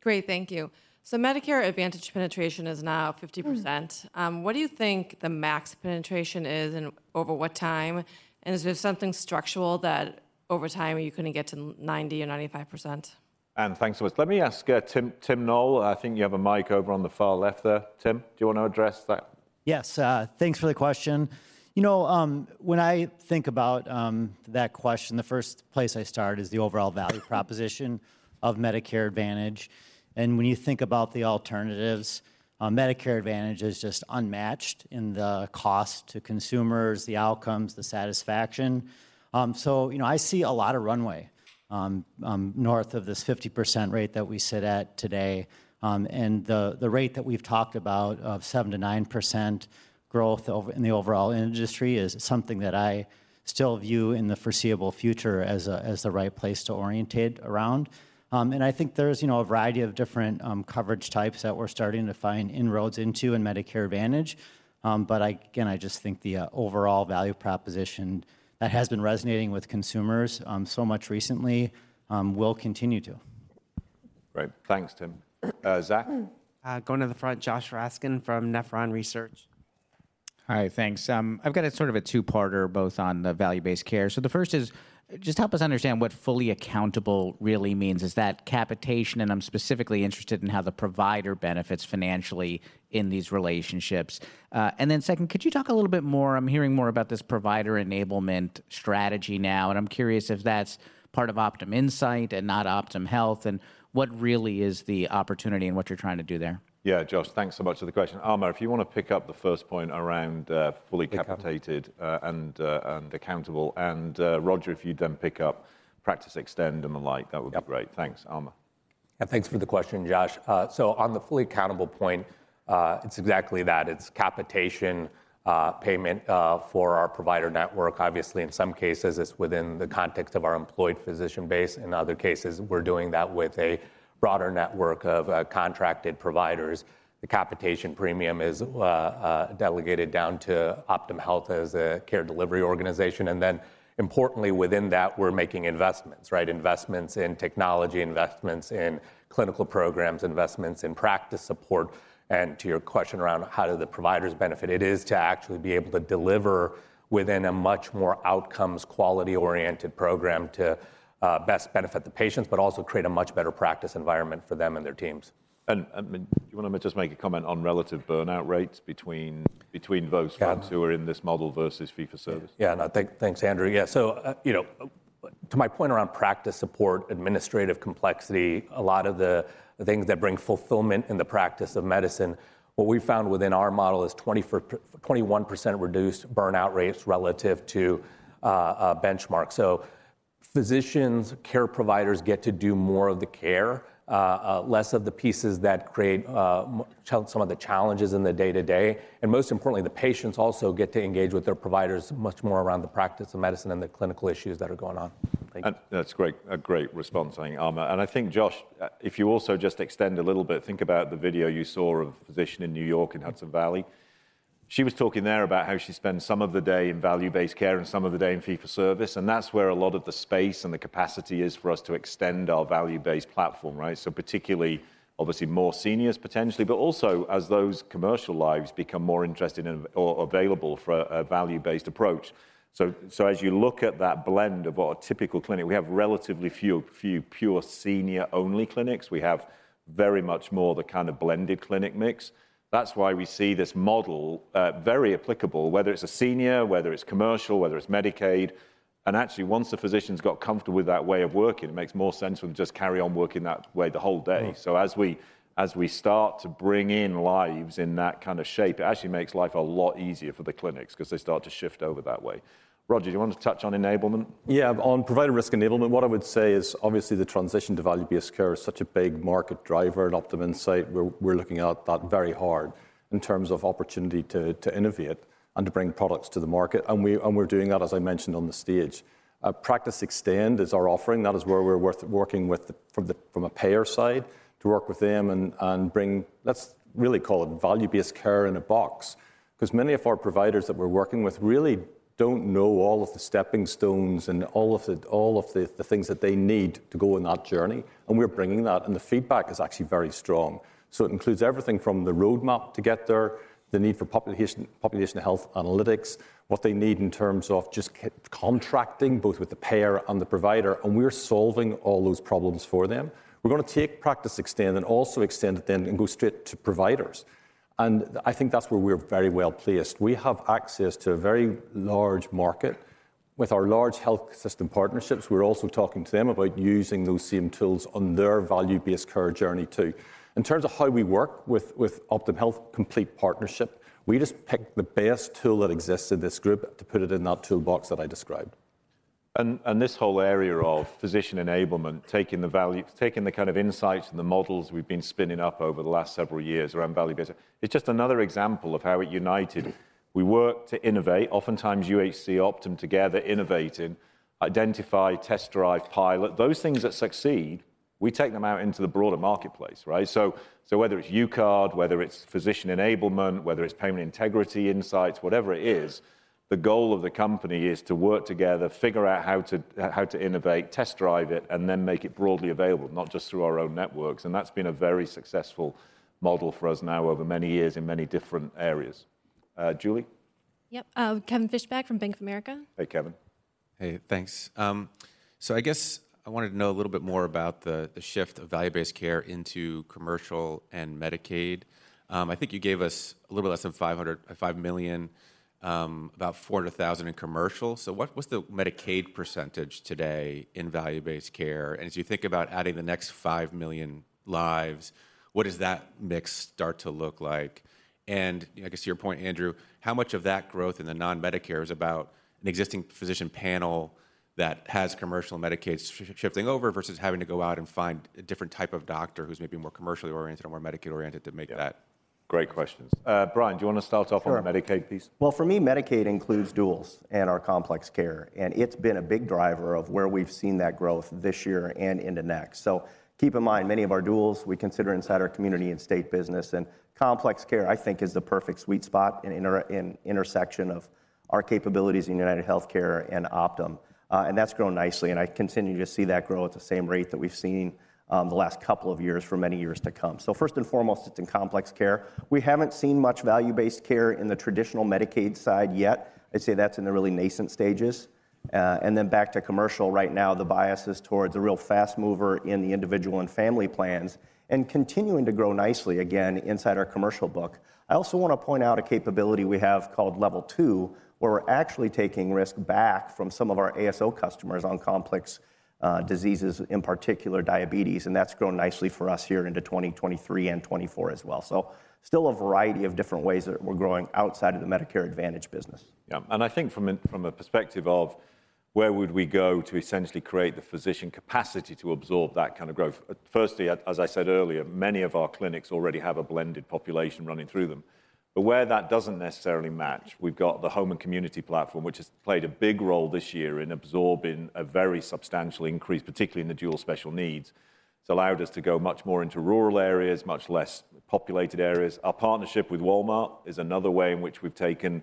Great, thank you. So Medicare Advantage penetration is now 50%. What do you think the max penetration is, and over what time? And is there something structural that over time you couldn't get to 90 or 95%? Anne, thanks so much. Let me ask, Tim, Tim Noel, I think you have a mic over on the far left there. Tim, do you want to address that? Yes, thanks for the question. You know, when I think about that question, the first place I start is the overall value proposition of Medicare Advantage, and when you think about the alternatives, Medicare Advantage is just unmatched in the cost to consumers, the outcomes, the satisfaction. So, you know, I see a lot of runway north of this 50% rate that we sit at today. And the rate that we've talked about of 7%-9% growth in the overall industry is something that I still view in the foreseeable future as the right place to orientate around. And I think there's, you know, a variety of different coverage types that we're starting to find inroads into in Medicare Advantage. But again, I just think the overall value proposition that has been resonating with consumers so much recently will continue to. Great. Thanks, Tim. Zach? Going to the front, Josh Raskin from Nephron Research. Hi, thanks. I've got a sort of a two-parter, both on the value-based care. So the first is, just help us understand what fully accountable really means, is that capitation, and I'm specifically interested in how the provider benefits financially in these relationships. And then second, could you talk a little bit more, I'm hearing more about this provider enablement strategy now, and I'm curious if that's part of Optum Insight and not Optum Health, and what really is the opportunity and what you're trying to do there? Yeah, Josh, thanks so much for the question. Amar, if you want to pick up the first point around fully capitated- Capitate and accountable, and Roger, if you'd then pick up Practice Extend and the like, that would be great. Yep. Thanks. Amar. Thanks for the question, Josh. So on the fully accountable point, it's exactly that. It's capitation payment for our provider network. Obviously, in some cases, it's within the context of our employed physician base. In other cases, we're doing that with a broader network of contracted providers. The capitation premium is delegated down to Optum Health as a care delivery organization, and then importantly, within that, we're making investments, right? Investments in technology, investments in clinical programs, investments in practice support. And to your question around how do the providers benefit, it is to actually be able to deliver within a much more outcomes, quality-oriented program to best benefit the patients, but also create a much better practice environment for them and their teams. Do you want to just make a comment on relative burnout rates between those- Yeah folks who are in this model versus Fee-for-Service? Yeah, and thanks, Andrew. Yeah, so, you know, to my point around practice support, administrative complexity, a lot of the things that bring fulfillment in the practice of medicine, what we've found within our model is 21% reduced burnout rates relative to a benchmark. So physicians, care providers get to do more of the care, less of the pieces that create challenges, some of the challenges in the day-to-day. And most importantly, the patients also get to engage with their providers much more around the practice of medicine and the clinical issues that are going on. Thank you. And that's great, a great response, I think, Amar. And I think, Josh, if you also just extend a little bit, think about the video you saw of a physician in New York, in Hudson Valley. She was talking there about how she spends some of the day in value-based care and some of the day in fee-for-service, and that's where a lot of the space and the capacity is for us to extend our value-based platform, right? So particularly, obviously, more seniors potentially, but also as those commercial lives become more interested in or available for a, a value-based approach. So, so as you look at that blend of what a typical clinic, we have relatively few, few pure senior-only clinics. We have very much more the kind of blended clinic mix. That's why we see this model very applicable, whether it's a senior, whether it's commercial, whether it's Medicaid, and actually, once the physician's got comfortable with that way of working, it makes more sense for them to just carry on working that way the whole day. Mm. So as we start to bring in lives in that kind of shape, it actually makes life a lot easier for the clinics 'cause they start to shift over that way. Roger, do you want to touch on enablement? Yeah, on provider risk enablement, what I would say is, obviously, the transition to value-based care is such a big market driver at Optum Insight. We're looking at that very hard in terms of opportunity to innovate and to bring products to the market, and we're doing that, as I mentioned on the stage. Practice Extend is our offering. That is where we're working with providers from a payer side, to work with them and bring, let's really call it value-based care in a box. 'Cause many of our providers that we're working with really don't know all of the stepping stones and all of the things that they need to go on that journey, and we're bringing that, and the feedback is actually very strong. So it includes everything from the roadmap to get there, the need for population health analytics, what they need in terms of just contracting, both with the payer and the provider, and we're solving all those problems for them. We're gonna take Practice Extend and also extend it then and go straight to providers, and I think that's where we're very well-placed. We have access to a very large market. With our large health system partnerships, we're also talking to them about using those same tools on their value-based care journey, too. In terms of how we work with Optum Health complete partnership, we just pick the best tool that exists in this group to put it in that toolbox that I described. This whole area of physician enablement, taking the kind of insights and the models we've been spinning up over the last several years around value-based, it's just another example of how at United we work to innovate, oftentimes UHC, Optum together, innovating, identify, test drive, pilot. Those things that succeed, we take them out into the broader marketplace, right? So, whether it's UCard, whether it's physician enablement, whether it's payment integrity insights, whatever it is, the goal of the company is to work together, figure out how to innovate, test drive it, and then make it broadly available, not just through our own networks, and that's been a very successful model for us now over many years in many different areas. Julie? Yep. Kevin Fischbeck from Bank of America. Hey, Kevin. Hey, thanks. So I guess I wanted to know a little bit more about the, the shift of value-based care into commercial and Medicaid. I think you gave us a little less than 505 million, about 4,000 in commercial. So what, what's the Medicaid percentage today in value-based care? And as you think about adding the next 5 million lives, what does that mix start to look like? And, you know, I guess to your point, Andrew, how much of that growth in the non-Medicare is about an existing physician panel that has commercial Medicaids shifting over versus having to go out and find a different type of doctor who's maybe more commercially oriented or more Medicaid oriented to make that? Great questions. Brian, do you want to start off- Sure on the Medicaid piece? Well, for me, Medicaid includes duals and our complex care, and it's been a big driver of where we've seen that growth this year and into next. So keep in mind, many of our duals we consider inside our community and state business, and complex care, I think, is the perfect sweet spot and inter- and intersection of our capabilities in UnitedHealthcare and Optum. And that's grown nicely, and I continue to see that grow at the same rate that we've seen, the last couple of years for many years to come. So first and foremost, it's in complex care. We haven't seen much value-based care in the traditional Medicaid side yet. I'd say that's in the really nascent stages. And then back to commercial, right now, the bias is towards a real fast mover in the individual and family plans and continuing to grow nicely, again, inside our commercial book. I also want to point out a capability we have called Level2, where we're actually taking risk back from some of our ASO customers on complex diseases, in particular diabetes, and that's grown nicely for us here into 2023 and 2024 as well. So still a variety of different ways that we're growing outside of the Medicare Advantage business. Yeah, and I think from a perspective of where we would go to essentially create the physician capacity to absorb that kind of growth. Firstly, as I said earlier, many of our clinics already have a blended population running through them. But where that doesn't necessarily match, we've got the home and community platform, which has played a big role this year in absorbing a very substantial increase, particularly in the dual special needs. It's allowed us to go much more into rural areas, much less populated areas. Our partnership with Walmart is another way in which we've taken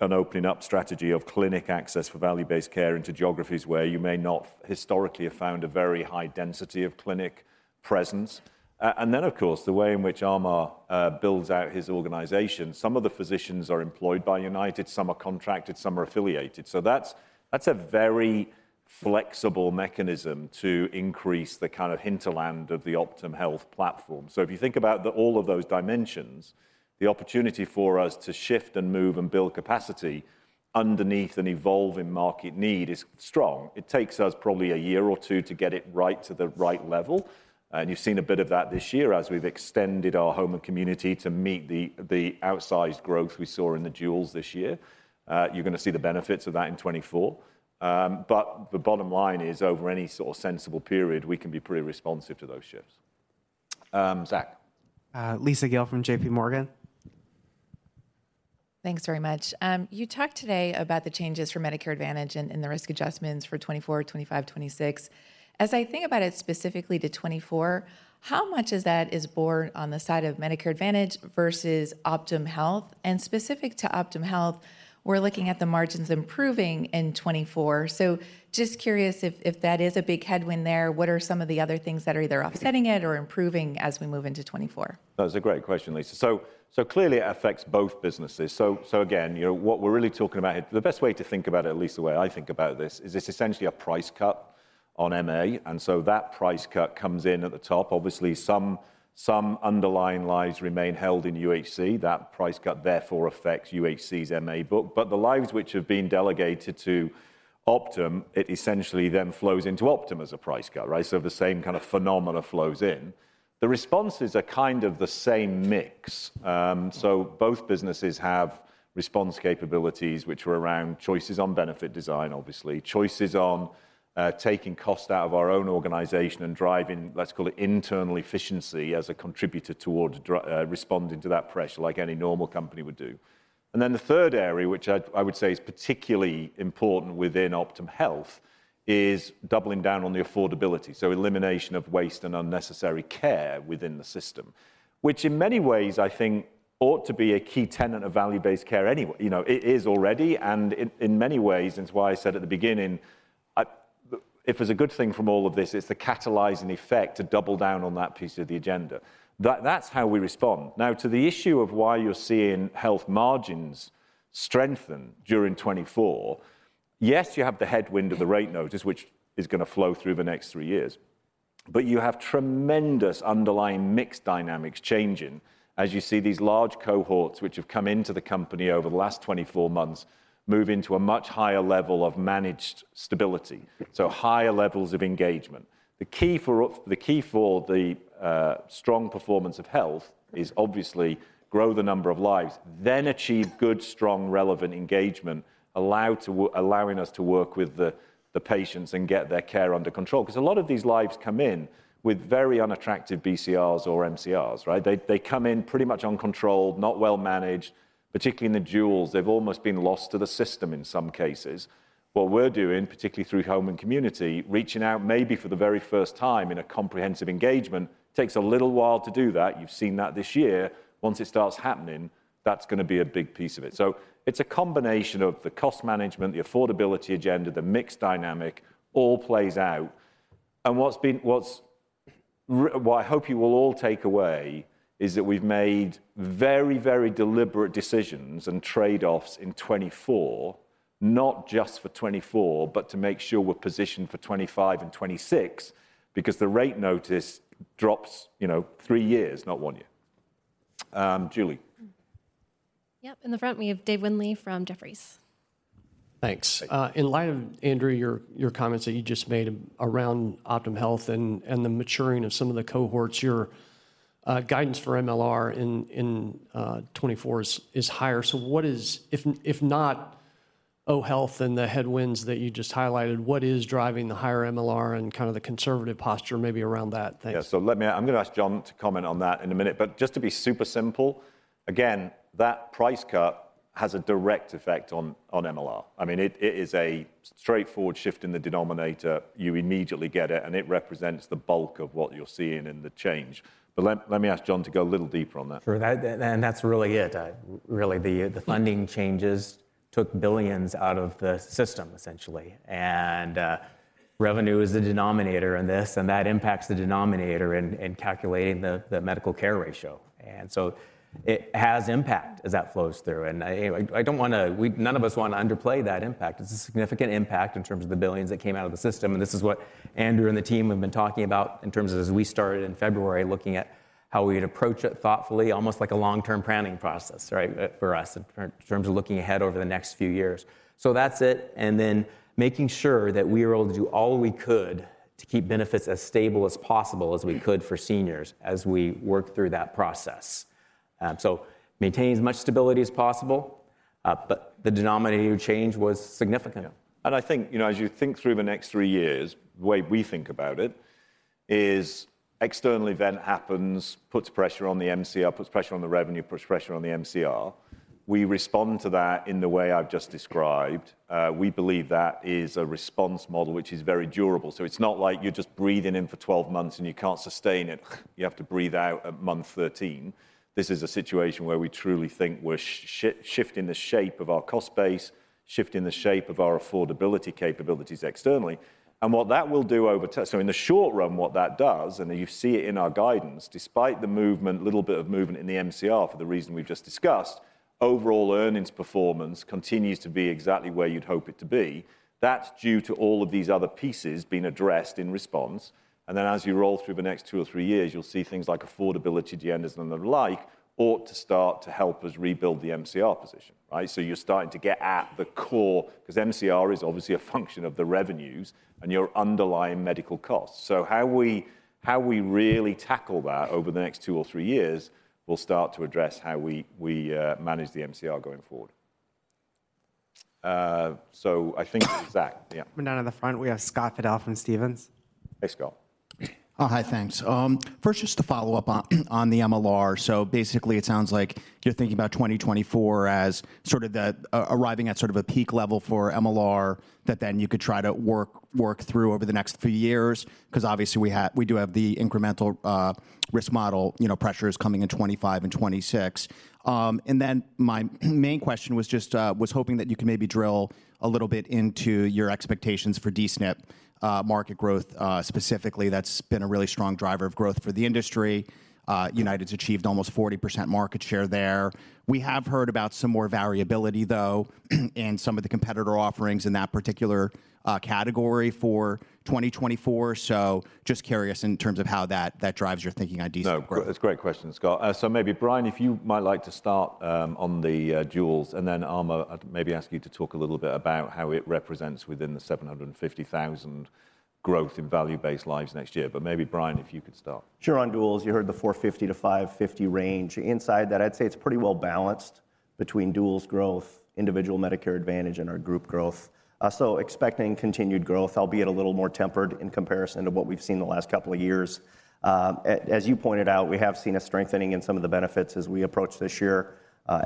an opening up strategy of clinic access for value-based care into geographies where you may not historically have found a very high density of clinic presence. And then, of course, the way in which Amar builds out his organization, some of the physicians are employed by United, some are contracted, some are affiliated. So that's a very flexible mechanism to increase the kind of hinterland of the Optum Health platform. So if you think about all of those dimensions, the opportunity for us to shift and move and build capacity underneath an evolving market need is strong. It takes us probably a year or two to get it right to the right level, and you've seen a bit of that this year as we've extended our home and community to meet the outsized growth we saw in the duals this year. You're gonna see the benefits of that in 2024. But the bottom line is, over any sort of sensible period, we can be pretty responsive to those shifts. Um, Zach? Lisa Gill from J.P. Morgan. Thanks very much. You talked today about the changes for Medicare Advantage and the risk adjustments for 2024, 2025, 2026. As I think about it, specifically to 2024, how much of that is borne on the side of Medicare Advantage versus Optum Health? And specific to Optum Health, we're looking at the margins improving in 2024, so just curious if that is a big headwind there, what are some of the other things that are either offsetting it or improving as we move into 2024? That's a great question, Lisa. So clearly, it affects both businesses. So again, you know, what we're really talking about, the best way to think about it, Lisa, the way I think about this, is it's essentially a price cut on MA, and so that price cut comes in at the top. Obviously, some underlying lives remain held in UHC. That price cut therefore affects UHC's MA book. But the lives which have been delegated to Optum, it essentially then flows into Optum as a price cut, right? So the same kind of phenomena flows in. The responses are kind of the same mix. So both businesses have response capabilities, which are around choices on benefit design, obviously, choices on taking cost out of our own organization and driving, let's call it, internal efficiency as a contributor toward responding to that pressure like any normal company would do. And then the third area, which I would say is particularly important within Optum Health, is doubling down on the affordability, so elimination of waste and unnecessary care within the system, which in many ways, I think ought to be a key tenet of value-based care anyway. You know, it is already, and in many ways, it's why I said at the beginning, if there's a good thing from all of this, it's the catalyzing effect to double down on that piece of the agenda. That's how we respond. Now, to the issue of why you're seeing health margins strengthen during 2024, yes, you have the headwind of the rate notice, which is gonna flow through the next three years, but you have tremendous underlying mix dynamics changing as you see these large cohorts, which have come into the company over the last 24 months, move into a much higher level of managed stability, so higher levels of engagement. The key for you, the key for the strong performance of health is obviously grow the number of lives, then achieve good, strong, relevant engagement, allowing us to work with the patients and get their care under control. Because a lot of these lives come in with very unattractive BCRs or MCRs, right? They, they come in pretty much uncontrolled, not well-managed, particularly in the duals. They've almost been lost to the system in some cases. What we're doing, particularly through home and community, reaching out maybe for the very first time in a comprehensive engagement, takes a little while to do that. You've seen that this year. Once it starts happening, that's gonna be a big piece of it. So it's a combination of the cost management, the affordability agenda, the mix dynamic all plays out. And what I hope you will all take away is that we've made very, very deliberate decisions and trade-offs in 2024, not just for 2024, but to make sure we're positioned for 2025 and 2026, because the rate notice drops, you know, three years, not one year. Julie? Yep. In the front, we have Dave Windley from Jefferies. Thanks. In light of, Andrew, your comments that you just made around Optum Health and the maturing of some of the cohorts, your guidance for MLR in 2024 is higher. So what is... If not O Health and the headwinds that you just highlighted, what is driving the higher MLR and kind of the conservative posture maybe around that? Thanks. Yeah, so let me - I'm gonna ask John to comment on that in a minute. But just to be super simple, again, that price cut has a direct effect on, on MLR. I mean, it, it is a straightforward shift in the denominator. You immediately get it, and it represents the bulk of what you're seeing in the change. But let, let me ask John to go a little deeper on that. Sure, that and that's really it. Really, the funding changes took $ billions out of the system, essentially, and revenue is the denominator in this, and that impacts the denominator in calculating the medical care ratio. And so it has impact as that flows through. And I don't wanna—we none of us want to underplay that impact. It's a significant impact in terms of the $ billions that came out of the system, and this is what Andrew and the team have been talking about in terms of as we started in February, looking at how we'd approach it thoughtfully, almost like a long-term planning process, right, for us, in terms of looking ahead over the next few years. So that's it, and then making sure that we are able to do all we could to keep benefits as stable as possible as we could for seniors as we work through that process. So maintain as much stability as possible, but the denominator change was significant. Yeah. And I think, you know, as you think through the next three years, the way we think about it is external event happens, puts pressure on the MCR, puts pressure on the revenue, puts pressure on the MCR. We respond to that in the way I've just described. We believe that is a response model, which is very durable. So it's not like you're just breathing in for twelve months and you can't sustain it, you have to breathe out at month thirteen. This is a situation where we truly think we're shifting the shape of our cost base, shifting the shape of our affordability capabilities externally. What that will do over time, so in the short run, what that does, and you see it in our guidance, despite the movement, little bit of movement in the MCR for the reason we've just discussed, overall earnings performance continues to be exactly where you'd hope it to be. That's due to all of these other pieces being addressed in response, and then as you roll through the next two or three years, you'll see things like affordability agendas and the like ought to start to help us rebuild the MCR position, right? So you're starting to get at the core, 'cause MCR is obviously a function of the revenues and your underlying medical costs. So how we, how we really tackle that over the next two or three years will start to address how we, we, manage the MCR going forward. So, I think that's that. Yeah. Down in the front, we have Scott Fidel from Stephens. Hey, Scott. Oh, hi, thanks. First, just to follow up on the MLR. So basically, it sounds like you're thinking about 2024 as sort of the arriving at sort of a peak level for MLR, that then you could try to work, work through over the next few years, 'cause obviously, we have we do have the incremental risk model, you know, pressures coming in 2025 and 2026. And then my main question was just, was hoping that you could maybe drill a little bit into your expectations for D-SNP market growth, specifically. That's been a really strong driver of growth for the industry. United's achieved almost 40% market share there. We have heard about some more variability, though, in some of the competitor offerings in that particular, category for 2024, so just curious in terms of how that, that drives your thinking on D-SNP growth? No, that's a great question, Scott. So maybe, Brian, if you might like to start on the duals, and then, Amar, I'd maybe ask you to talk a little bit about how it represents within the 750,000 growth in value-based lives next year. But maybe, Brian, if you could start. Sure. On duals, you heard the $450-$550 range. Inside that, I'd say it's pretty well balanced between duals growth, individual Medicare Advantage, and our group growth. So expecting continued growth, albeit a little more tempered in comparison to what we've seen the last couple of years. As you pointed out, we have seen a strengthening in some of the benefits as we approach this year.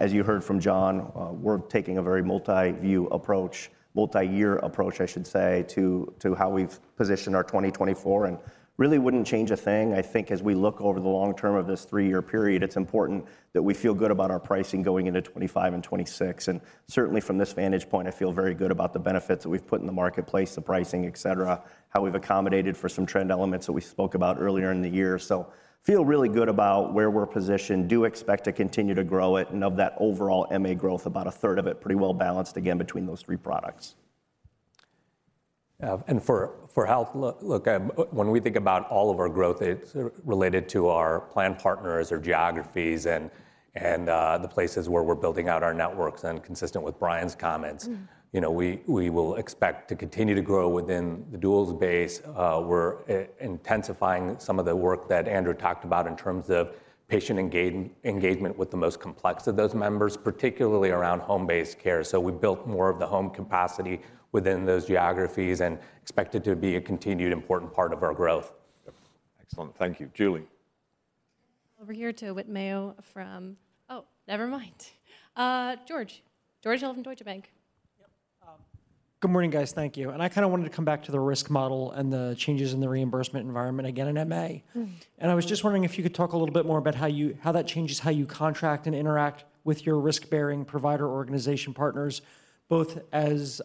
As you heard from John, we're taking a very multi-view approach, multi-year approach, I should say, to how we've positioned our 2024, and really wouldn't change a thing. I think as we look over the long term of this three-year period, it's important that we feel good about our pricing going into 2025 and 2026. Certainly from this vantage point, I feel very good about the benefits that we've put in the marketplace, the pricing, et cetera, how we've accommodated for some trend elements that we spoke about earlier in the year. So feel really good about where we're positioned. Do expect to continue to grow it, and of that overall MA growth, about a third of it, pretty well balanced, again, between those three products.... and for health, look, when we think about all of our growth, it's related to our plan partners or geographies and the places where we're building out our networks. And consistent with Brian's comments- Mm . you know, we will expect to continue to grow within the duals base. We're intensifying some of the work that Andrew talked about in terms of patient engagement with the most complex of those members, particularly around home-based care. So we've built more of the home capacity within those geographies and expect it to be a continued important part of our growth. Yep. Excellent. Thank you. Julie? Over here to Whit Mayo from... Oh, never mind. George, George Hill from Deutsche Bank. Yep. Good morning, guys. Thank you. I kind of wanted to come back to the risk model and the changes in the reimbursement environment again in MA. Mm. I was just wondering if you could talk a little bit more about how you, how that changes how you contract and interact with your risk-bearing provider organization partners, both as,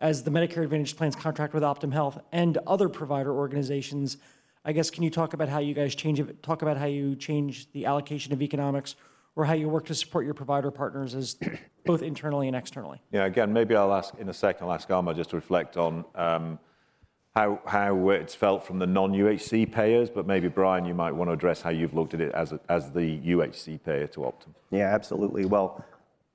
as the Medicare Advantage plans contract with Optum Health and other provider organizations. I guess, can you talk about how you guys change the allocation of economics, or how you work to support your provider partners as both internally and externally? Yeah, again, maybe I'll ask... In a second, I'll ask Amar just to reflect on how it's felt from the non-UHC payers, but maybe, Brian, you might want to address how you've looked at it as the UHC payer to Optum. Yeah, absolutely. Well,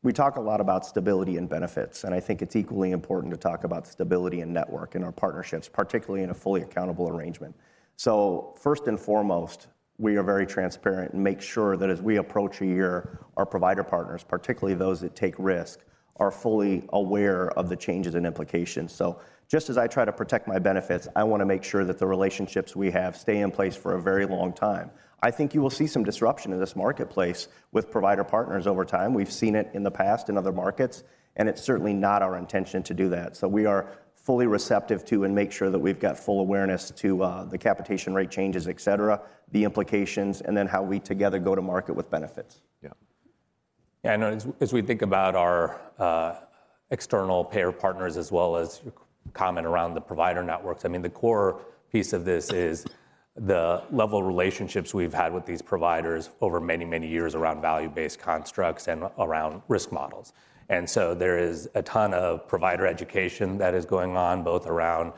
we talk a lot about stability and benefits, and I think it's equally important to talk about stability and network in our partnerships, particularly in a fully accountable arrangement. So first and foremost, we are very transparent and make sure that as we approach a year, our provider partners, particularly those that take risk, are fully aware of the changes and implications. So just as I try to protect my benefits, I want to make sure that the relationships we have stay in place for a very long time. I think you will see some disruption in this marketplace with provider partners over time. We've seen it in the past in other markets, and it's certainly not our intention to do that. We are fully receptive to, and make sure that we've got full awareness to, the capitation rate changes, et cetera, the implications, and then how we together go to market with benefits. Yeah. Yeah, I know, as we think about our external payer partners, as well as comments around the provider networks, I mean, the core piece of this is the level of relationships we've had with these providers over many, many years around value-based constructs and around risk models. And so there is a ton of provider education that is going on, both around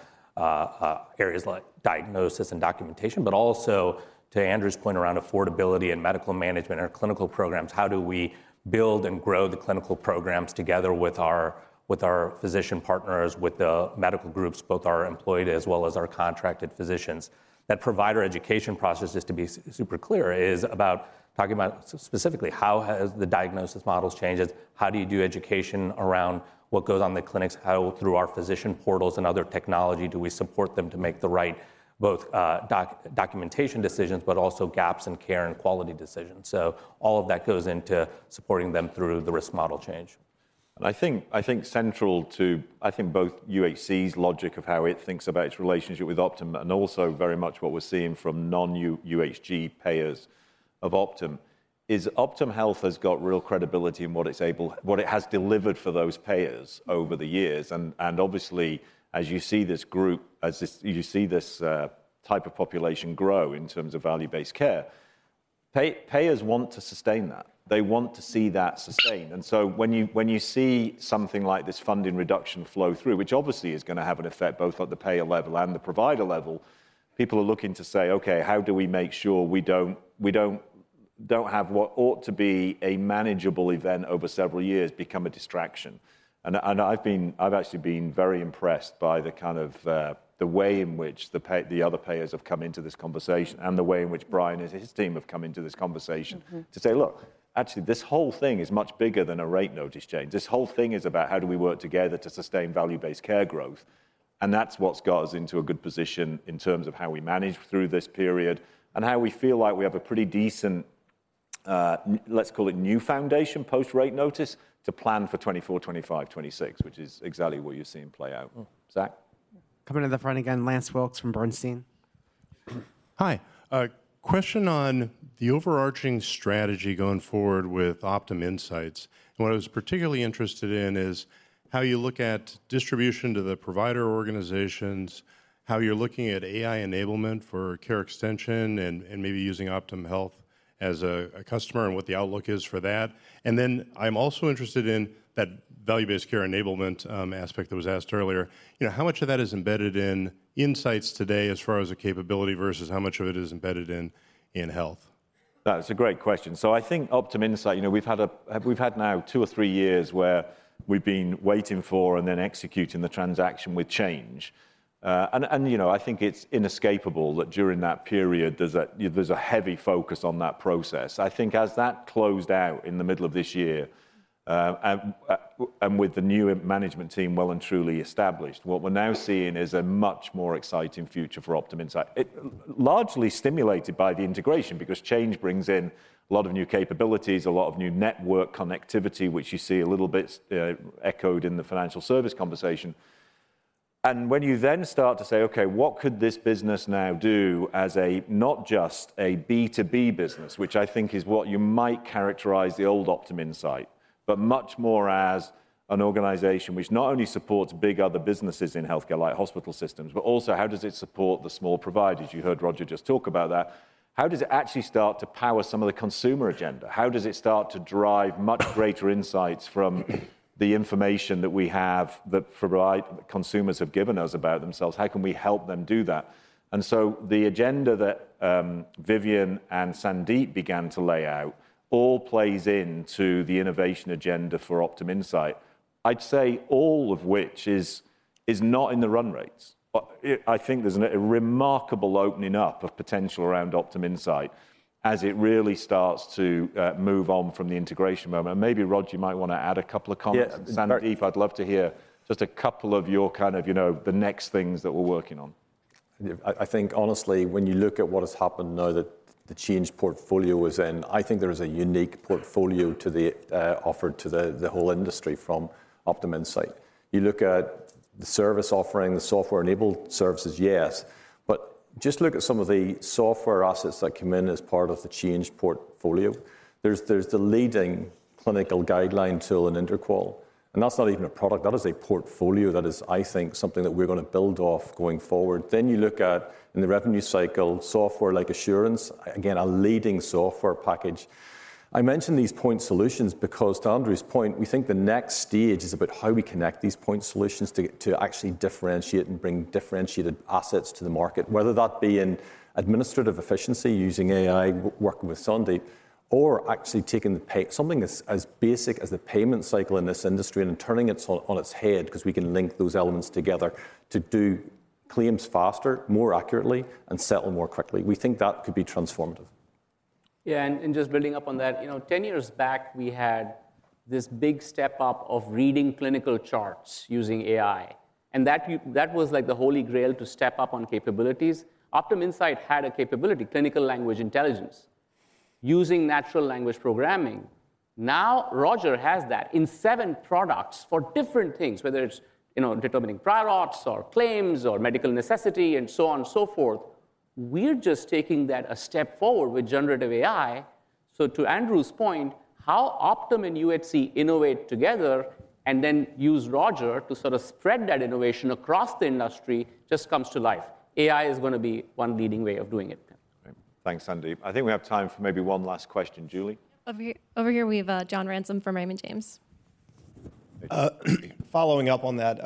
areas like diagnosis and documentation, but also, to Andrew's point around affordability and medical management and our clinical programs, how do we build and grow the clinical programs together with our physician partners, with the medical groups, both our employed as well as our contracted physicians? That provider education process, just to be super clear, is about talking about specifically how has the diagnosis models changes, how do you do education around what goes on in the clinics, how through our physician portals and other technology do we support them to make the right, both, documentation decisions, but also gaps in care and quality decisions? So all of that goes into supporting them through the risk model change. I think central to both UHC's logic of how it thinks about its relationship with Optum, and also very much what we're seeing from non-UHG payers of Optum, is Optum Health has got real credibility in what it has delivered for those payers over the years. And obviously, as you see this group, this type of population grow in terms of value-based care, payers want to sustain that. They want to see that sustained. And so when you see something like this funding reduction flow through, which obviously is gonna have an effect both at the payer level and the provider level, people are looking to say, "Okay, how do we make sure we don't have what ought to be a manageable event over several years become a distraction?" And I've actually been very impressed by the kind of the way in which the other payers have come into this conversation, and the way in which Brian and his team have come into this conversation- Mm-hmm to say, "Look, actually, this whole thing is much bigger than a rate notice change. This whole thing is about how do we work together to sustain value-based care growth?" And that's what got us into a good position in terms of how we manage through this period, and how we feel like we have a pretty decent, let's call it new foundation, post-rate notice, to plan for 2024, 2025, 2026, which is exactly what you're seeing play out. Mm. Zach? Coming to the front again, Lance Wilkes from Bernstein. Hi. Question on the overarching strategy going forward with Optum Insight. What I was particularly interested in is how you look at distribution to the provider organizations, how you're looking at AI enablement for care extension, and maybe using Optum Health as a customer, and what the outlook is for that. Then I'm also interested in that value-based care enablement aspect that was asked earlier. You know, how much of that is embedded in Insight today as far as the capability, versus how much of it is embedded in Health? That's a great question. So I think Optum Insight, you know, we've had now two or three years where we've been waiting for and then executing the transaction with change. And, you know, I think it's inescapable that during that period, there's a heavy focus on that process. I think as that closed out in the middle of this year, and with the new management team well and truly established, what we're now seeing is a much more exciting future for Optum Insight. It largely stimulated by the integration, because change brings in a lot of new capabilities, a lot of new network connectivity, which you see a little bit echoed in the financial service conversation. When you then start to say, "Okay, what could this business now do as a not just a B2B business," which I think is what you might characterize the old Optum Insight, but much more as an organization which not only supports big other businesses in healthcare, like hospital systems, but also, how does it support the small providers? You heard Roger just talk about that. How does it actually start to power some of the consumer agenda? How does it start to drive much greater insights from the information that we have that providers, consumers have given us about themselves, how can we help them do that? And so the agenda that Vivian and Sandeep began to lay out all plays into the innovation agenda for Optum Insight. I'd say all of which is not in the run rates. But I think there's a remarkable opening up of potential around Optum Insight as it really starts to move on from the integration moment. Maybe Rog, you might want to add a couple of comments. Yes, sure. Sandeep, I'd love to hear just a couple of your kind of, you know, the next things that we're working on. I think honestly, when you look at what has happened now that the Change portfolio is in, I think there is a unique portfolio to the offered to the whole industry from Optum Insight. You look at the service offering, the software-enabled services, yes, but just look at some of the software assets that come in as part of the Change portfolio. There's the leading clinical guideline tool in InterQual, and that's not even a product, that is a portfolio. That is, I think, something that we're gonna build off going forward. Then you look at, in the revenue cycle, software like Assurance, again, a leading software package. I mention these point solutions because to Andrew's point, we think the next stage is about how we connect these point solutions to actually differentiate and bring differentiated assets to the market, whether that be in administrative efficiency using AI working with Sandeep, or actually taking the something as basic as the payment cycle in this industry and turning it on its head 'cause we can link those elements together to do claims faster, more accurately, and settle more quickly. We think that could be transformative. Yeah, and just building up on that, you know, 10 years back we had this big step up of reading clinical charts using AI, and that was like the holy grail to step up on capabilities. Optum Insight had a capability, Clinical Language Intelligence using natural language programming. Now, Roger has that in 7 products for different things, whether it's, you know, determining prior auths or claims or medical necessity and so on and so forth. We're just taking that a step forward with generative AI. So to Andrew's point, how Optum and UHC innovate together and then use Roger to sort of spread that innovation across the industry just comes to life. AI is gonna be one leading way of doing it. Great. Thanks, Sandeep. I think we have time for maybe one last question. Julie? Over here, over here we have John Ransom from Raymond James. Following up on that,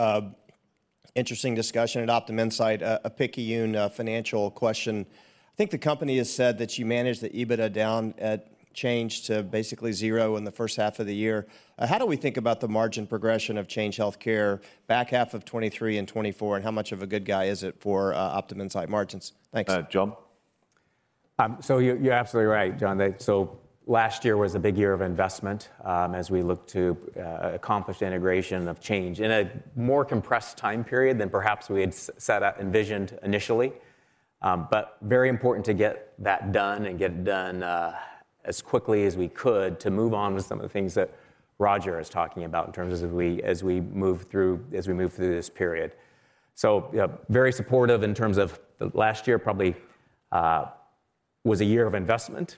interesting discussion at Optum Insight, a picky unit, financial question. I think the company has said that you managed the EBITDA down at Change to basically zero in the first half of the year. How do we think about the margin progression of Change Healthcare back half of 2023 and 2024, and how much of a good guy is it for, Optum Insight margins? Thanks. Uh, John? So you're absolutely right, John. So last year was a big year of investment, as we looked to accomplish the integration of Change in a more compressed time period than perhaps we had set out envisioned initially. But very important to get that done and get it done as quickly as we could to move on with some of the things that Roger is talking about in terms of as we move through this period. So, yeah, very supportive in terms of the last year probably was a year of investment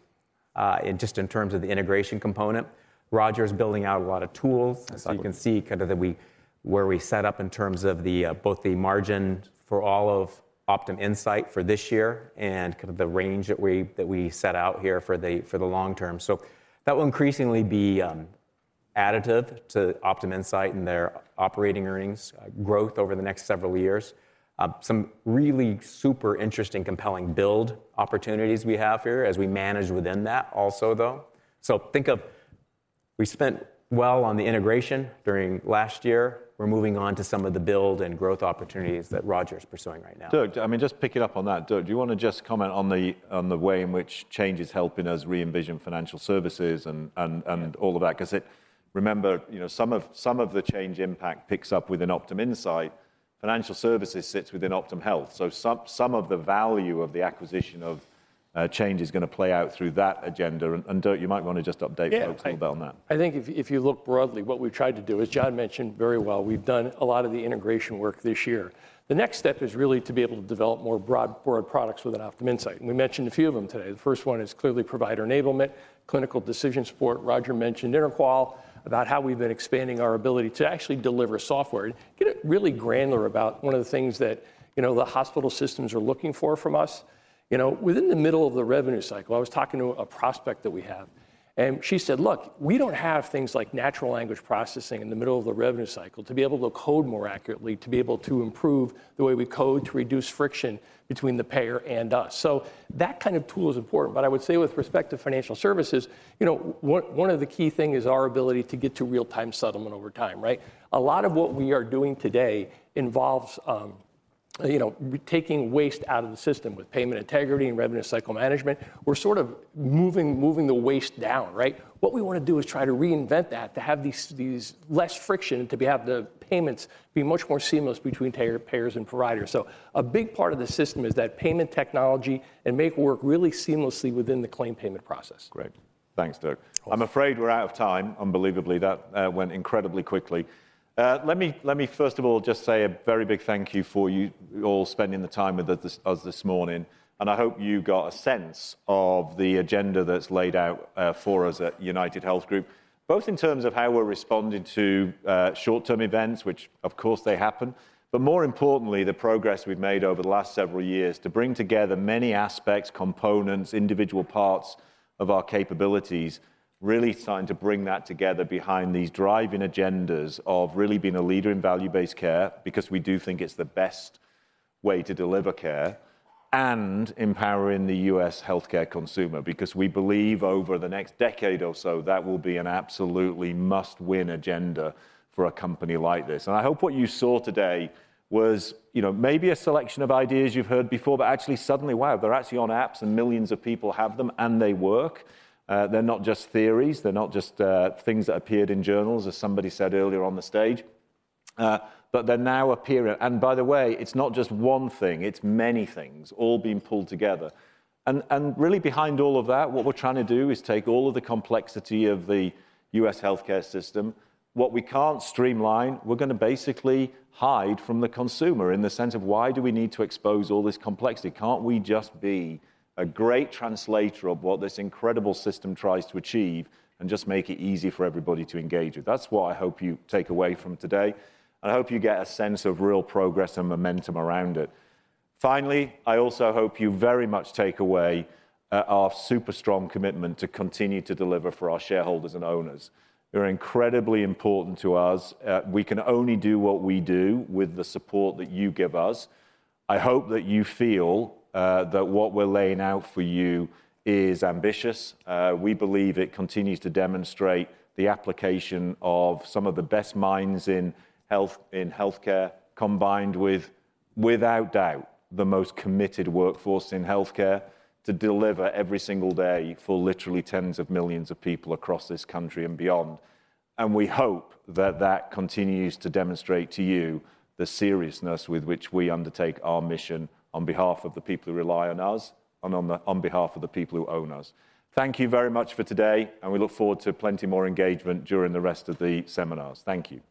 in just in terms of the integration component. Roger is building out a lot of tools- Yes so you can see kind of that we, where we set up in terms of the, both the margin for all of Optum Insight for this year and kind of the range that we, that we set out here for the, for the long term. So that will increasingly be, additive to Optum Insight and their operating earnings, growth over the next several years. Some really super interesting, compelling build opportunities we have here as we manage within that also, though. So think of we spent well on the integration during last year. We're moving on to some of the build and growth opportunities that Roger's pursuing right now. Doug, I mean, just pick it up on that. Doug, do you want to just comment on the, on the way in which Change is helping us re-envision financial services and, and, and all of that? 'Cause it... Remember, you know, some of, some of the Change impact picks up within Optum Insight. Financial Services sits within Optum Health, so some, some of the value of the acquisition of Change is gonna play out through that agenda, and, and Doug, you might want to just update folks about that. Yeah, thanks. I think if you look broadly, what we've tried to do, as John mentioned very well, we've done a lot of the integration work this year. The next step is really to be able to develop more broad products within Optum Insight, and we mentioned a few of them today. The first one is clearly provider enablement, clinical decision support. Roger mentioned InterQual, about how we've been expanding our ability to actually deliver software and get really granular about one of the things that, you know, the hospital systems are looking for from us. You know, within the middle of the revenue cycle, I was talking to a prospect that we have, and she said: "Look, we don't have things like natural language processing in the middle of the revenue cycle to be able to code more accurately, to be able to improve the way we code, to reduce friction between the payer and us." So that kind of tool is important, but I would say with respect to financial services, you know, one of the key thing is our ability to get to real-time settlement over time, right? A lot of what we are doing today involves, you know, taking waste out of the system with payment integrity and revenue cycle management. We're sort of moving the waste down, right? What we want to do is try to reinvent that, to have these, these less friction, to have the payments be much more seamless between payers and providers. So a big part of the system is that payment technology and make it work really seamlessly within the claim payment process. Great. Thanks, Doug. I'm afraid we're out of time, unbelievably. That went incredibly quickly. Let me first of all just say a very big thank you for you all spending the time with us this morning, and I hope you got a sense of the agenda that's laid out for us at UnitedHealth Group, both in terms of how we're responding to short-term events, which of course they happen, but more importantly, the progress we've made over the last several years to bring together many aspects, components, individual parts of our capabilities, really starting to bring that together behind these driving agendas of really being a leader in value-based care, because we do think it's the best-... way to deliver care and empowering the U.S. healthcare consumer, because we believe over the next decade or so, that will be an absolutely must-win agenda for a company like this. And I hope what you saw today was, you know, maybe a selection of ideas you've heard before, but actually suddenly, wow, they're actually on apps and millions of people have them, and they work. They're not just theories, they're not just, things that appeared in journals, as somebody said earlier on the stage, but they're now appearing. And by the way, it's not just one thing, it's many things all being pulled together. And really behind all of that, what we're trying to do is take all of the complexity of the U.S. healthcare system. What we can't streamline, we're gonna basically hide from the consumer in the sense of why do we need to expose all this complexity? Can't we just be a great translator of what this incredible system tries to achieve and just make it easy for everybody to engage with? That's what I hope you take away from today. I hope you get a sense of real progress and momentum around it. Finally, I also hope you very much take away our super strong commitment to continue to deliver for our shareholders and owners. You're incredibly important to us. We can only do what we do with the support that you give us. I hope that you feel that what we're laying out for you is ambitious. We believe it continues to demonstrate the application of some of the best minds in healthcare, combined with, without doubt, the most committed workforce in healthcare to deliver every single day for literally tens of millions of people across this country and beyond. We hope that that continues to demonstrate to you the seriousness with which we undertake our mission on behalf of the people who rely on us and on behalf of the people who own us. Thank you very much for today, and we look forward to plenty more engagement during the rest of the seminars. Thank you.